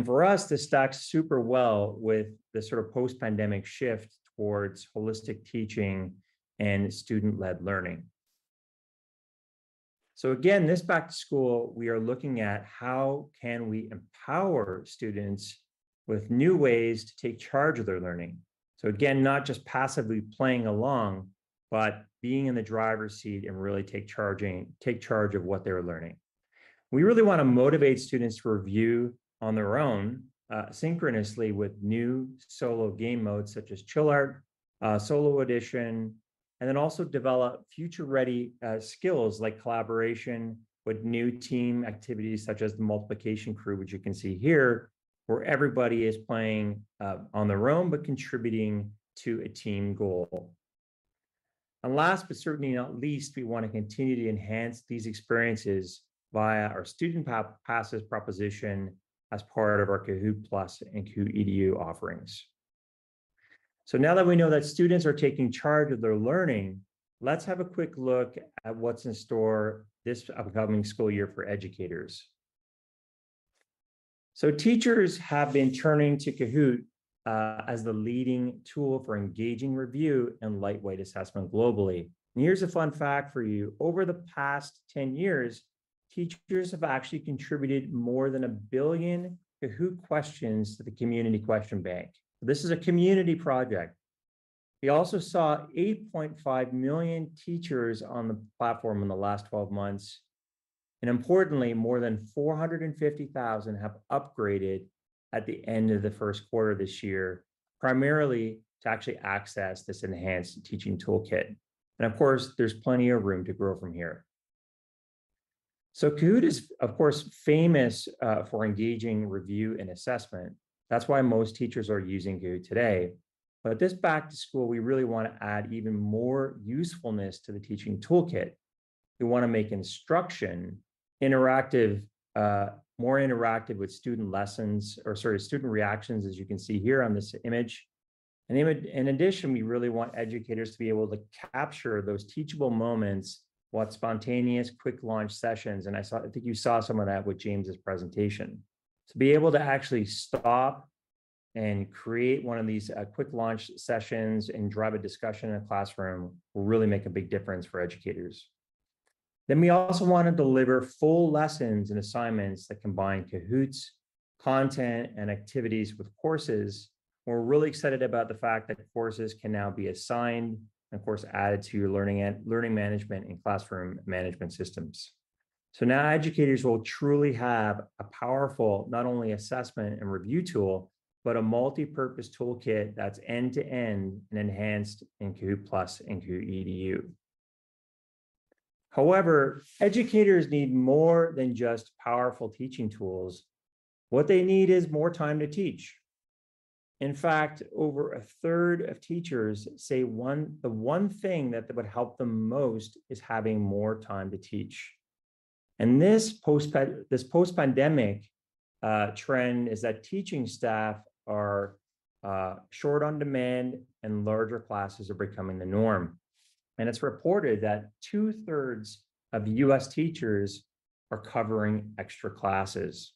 [SPEAKER 6] For us, this stacks super well with the sort of post-pandemic shift towards holistic teaching and student-led learning. This back to school, we are looking at how can we empower students with new ways to take charge of their learning? Not just passively playing along, but being in the driver's seat and really take charge of what they're learning. We really wanna motivate students to review on their own, synchronously with new solo game modes such as Chill Art Solo Edition, and then also develop future-ready skills, like collaboration with new team activities such as the Multiplication Crew, which you can see here, where everybody is playing on their own, but contributing to a team goal. Last, but certainly not least, we want to continue to enhance these experiences via our student passes proposition as part of our Kahoot!+ and Kahoot! EDU offerings. Now that we know that students are taking charge of their learning, let's have a quick look at what's in store this upcoming school year for educators. Teachers have been turning to Kahoot! as the leading tool for engaging review and lightweight assessment globally. Here's a fun fact for you: over the past 10 years, teachers have actually contributed more than 1 billion Kahoot! questions to the community question bank. This is a community project. We also saw 8.5 million teachers on the platform in the last 12 months, and importantly, more than 450,000 have upgraded at the end of the 1st quarter this year, primarily to actually access this enhanced teaching toolkit. Of course, there's plenty of room to grow from here. Kahoot! is, of course, famous for engaging review and assessment. That's why most teachers are using Kahoot! today. This back to school, we really want to add even more usefulness to the teaching toolkit. We wanna make instruction interactive, more interactive with student reactions, as you can see here on this image. in addition, we really want educators to be able to capture those teachable moments, what spontaneous quick launch sessions, and I think you saw some of that with James' presentation. To be able to actually stop and create one of these quick launch sessions and drive a discussion in a classroom will really make a big difference for educators. We also want to deliver full lessons and assignments that combine Kahoots, content, and activities with courses. We're really excited about the fact that courses can now be assigned, and of course, added to your learning management and classroom management systems. Now educators will truly have a powerful, not only assessment and review tool, but a multipurpose toolkit that's end-to-end and enhanced in Kahoot!+ and Kahoot! EDU. Educators need more than just powerful teaching tools. What they need is more time to teach. In fact, over a third of teachers say the one thing that would help the most is having more time to teach. This post-pandemic trend is that teaching staff are short on demand and larger classes are becoming the norm. It's reported that two-thirds of U.S. teachers are covering extra classes.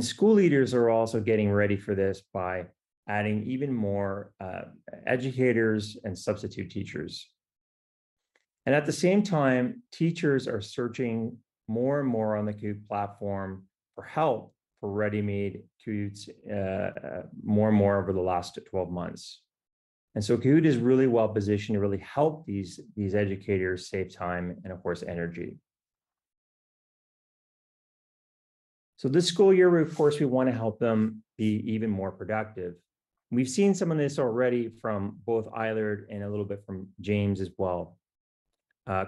[SPEAKER 6] School leaders are also getting ready for this by adding even more educators and substitute teachers. At the same time, teachers are searching more and more on the Kahoot! platform for help, for ready-made kahoots, more and more over the last 12 months. Kahoot! is really well-positioned to really help these educators save time and, of course, energy. This school year, of course, we want to help them be even more productive. We've seen some of this already from both Eilert and a little bit from James as well.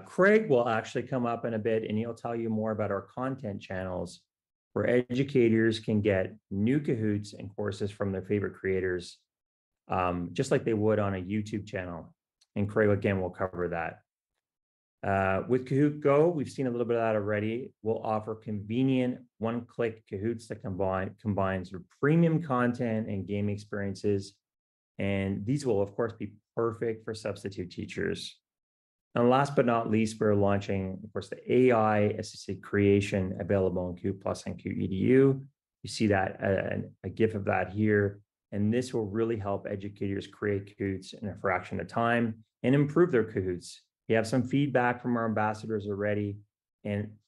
[SPEAKER 6] Craig will actually come up in a bit, and he'll tell you more about our content channels, where educators can get new Kahoots and courses from their favorite creators, just like they would on a YouTube channel, and Craig, again, will cover that. With Kahoot! GO, we've seen a little bit of that already. We'll offer convenient one-click Kahoots that combines your premium content and game experiences, and these will, of course, be perfect for substitute teachers. Last but not least, we're launching, of course, the AI-assisted creation available on Kahoot!+ and Kahoot! EDU. You see that, a GIF of that here, this will really help educators create Kahoots in a fraction of time and improve their Kahoots. We have some feedback from our ambassadors already.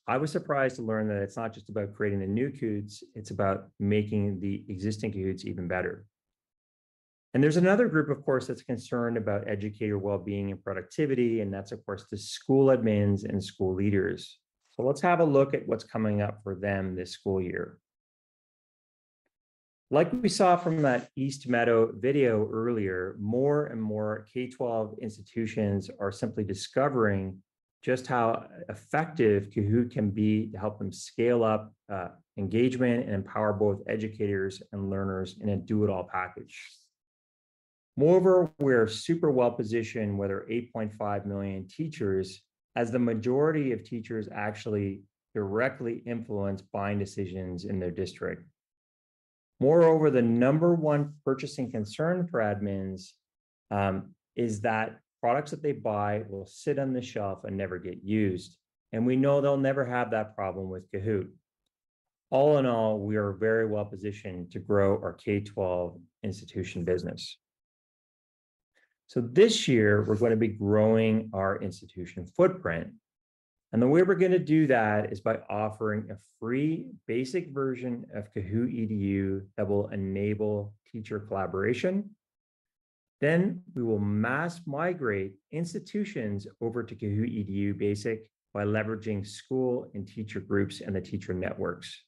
[SPEAKER 6] I was surprised to learn that it's not just about creating the new kahoots, it's about making the existing kahoots even better. There's another group, of course, that's concerned about educator well-being and productivity, and that's, of course, the school admins and school leaders. Let's have a look at what's coming up for them this school year. Like we saw from that East Meadow video earlier, more and more K-12 institutions are simply discovering just how effective Kahoot! can be to help them scale up engagement and empower both educators and learners in a do-it-all package. Moreover, we're super well-positioned with our 8.5 million teachers, as the majority of teachers actually directly influence buying decisions in their district.... Moreover, the number one purchasing concern for admins is that products that they buy will sit on the shelf and never get used, and we know they'll never have that problem with Kahoot! All in all, we are very well positioned to grow our K-12 institution business. This year, we're gonna be growing our institution footprint, and the way we're gonna do that is by offering a free basic version of Kahoot! EDU that will enable teacher collaboration. We will mass migrate institutions over to Kahoot! EDU Basic by leveraging school and teacher groups and the teacher networks.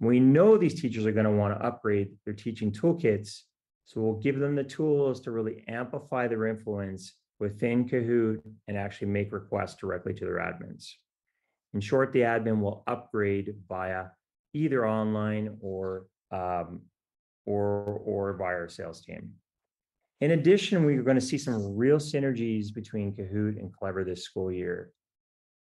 [SPEAKER 6] We know these teachers are gonna wanna upgrade their teaching toolkits, so we'll give them the tools to really amplify their influence within Kahoot! and actually make requests directly to their admins. In short, the admin will upgrade via either online or via our sales team. In addition, we are gonna see some real synergies between Kahoot! and Clever this school year.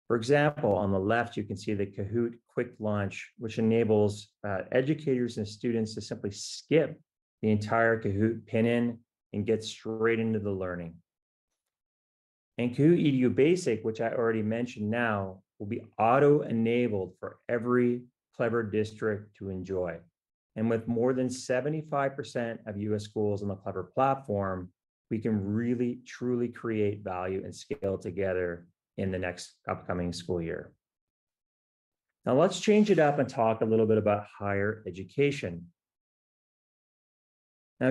[SPEAKER 6] For example, on the left, you can see the Kahoot! quick launch, which enables educators and students to simply skip the entire Kahoot! pin in and get straight into the learning. Kahoot! EDU Basic, which I already mentioned now, will be auto-enabled for every Clever district to enjoy. With more than 75% of U.S. schools on the Clever platform, we can really, truly create value and scale together in the next upcoming school year. Let's change it up and talk a little bit about higher education.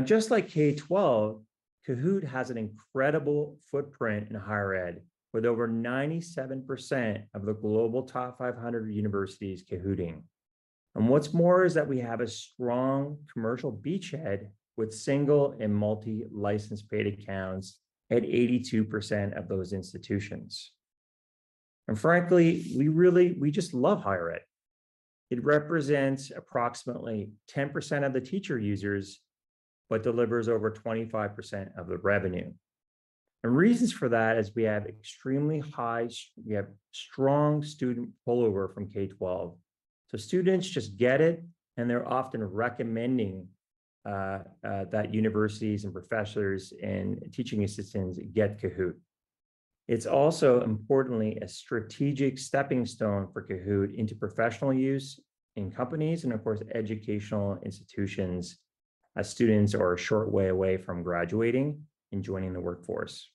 [SPEAKER 6] Just like K-12, Kahoot! has an incredible footprint in higher ed, with over 97% of the global top 500 universities Kahooting. What's more is that we have a strong commercial beachhead with single and multi-license paid accounts at 82% of those institutions. Frankly, we just love higher ed. It represents approximately 10% of the teacher users, but delivers over 25% of the revenue. Reasons for that is we have strong student rollover from K-12. Students just get it, and they're often recommending that universities and professors and teaching assistants get Kahoot! It's also importantly a strategic stepping stone for Kahoot! into professional use in companies and, of course, educational institutions, as students are a short way away from graduating and joining the workforce.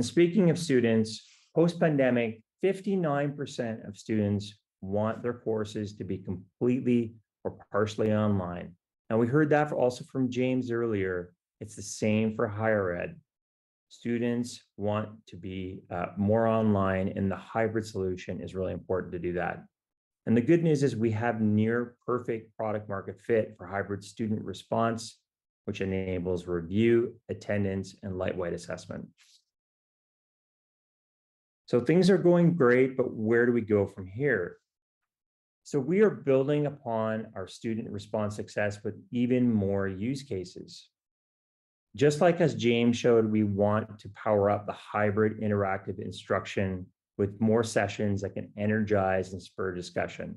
[SPEAKER 6] Speaking of students, post-pandemic, 59% of students want their courses to be completely or partially online. Now, we heard that also from James earlier. It's the same for higher ed. Students want to be more online. The hybrid solution is really important to do that. The good news is we have near-perfect product market fit for hybrid student response, which enables review, attendance, and lightweight assessment. Things are going great, but where do we go from here? We are building upon our student response success with even more use cases. Just like as James showed, we want to power up the hybrid interactive instruction with more sessions that can energize and spur discussion.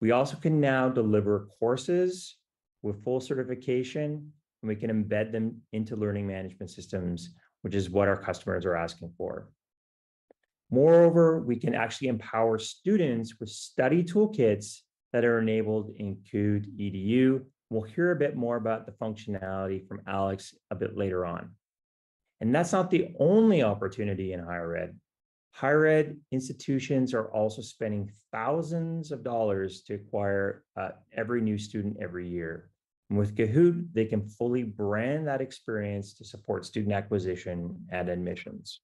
[SPEAKER 6] We also can now deliver courses with full certification, and we can embed them into learning management systems, which is what our customers are asking for. Moreover, we can actually empower students with study toolkits that are enabled in Kahoot! EDU. We'll hear a bit more about the functionality from Alex a bit later on. That's not the only opportunity in higher ed. Higher ed institutions are also spending thousands of dollars to acquire every new student every year. With Kahoot!, they can fully brand that experience to support student acquisition and admissions.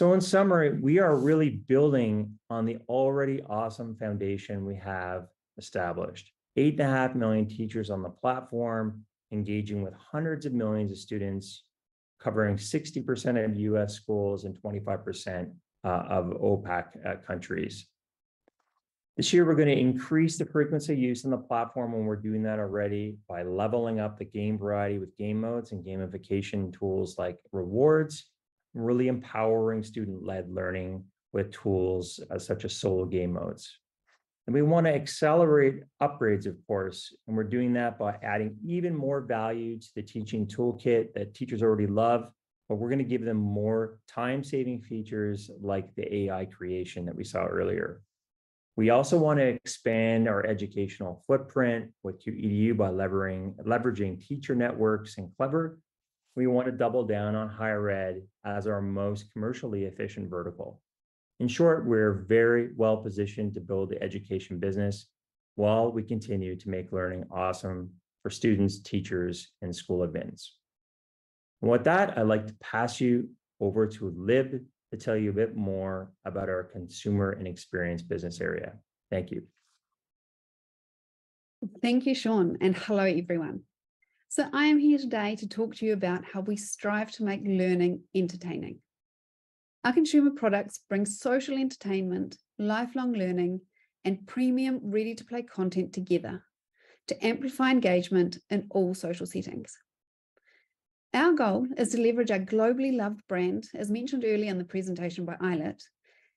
[SPEAKER 6] In summary, we are really building on the already awesome foundation we have established. 8.5 million teachers on the platform, engaging with hundreds of millions of students, covering 60% of U.S. schools and 25% of OECD countries. This year, we're gonna increase the frequency of use on the platform, and we're doing that already by leveling up the game variety with game modes and gamification tools like rewards, and really empowering student-led learning with tools such as solo game modes. We wanna accelerate upgrades, of course, and we're doing that by adding even more value to the teaching toolkit that teachers already love, but we're gonna give them more time-saving features, like the AI creation that we saw earlier. We also wanna expand our educational footprint with Kahoot! EDU by leveraging teacher networks in Clever. We want to double down on higher ed as our most commercially efficient vertical. In short, we're very well-positioned to build the education business while we continue to make learning awesome for students, teachers, and school events. With that, I'd like to pass you over to Liv to tell you a bit more about our consumer and experience business area. Thank you.
[SPEAKER 7] Thank you, Sean. Hello, everyone. I am here today to talk to you about how we strive to make learning entertaining. Our consumer products bring social entertainment, lifelong learning, and premium, ready-to-play content together to amplify engagement in all social settings. Our goal is to leverage our globally loved brand, as mentioned earlier in the presentation by Eilert,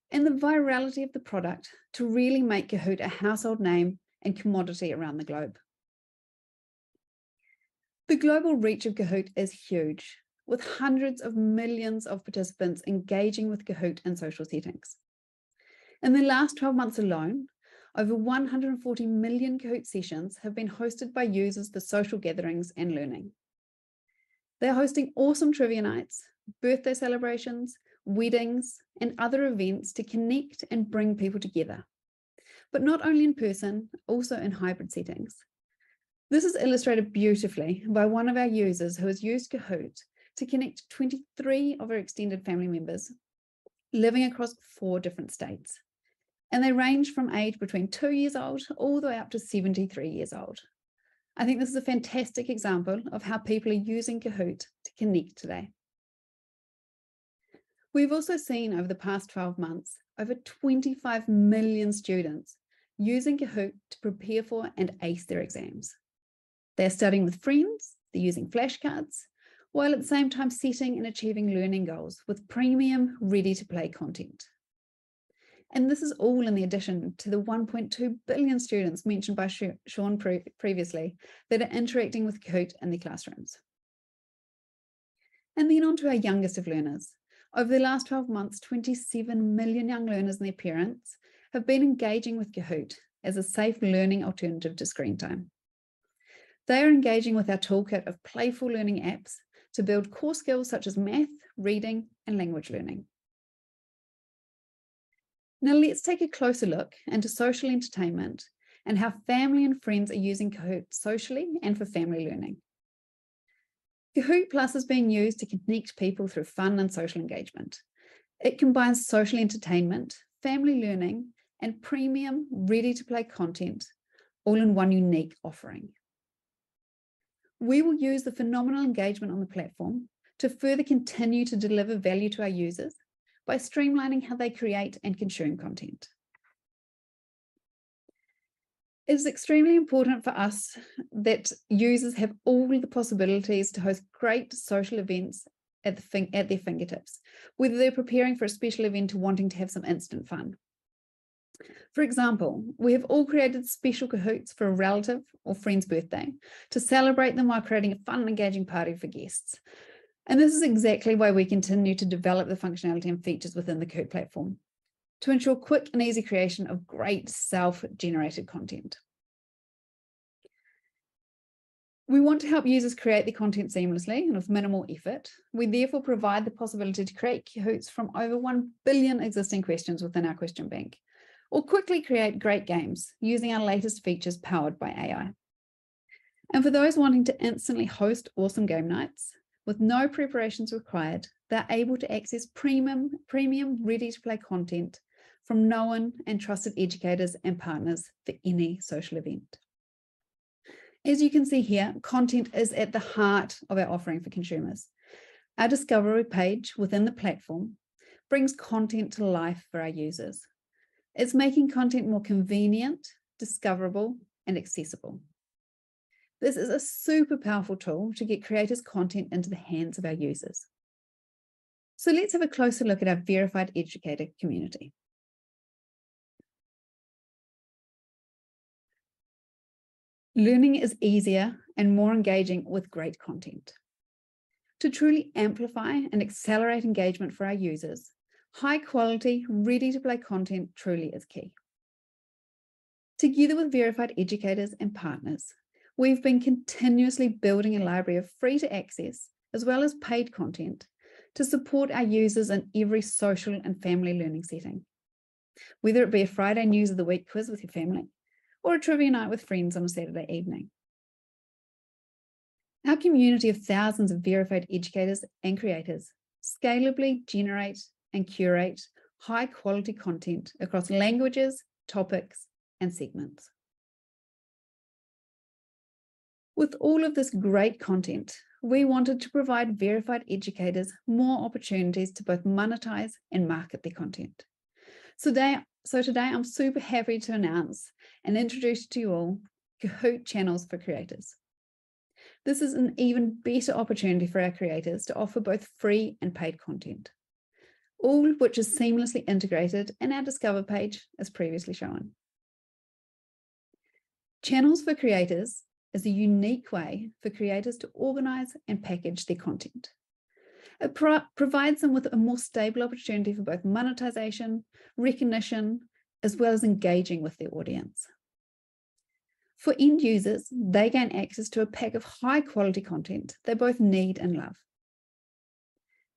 [SPEAKER 7] and the virality of the product to really make Kahoot! a household name and commodity around the globe. The global reach of Kahoot! is huge, with hundreds of millions of participants engaging with Kahoot! in social settings. In the last 12 months alone, over 140 million Kahoot! sessions have been hosted by users for social gatherings and learning. They're hosting awesome trivia nights, birthday celebrations, weddings, and other events to connect and bring people together, but not only in person, also in hybrid settings. This is illustrated beautifully by one of our users who has used Kahoot! to connect 23 of her extended family members living across four different states. They range from age between two years old all the way up to 73 years old. I think this is a fantastic example of how people are using Kahoot! to connect today. We've also seen over the past 12 months over 25 million students using Kahoot! to prepare for and ace their exams. They're studying with friends, they're using flashcards, while at the same time setting and achieving learning goals with premium, ready-to-play content. This is all in addition to the 1.2 billion students mentioned by Sean previously, that are interacting with Kahoot! in their classrooms. On to our youngest of learners. Over the last 12 months, 27 million young learners and their parents have been engaging with Kahoot! as a safe learning alternative to screen time. They are engaging with our toolkit of playful learning apps to build core skills such as math, reading, and language learning. Now let's take a closer look into social entertainment and how family and friends are using Kahoot! socially and for family learning. Kahoot!+ is being used to connect people through fun and social engagement. It combines social entertainment, family learning, and premium, ready-to-play content, all in one unique offering. We will use the phenomenal engagement on the platform to further continue to deliver value to our users by streamlining how they create and consume content. It is extremely important for us that users have all the possibilities to host great social events at their fingertips, whether they're preparing for a special event or wanting to have some instant fun. For example, we have all created special Kahoots for a relative or friend's birthday to celebrate them while creating a fun and engaging party for guests. This is exactly why we continue to develop the functionality and features within the Kahoot! platform, to ensure quick and easy creation of great self-generated content. We want to help users create their content seamlessly and with minimal effort. We therefore provide the possibility to create Kahoots from over 1 billion existing questions within our question bank, or quickly create great games using our latest features powered by AI. For those wanting to instantly host awesome game nights with no preparations required, they're able to access premium, ready-to-play content from known and trusted educators and partners for any social event. As you can see here, content is at the heart of our offering for consumers. Our Discover page within the platform brings content to life for our users. It's making content more convenient, discoverable, and accessible. This is a super powerful tool to get creators' content into the hands of our users. Let's have a closer look at our verified educator community. Learning is easier and more engaging with great content. To truly amplify and accelerate engagement for our users, high-quality, ready-to-play content truly is key. Together with verified educators and partners, we've been continuously building a library of free-to-access, as well as paid, content to support our users in every social and family learning setting, whether it be a Friday news of the week quiz with your family or a trivia night with friends on a Saturday evening. Our community of thousands of verified educators and creators scalably generate and curate high-quality content across languages, topics, and segments. With all of this great content, we wanted to provide verified educators more opportunities to both monetize and market their content. So today I'm super happy to announce and introduce to you all Kahoot! Channels for Creators. This is an even better opportunity for our creators to offer both free and paid content, all of which is seamlessly integrated in our Discover page, as previously shown. Channels for Creators is a unique way for creators to organize and package their content. It provides them with a more stable opportunity for both monetization, recognition, as well as engaging with their audience. For end users, they gain access to a pack of high-quality content they both need and love.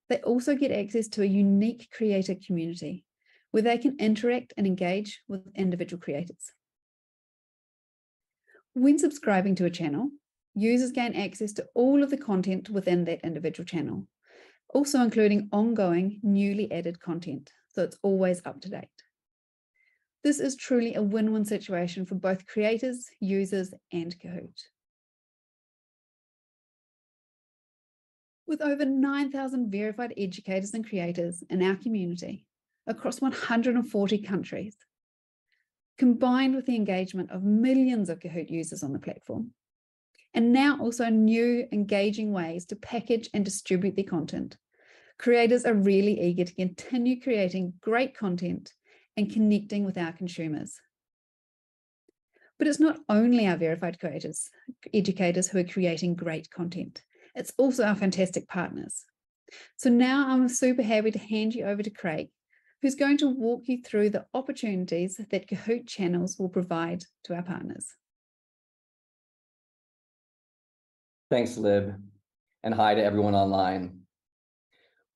[SPEAKER 7] They also get access to a unique creator community, where they can interact and engage with individual creators. When subscribing to a channel, users gain access to all of the content within that individual channel, also including ongoing, newly added content, so it's always up to date. This is truly a win-win situation for both creators, users, and Kahoot! With over 9,000 verified educators and creators in our community across 140 countries-... Combined with the engagement of millions of Kahoot! users on the platform, now also new engaging ways to package and distribute their content, creators are really eager to continue creating great content and connecting with our consumers. It's not only our verified creators, educators who are creating great content, it's also our fantastic partners. Now I'm super happy to hand you over to Craig, who's going to walk you through the opportunities that Kahoot! Channels will provide to our partners.
[SPEAKER 8] Thanks, Liv. Hi to everyone online.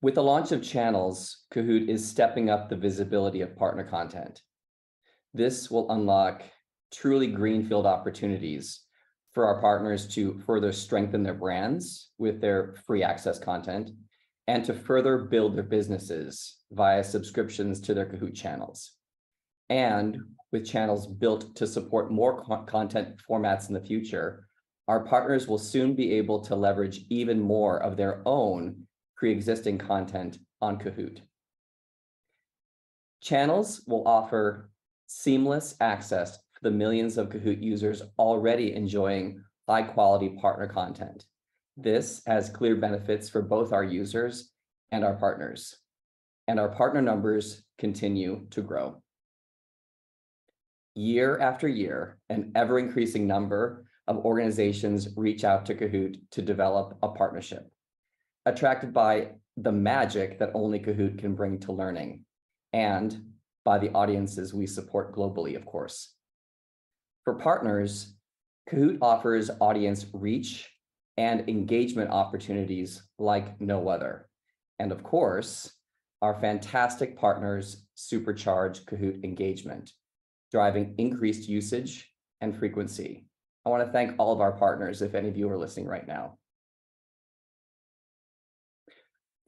[SPEAKER 8] With the launch of Channels, Kahoot! is stepping up the visibility of partner content. This will unlock truly greenfield opportunities for our partners to further strengthen their brands with their free access content, and to further build their businesses via subscriptions to their Kahoot! Channels. With Channels built to support more content formats in the future, our partners will soon be able to leverage even more of their own pre-existing content on Kahoot!. Channels will offer seamless access to the millions of Kahoot! users already enjoying high-quality partner content. This has clear benefits for both our users and our partners, and our partner numbers continue to grow. Year after year, an ever-increasing number of organizations reach out to Kahoot! to develop a partnership, attracted by the magic that only Kahoot! Can bring to learning, and by the audiences we support globally, of course. For partners, Kahoot! offers audience reach and engagement opportunities like no other. Of course, our fantastic partners supercharge Kahoot! engagement, driving increased usage and frequency. I want to thank all of our partners, if any of you are listening right now.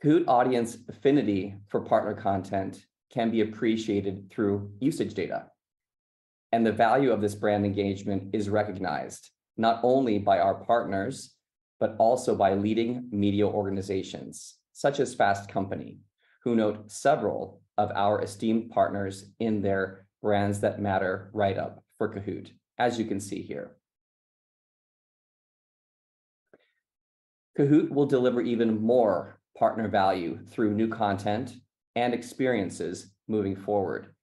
[SPEAKER 8] Kahoot! audience affinity for partner content can be appreciated through usage data, and the value of this brand engagement is recognized not only by our partners, but also by leading media organizations, such as Fast Company, who note several of our esteemed partners in their Brands That Matter write-up for Kahoot!, as you can see here. Kahoot! will deliver even more partner value through new content and experiences moving forward.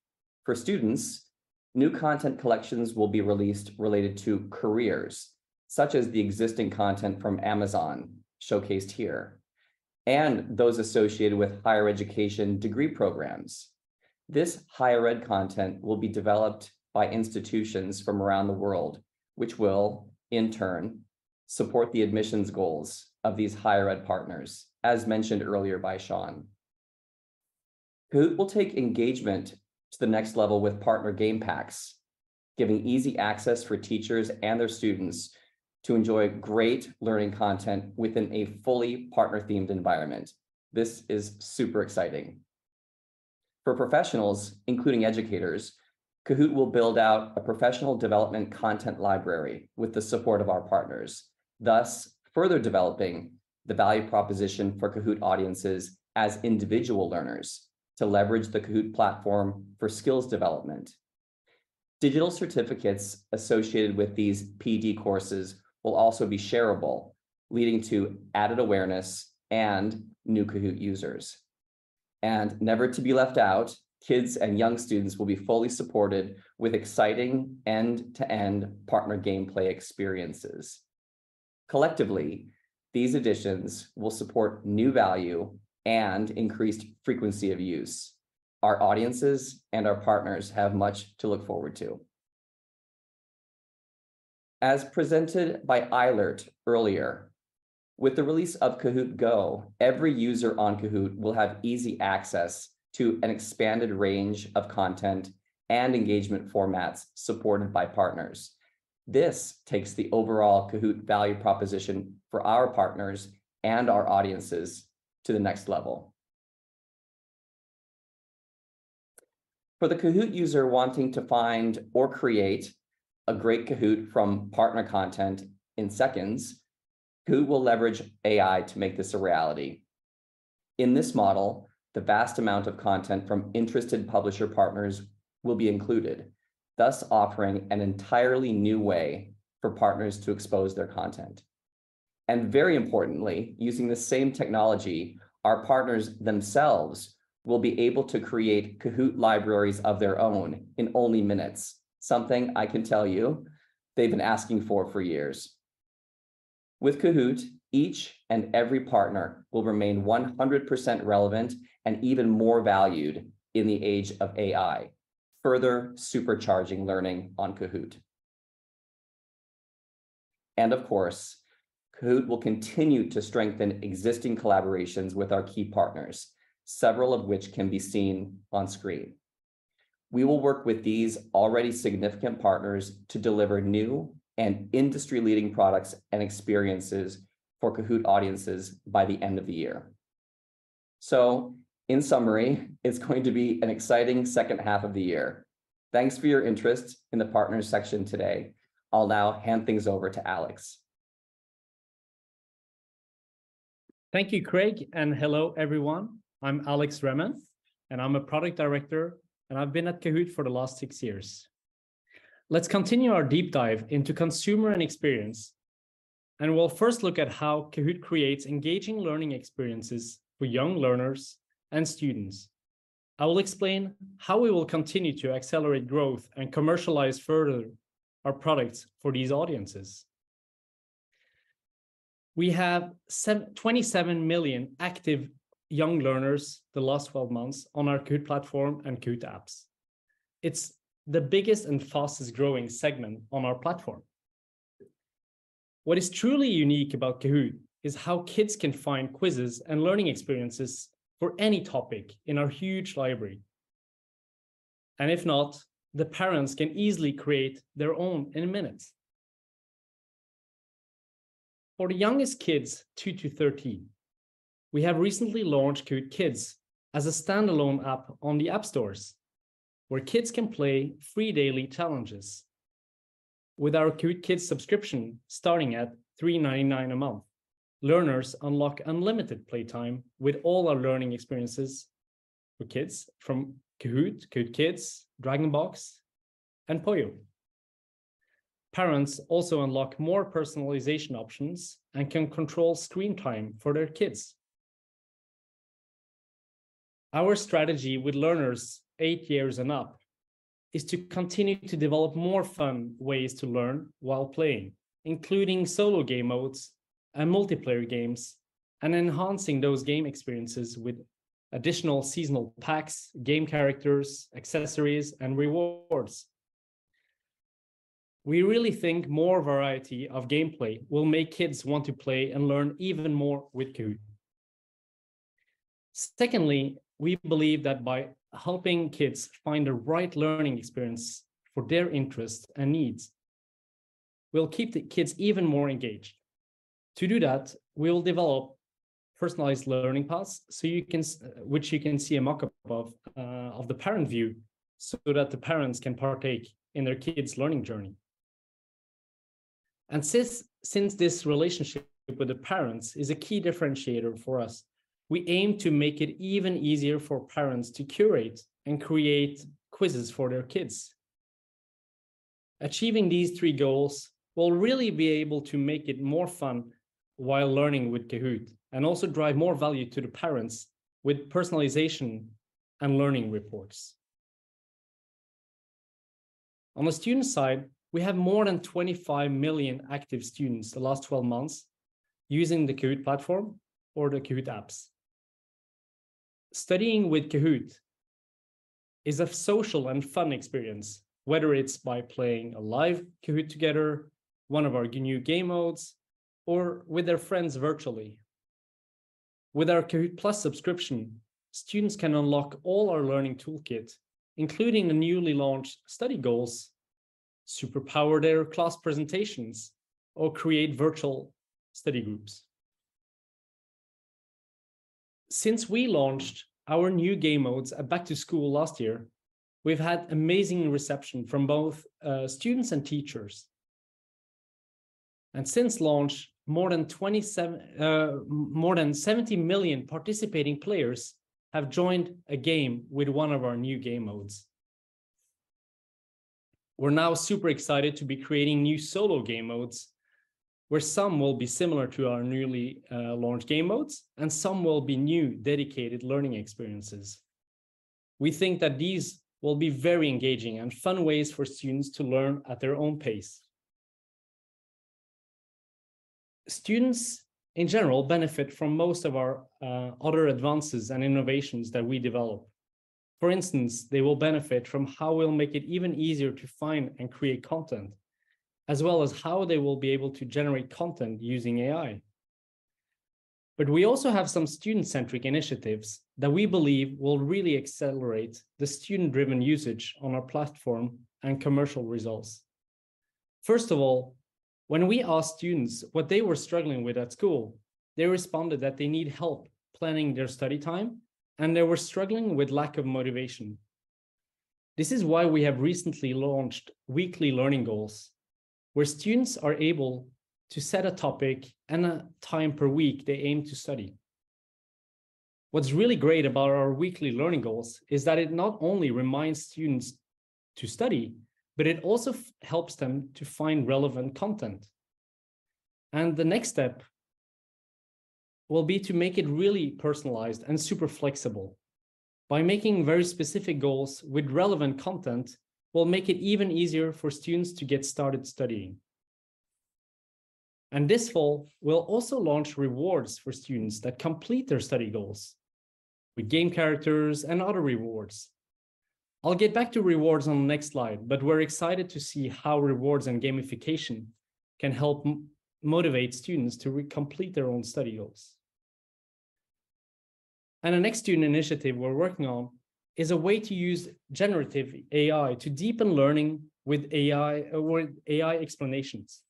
[SPEAKER 8] For students, new content collections will be released related to careers, such as the existing content from Amazon, showcased here, and those associated with higher education degree programs. This higher ed content will be developed by institutions from around the world, which will, in turn, support the admissions goals of these higher ed partners, as mentioned earlier by Sean. Kahoot! will take engagement to the next level with partner game packs, giving easy access for teachers and their students to enjoy great learning content within a fully partner-themed environment. This is super exciting. For professionals, including educators, Kahoot! will build out a professional development content library with the support of our partners, thus further developing the value proposition for Kahoot! audiences as individual learners to leverage the Kahoot! platform for skills development. Digital certificates associated with these PD courses will also be shareable, leading to added awareness and new Kahoot! Users. Never to be left out, kids and young students will be fully supported with exciting end-to-end partner gameplay experiences. Collectively, these additions will support new value and increased frequency of use. Our audiences and our partners have much to look forward to. As presented by Eilert earlier, with the release of Kahoot! GO, every user on Kahoot! will have easy access to an expanded range of content and engagement formats supported by partners. This takes the overall Kahoot! value proposition for our partners and our audiences to the next level. For the Kahoot! user wanting to find or create a great Kahoot! from partner content in seconds, Kahoot! will leverage AI to make this a reality. In this model, the vast amount of content from interested publisher partners will be included, thus offering an entirely new way for partners to expose their content. Very importantly, using the same technology, our partners themselves will be able to create Kahoot! libraries of their own in only minutes, something I can tell you they've been asking for for years. With Kahoot!, each and every partner will remain 100% relevant and even more valued in the age of AI, further supercharging learning on Kahoot! Of course, Kahoot! will continue to strengthen existing collaborations with our key partners, several of which can be seen on screen. We will work with these already significant partners to deliver new and industry-leading products and experiences for Kahoot! audiences by the end of the year. In summary, it's going to be an exciting second half of the year. Thanks for your interest in the partners section today. I'll now hand things over to Alex.
[SPEAKER 9] Thank you, Craig, hello, everyone. I'm Alex Remen, and I'm a Product Director, and I've been at Kahoot! for the last six years. Let's continue our deep dive into consumer and experience, we'll first look at how Kahoot! creates engaging learning experiences for young learners and students. I will explain how we will continue to accelerate growth and commercialize further our products for these audiences. We have 27 million active young learners the last 12 months on our Kahoot! platform and Kahoot! apps. It's the biggest and fastest growing segment on our platform. What is truly unique about Kahoot! is how kids can find quizzes and learning experiences for any topic in our huge library, and if not, the parents can easily create their own in minutes. For the youngest kids, 2 to 13, we have recently launched Kahoot! Kids as a standalone app on the app stores, where kids can play free daily challenges. With our Kahoot! Kids subscription, starting at $3.99 a month, learners unlock unlimited playtime with all our learning experiences for kids from Kahoot!, Kahoot! Kids, DragonBox, and Poio. Parents also unlock more personalization options and can control screen time for their kids. Our strategy with learners eight years and up is to continue to develop more fun ways to learn while playing, including solo game modes and multiplayer games, and enhancing those game experiences with additional seasonal packs, game characters, accessories, and rewards. We really think more variety of gameplay will make kids want to play and learn even more with Kahoot! Secondly, we believe that by helping kids find the right learning experience for their interests and needs, we'll keep the kids even more engaged. To do that, we'll develop personalized learning paths, which you can see a mock-up of the parent view, so that the parents can partake in their kids' learning journey. Since this relationship with the parents is a key differentiator for us, we aim to make it even easier for parents to curate and create quizzes for their kids. Achieving these three goals, we'll really be able to make it more fun while learning with Kahoot! and also drive more value to the parents with personalization and learning reports. On the student side, we have more than 25 million active students the last 12 months using the Kahoot! platform or the Kahoot! apps. Studying with Kahoot! is a social and fun experience, whether it's by playing a live Kahoot! together, one of our new game modes, or with their friends virtually. With our Kahoot!+ subscription, students can unlock all our learning toolkit, including the newly launched study goals, superpower their class presentations, or create virtual study groups. Since we launched our new game modes at back to school last year, we've had amazing reception from both students and teachers. Since launch, more than 70 million participating players have joined a game with one of our new game modes. We're now super excited to be creating new solo game modes, where some will be similar to our newly launched game modes, and some will be new, dedicated learning experiences. We think that these will be very engaging and fun ways for students to learn at their own pace. Students, in general, benefit from most of our other advances and innovations that we develop. For instance, they will benefit from how we'll make it even easier to find and create content, as well as how they will be able to generate content using AI. We also have some student-centric initiatives that we believe will really accelerate the student-driven usage on our platform and commercial results. First of all, when we asked students what they were struggling with at school, they responded that they need help planning their study time, and they were struggling with lack of motivation. This is why we have recently launched weekly learning goals, where students are able to set a topic and a time per week they aim to study. What's really great about our weekly learning goals is that it not only reminds students to study, but it also helps them to find relevant content. The next step will be to make it really personalized and super flexible. By making very specific goals with relevant content, we'll make it even easier for students to get started studying. This fall, we'll also launch rewards for students that complete their study goals with game characters and other rewards. I'll get back to rewards on the next slide, we're excited to see how rewards and gamification can help motivate students to complete their own study goals. The next student initiative we're working on is a way to use generative AI to deepen learning with AI, with AI explanations.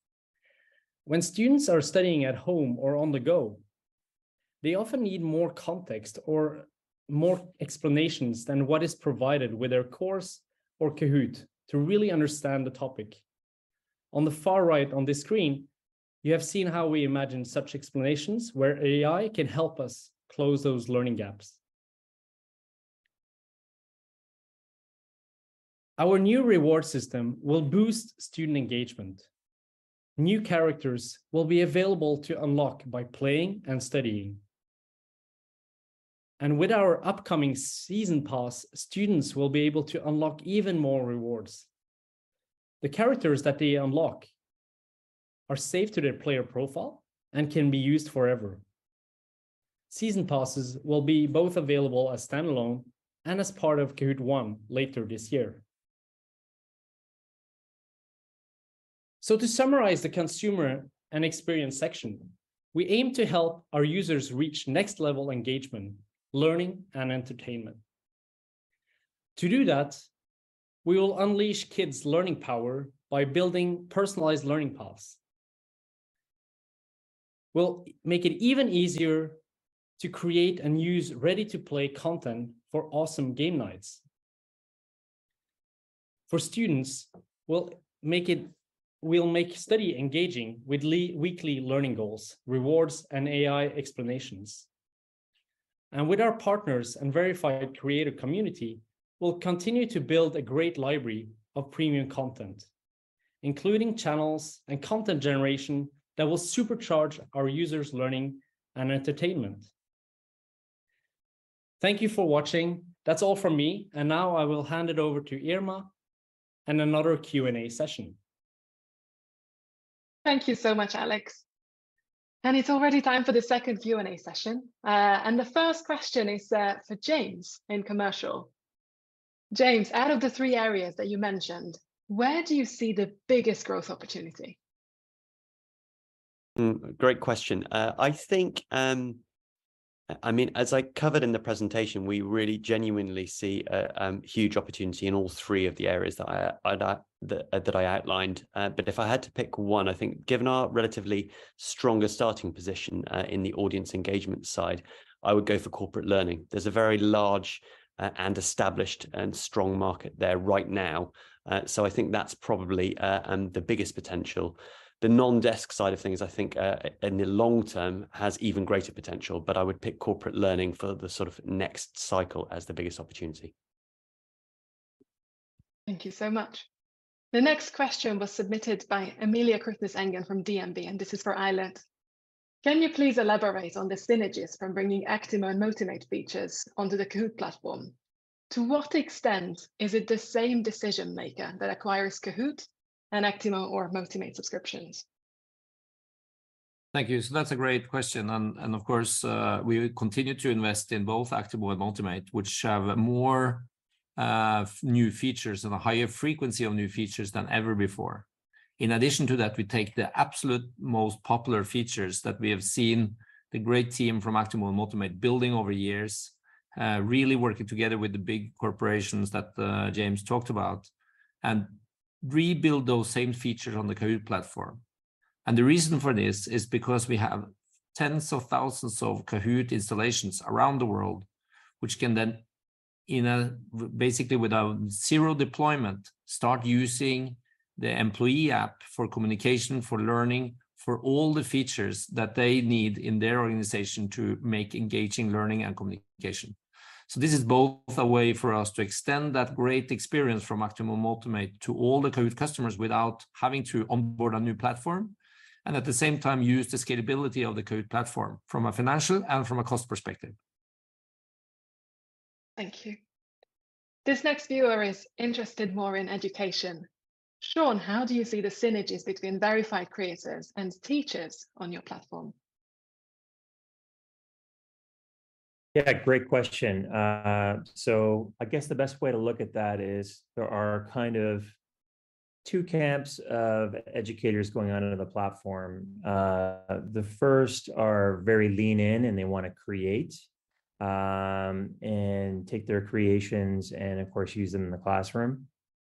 [SPEAKER 9] When students are studying at home or on the go, they often need more context or more explanations than what is provided with their course or Kahoot! to really understand the topic. on the far right on this screen, you have seen how we imagine such explanations where AI can help us close those learning gaps. Our new reward system will boost student engagement. New characters will be available to unlock by playing and studying. With our upcoming Season Pass, students will be able to unlock even more rewards. The characters that they unlock are saved to their player profile and can be used forever. Season Passes will be both available as standalone and as part of Kahoot! One later this year. To summarize the consumer and experience section, we aim to help our users reach next-level engagement, learning, and entertainment. To do that, we will unleash kids' learning power by building personalized learning paths. We'll make it even easier to create and use ready-to-play content for awesome game nights. For students, we'll make study engaging with weekly learning goals, rewards, and AI explanations. With our partners and Verified Creator community, we'll continue to build a great library of premium content, including channels and content generation that will supercharge our users' learning and entertainment. Thank you for watching. That's all from me, and now I will hand it over to Irma and another Q&A session.
[SPEAKER 1] Thank you so much, Alex. It's already time for the second Q&A session. The first question is for James in commercial. James, out of the three areas that you mentioned, where do you see the biggest growth opportunity?
[SPEAKER 5] Great question. I mean, as I covered in the presentation, we really genuinely see a huge opportunity in all three of the areas that I outlined. If I had to pick one, I think given our relatively stronger starting position in the audience engagement side, I would go for corporate learning. There's a very large and established and strong market there right now. I think that's probably the biggest potential. The non-desk side of things, I think, in the long term, has even greater potential, but I would pick corporate learning for the sort of next cycle as the biggest opportunity.
[SPEAKER 1] Thank you so much. The next question was submitted by Emilie Krutnes Engen from DNB, and this is for Eilert. Can you please elaborate on the synergies from bringing Actimo and Motimate features onto the Kahoot! platform? To what extent is it the same decision-maker that acquires Kahoot! and Actimo or Motimate subscriptions?
[SPEAKER 2] Thank you. That's a great question, and of course, we will continue to invest in both Actimo and Motimate, which have more new features and a higher frequency of new features than ever before. In addition to that, we take the absolute most popular features that we have seen the great team from Actimo and Motimate building over years, really working together with the big corporations that James talked about, and rebuild those same features on the Kahoot! platform. The reason for this is because we have tens of thousands of Kahoot! installations around the world, which can then, basically without zero deployment, start using the employee app for communication, for learning, for all the features that they need in their organization to make engaging learning and communication. This is both a way for us to extend that great experience from Actimo and Motimate to all the Kahoot! customers without having to onboard a new platform, and at the same time, use the scalability of the Kahoot! platform from a financial and from a cost perspective.
[SPEAKER 1] Thank you. This next viewer is interested more in education. Sean, how do you see the synergies between verified creators and teachers on your platform?
[SPEAKER 6] Yeah, great question. I guess the best way to look at that is there are kind of two camps of educators going on into the platform. The first are very lean in, and they wanna create, and take their creations and of course, use them in the classroom.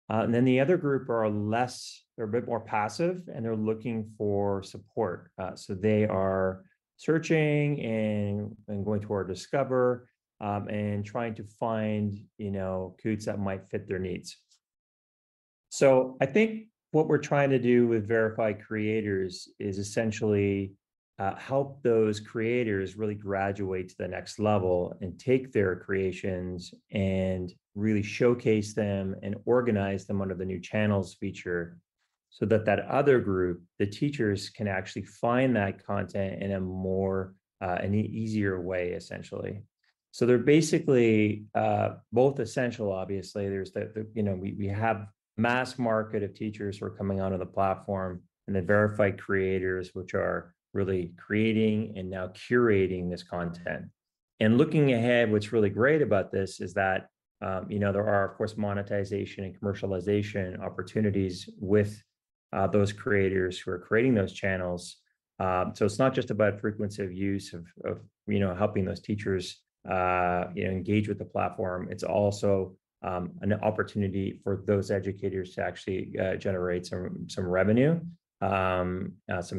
[SPEAKER 6] The other group are less... They're a bit more passive, and they're looking for support. They are searching and going to our Discover, and trying to find, you know, Kahoots that might fit their needs. I think what we're trying to do with Verified Creators is essentially help those creators really graduate to the next level and take their creations, and really showcase them, and organize them under the new Channels feature, so that that other group, the teachers, can actually find that content in a more, in a easier way, essentially. They're basically both essential, obviously. There's the, you know, we have mass market of teachers who are coming onto the platform and the Verified Creators, which are really creating and now curating this content. Looking ahead, what's really great about this is that, you know, there are, of course, monetization and commercialization opportunities with those creators who are creating those Channels. It's not just about frequency of use, you know, helping those teachers, you know, engage with the platform. It's also an opportunity for those educators to actually generate some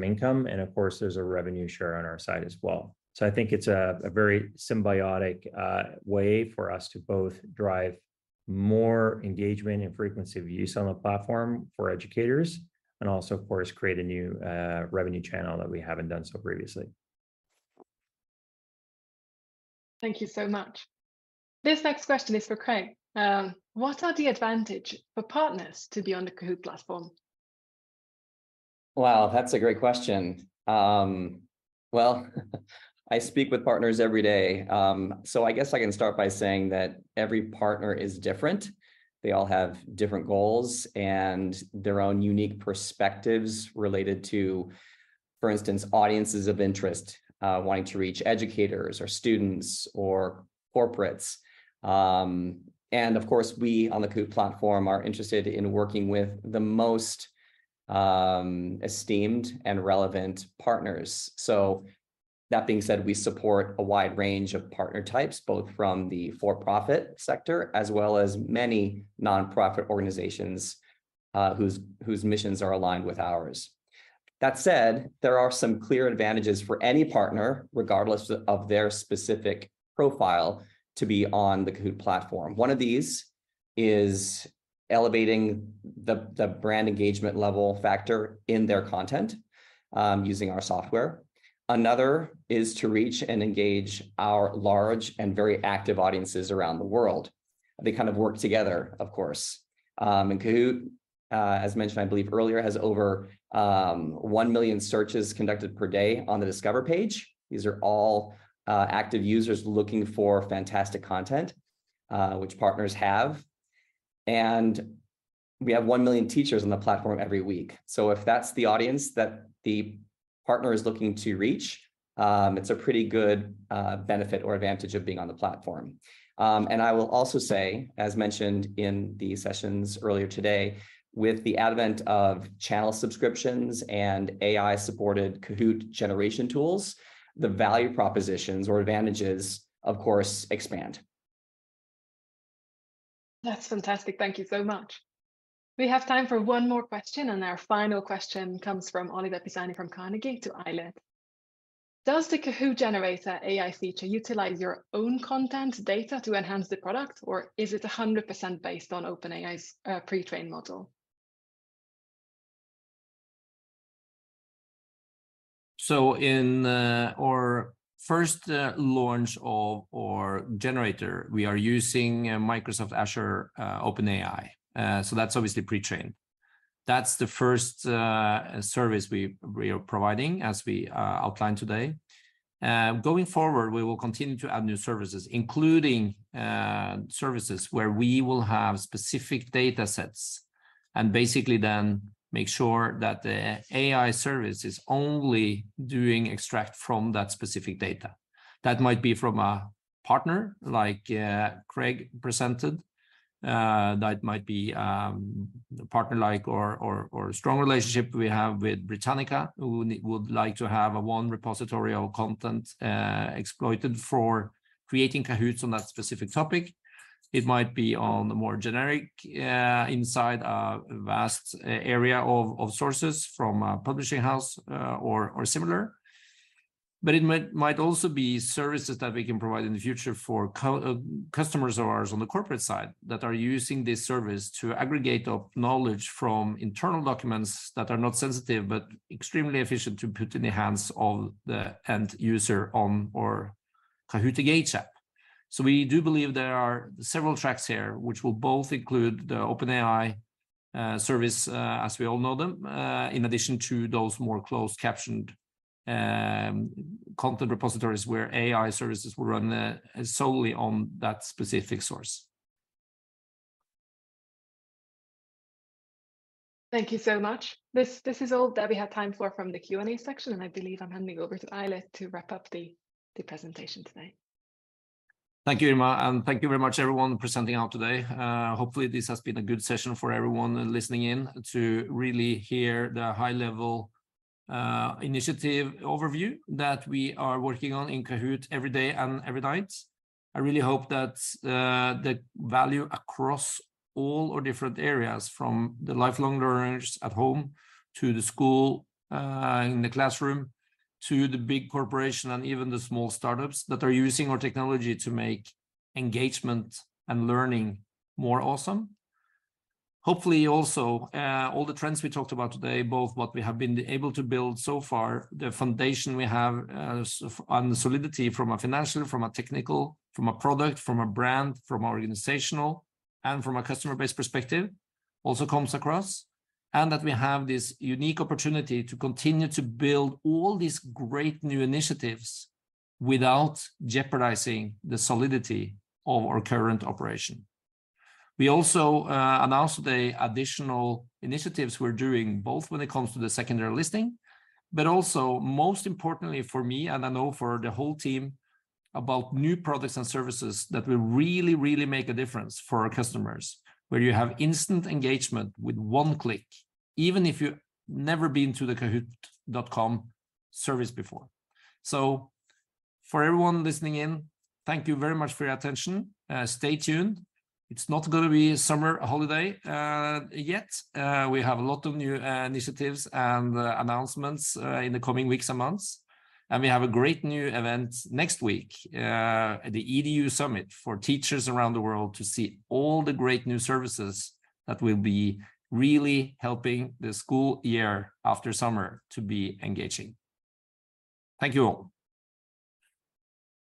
[SPEAKER 6] income, and of course, there's a revenue share on our side as well. I think it's a very symbiotic way for us to both drive more engagement and frequency of use on the platform for educators and also, of course, create a new revenue channel that we haven't done so previously.
[SPEAKER 1] Thank you so much. This next question is for Craig. What are the advantage for partners to be on the Kahoot! platform?
[SPEAKER 8] That's a great question. I speak with partners every day. I guess I can start by saying that every partner is different. They all have different goals and their own unique perspectives related to, for instance, audiences of interest, wanting to reach educators or students or corporates. Of course, we on the Kahoot! platform are interested in working with the most esteemed and relevant partners. That being said, we support a wide range of partner types, both from the for-profit sector, as well as many nonprofit organizations, whose missions are aligned with ours. That said, there are some clear advantages for any partner, regardless of their specific profile, to be on the Kahoot! platform. One of these is elevating the brand engagement level factor in their content, using our software. Another is to reach and engage our large and very active audiences around the world. They kind of work together, of course. Kahoot!, as mentioned, I believe earlier, has over 1 million searches conducted per day on the Discover page. These are all active users looking for fantastic content, which partners have, and we have 1 million teachers on the platform every week. If that's the audience that the partner is looking to reach, it's a pretty good benefit or advantage of being on the platform. I will also say, as mentioned in the sessions earlier today, with the advent of channel subscriptions and AI-supported Kahoot! generation tools, the value propositions or advantages, of course, expand.
[SPEAKER 1] That's fantastic. Thank you so much. We have time for one more question. Our final question comes from Oliver Pisani from Carnegie to Eilert. Does the Kahoot! Generator AI feature utilize your own content data to enhance the product, or is it 100% based on OpenAI's pre-trained model?
[SPEAKER 2] In our first launch of our Generator, we are using Microsoft Azure OpenAI. That's obviously pre-trained. That's the first service we are providing, as we outlined today. Going forward, we will continue to add new services, including services where we will have specific datasets, and basically then make sure that the AI service is only doing extract from that specific data. That might be from a partner, like Craig presented. That might be a partner like or a strong relationship we have with Britannica, who would like to have a one repository of content, exploited for creating Kahoots on that specific topic. It might be on the more generic, inside a vast area of sources from a publishing house, or similar. It might also be services that we can provide in the future for customers of ours on the corporate side, that are using this service to aggregate up knowledge from internal documents that are not sensitive, but extremely efficient to put in the hands of the end user on our Kahoot! Engage app. We do believe there are several tracks here, which will both include the OpenAI service as we all know them in addition to those more closed-captioned content repositories where AI services will run solely on that specific source.
[SPEAKER 1] Thank you so much. This is all that we have time for from the Q&A section, I believe I'm handing over to Eilert to wrap up the presentation tonight.
[SPEAKER 2] Thank you, Irma. Thank you very much everyone presenting out today. Hopefully, this has been a good session for everyone listening in, to really hear the high-level initiative overview that we are working on in Kahoot! every day and every night. I really hope that the value across all our different areas, from the lifelong learners at home, to the school in the classroom, to the big corporation, and even the small startups, that are using our technology to make engagement and learning more awesome. Hopefully, also, all the trends we talked about today, both what we have been able to build so far, the foundation we have on solidity from a financial, from a technical, from a product, from a brand, from organizational, and from a customer-based perspective, also comes across. That we have this unique opportunity to continue to build all these great new initiatives without jeopardizing the solidity of our current operation. We also, announced the additional initiatives we're doing, both when it comes to the secondary listing, but also, most importantly for me, and I know for the whole team, about new products and services that will really, really make a difference for our customers, where you have instant engagement with one click, even if you've never been to the kahoot.com service before. For everyone listening in, thank you very much for your attention. Stay tuned. It's not gonna be a summer holiday, yet. We have a lot of new initiatives and announcements in the coming weeks and months, and we have a great new event next week at the EDU Summit, for teachers around the world to see all the great new services that will be really helping the school year after summer to be engaging. Thank you, all!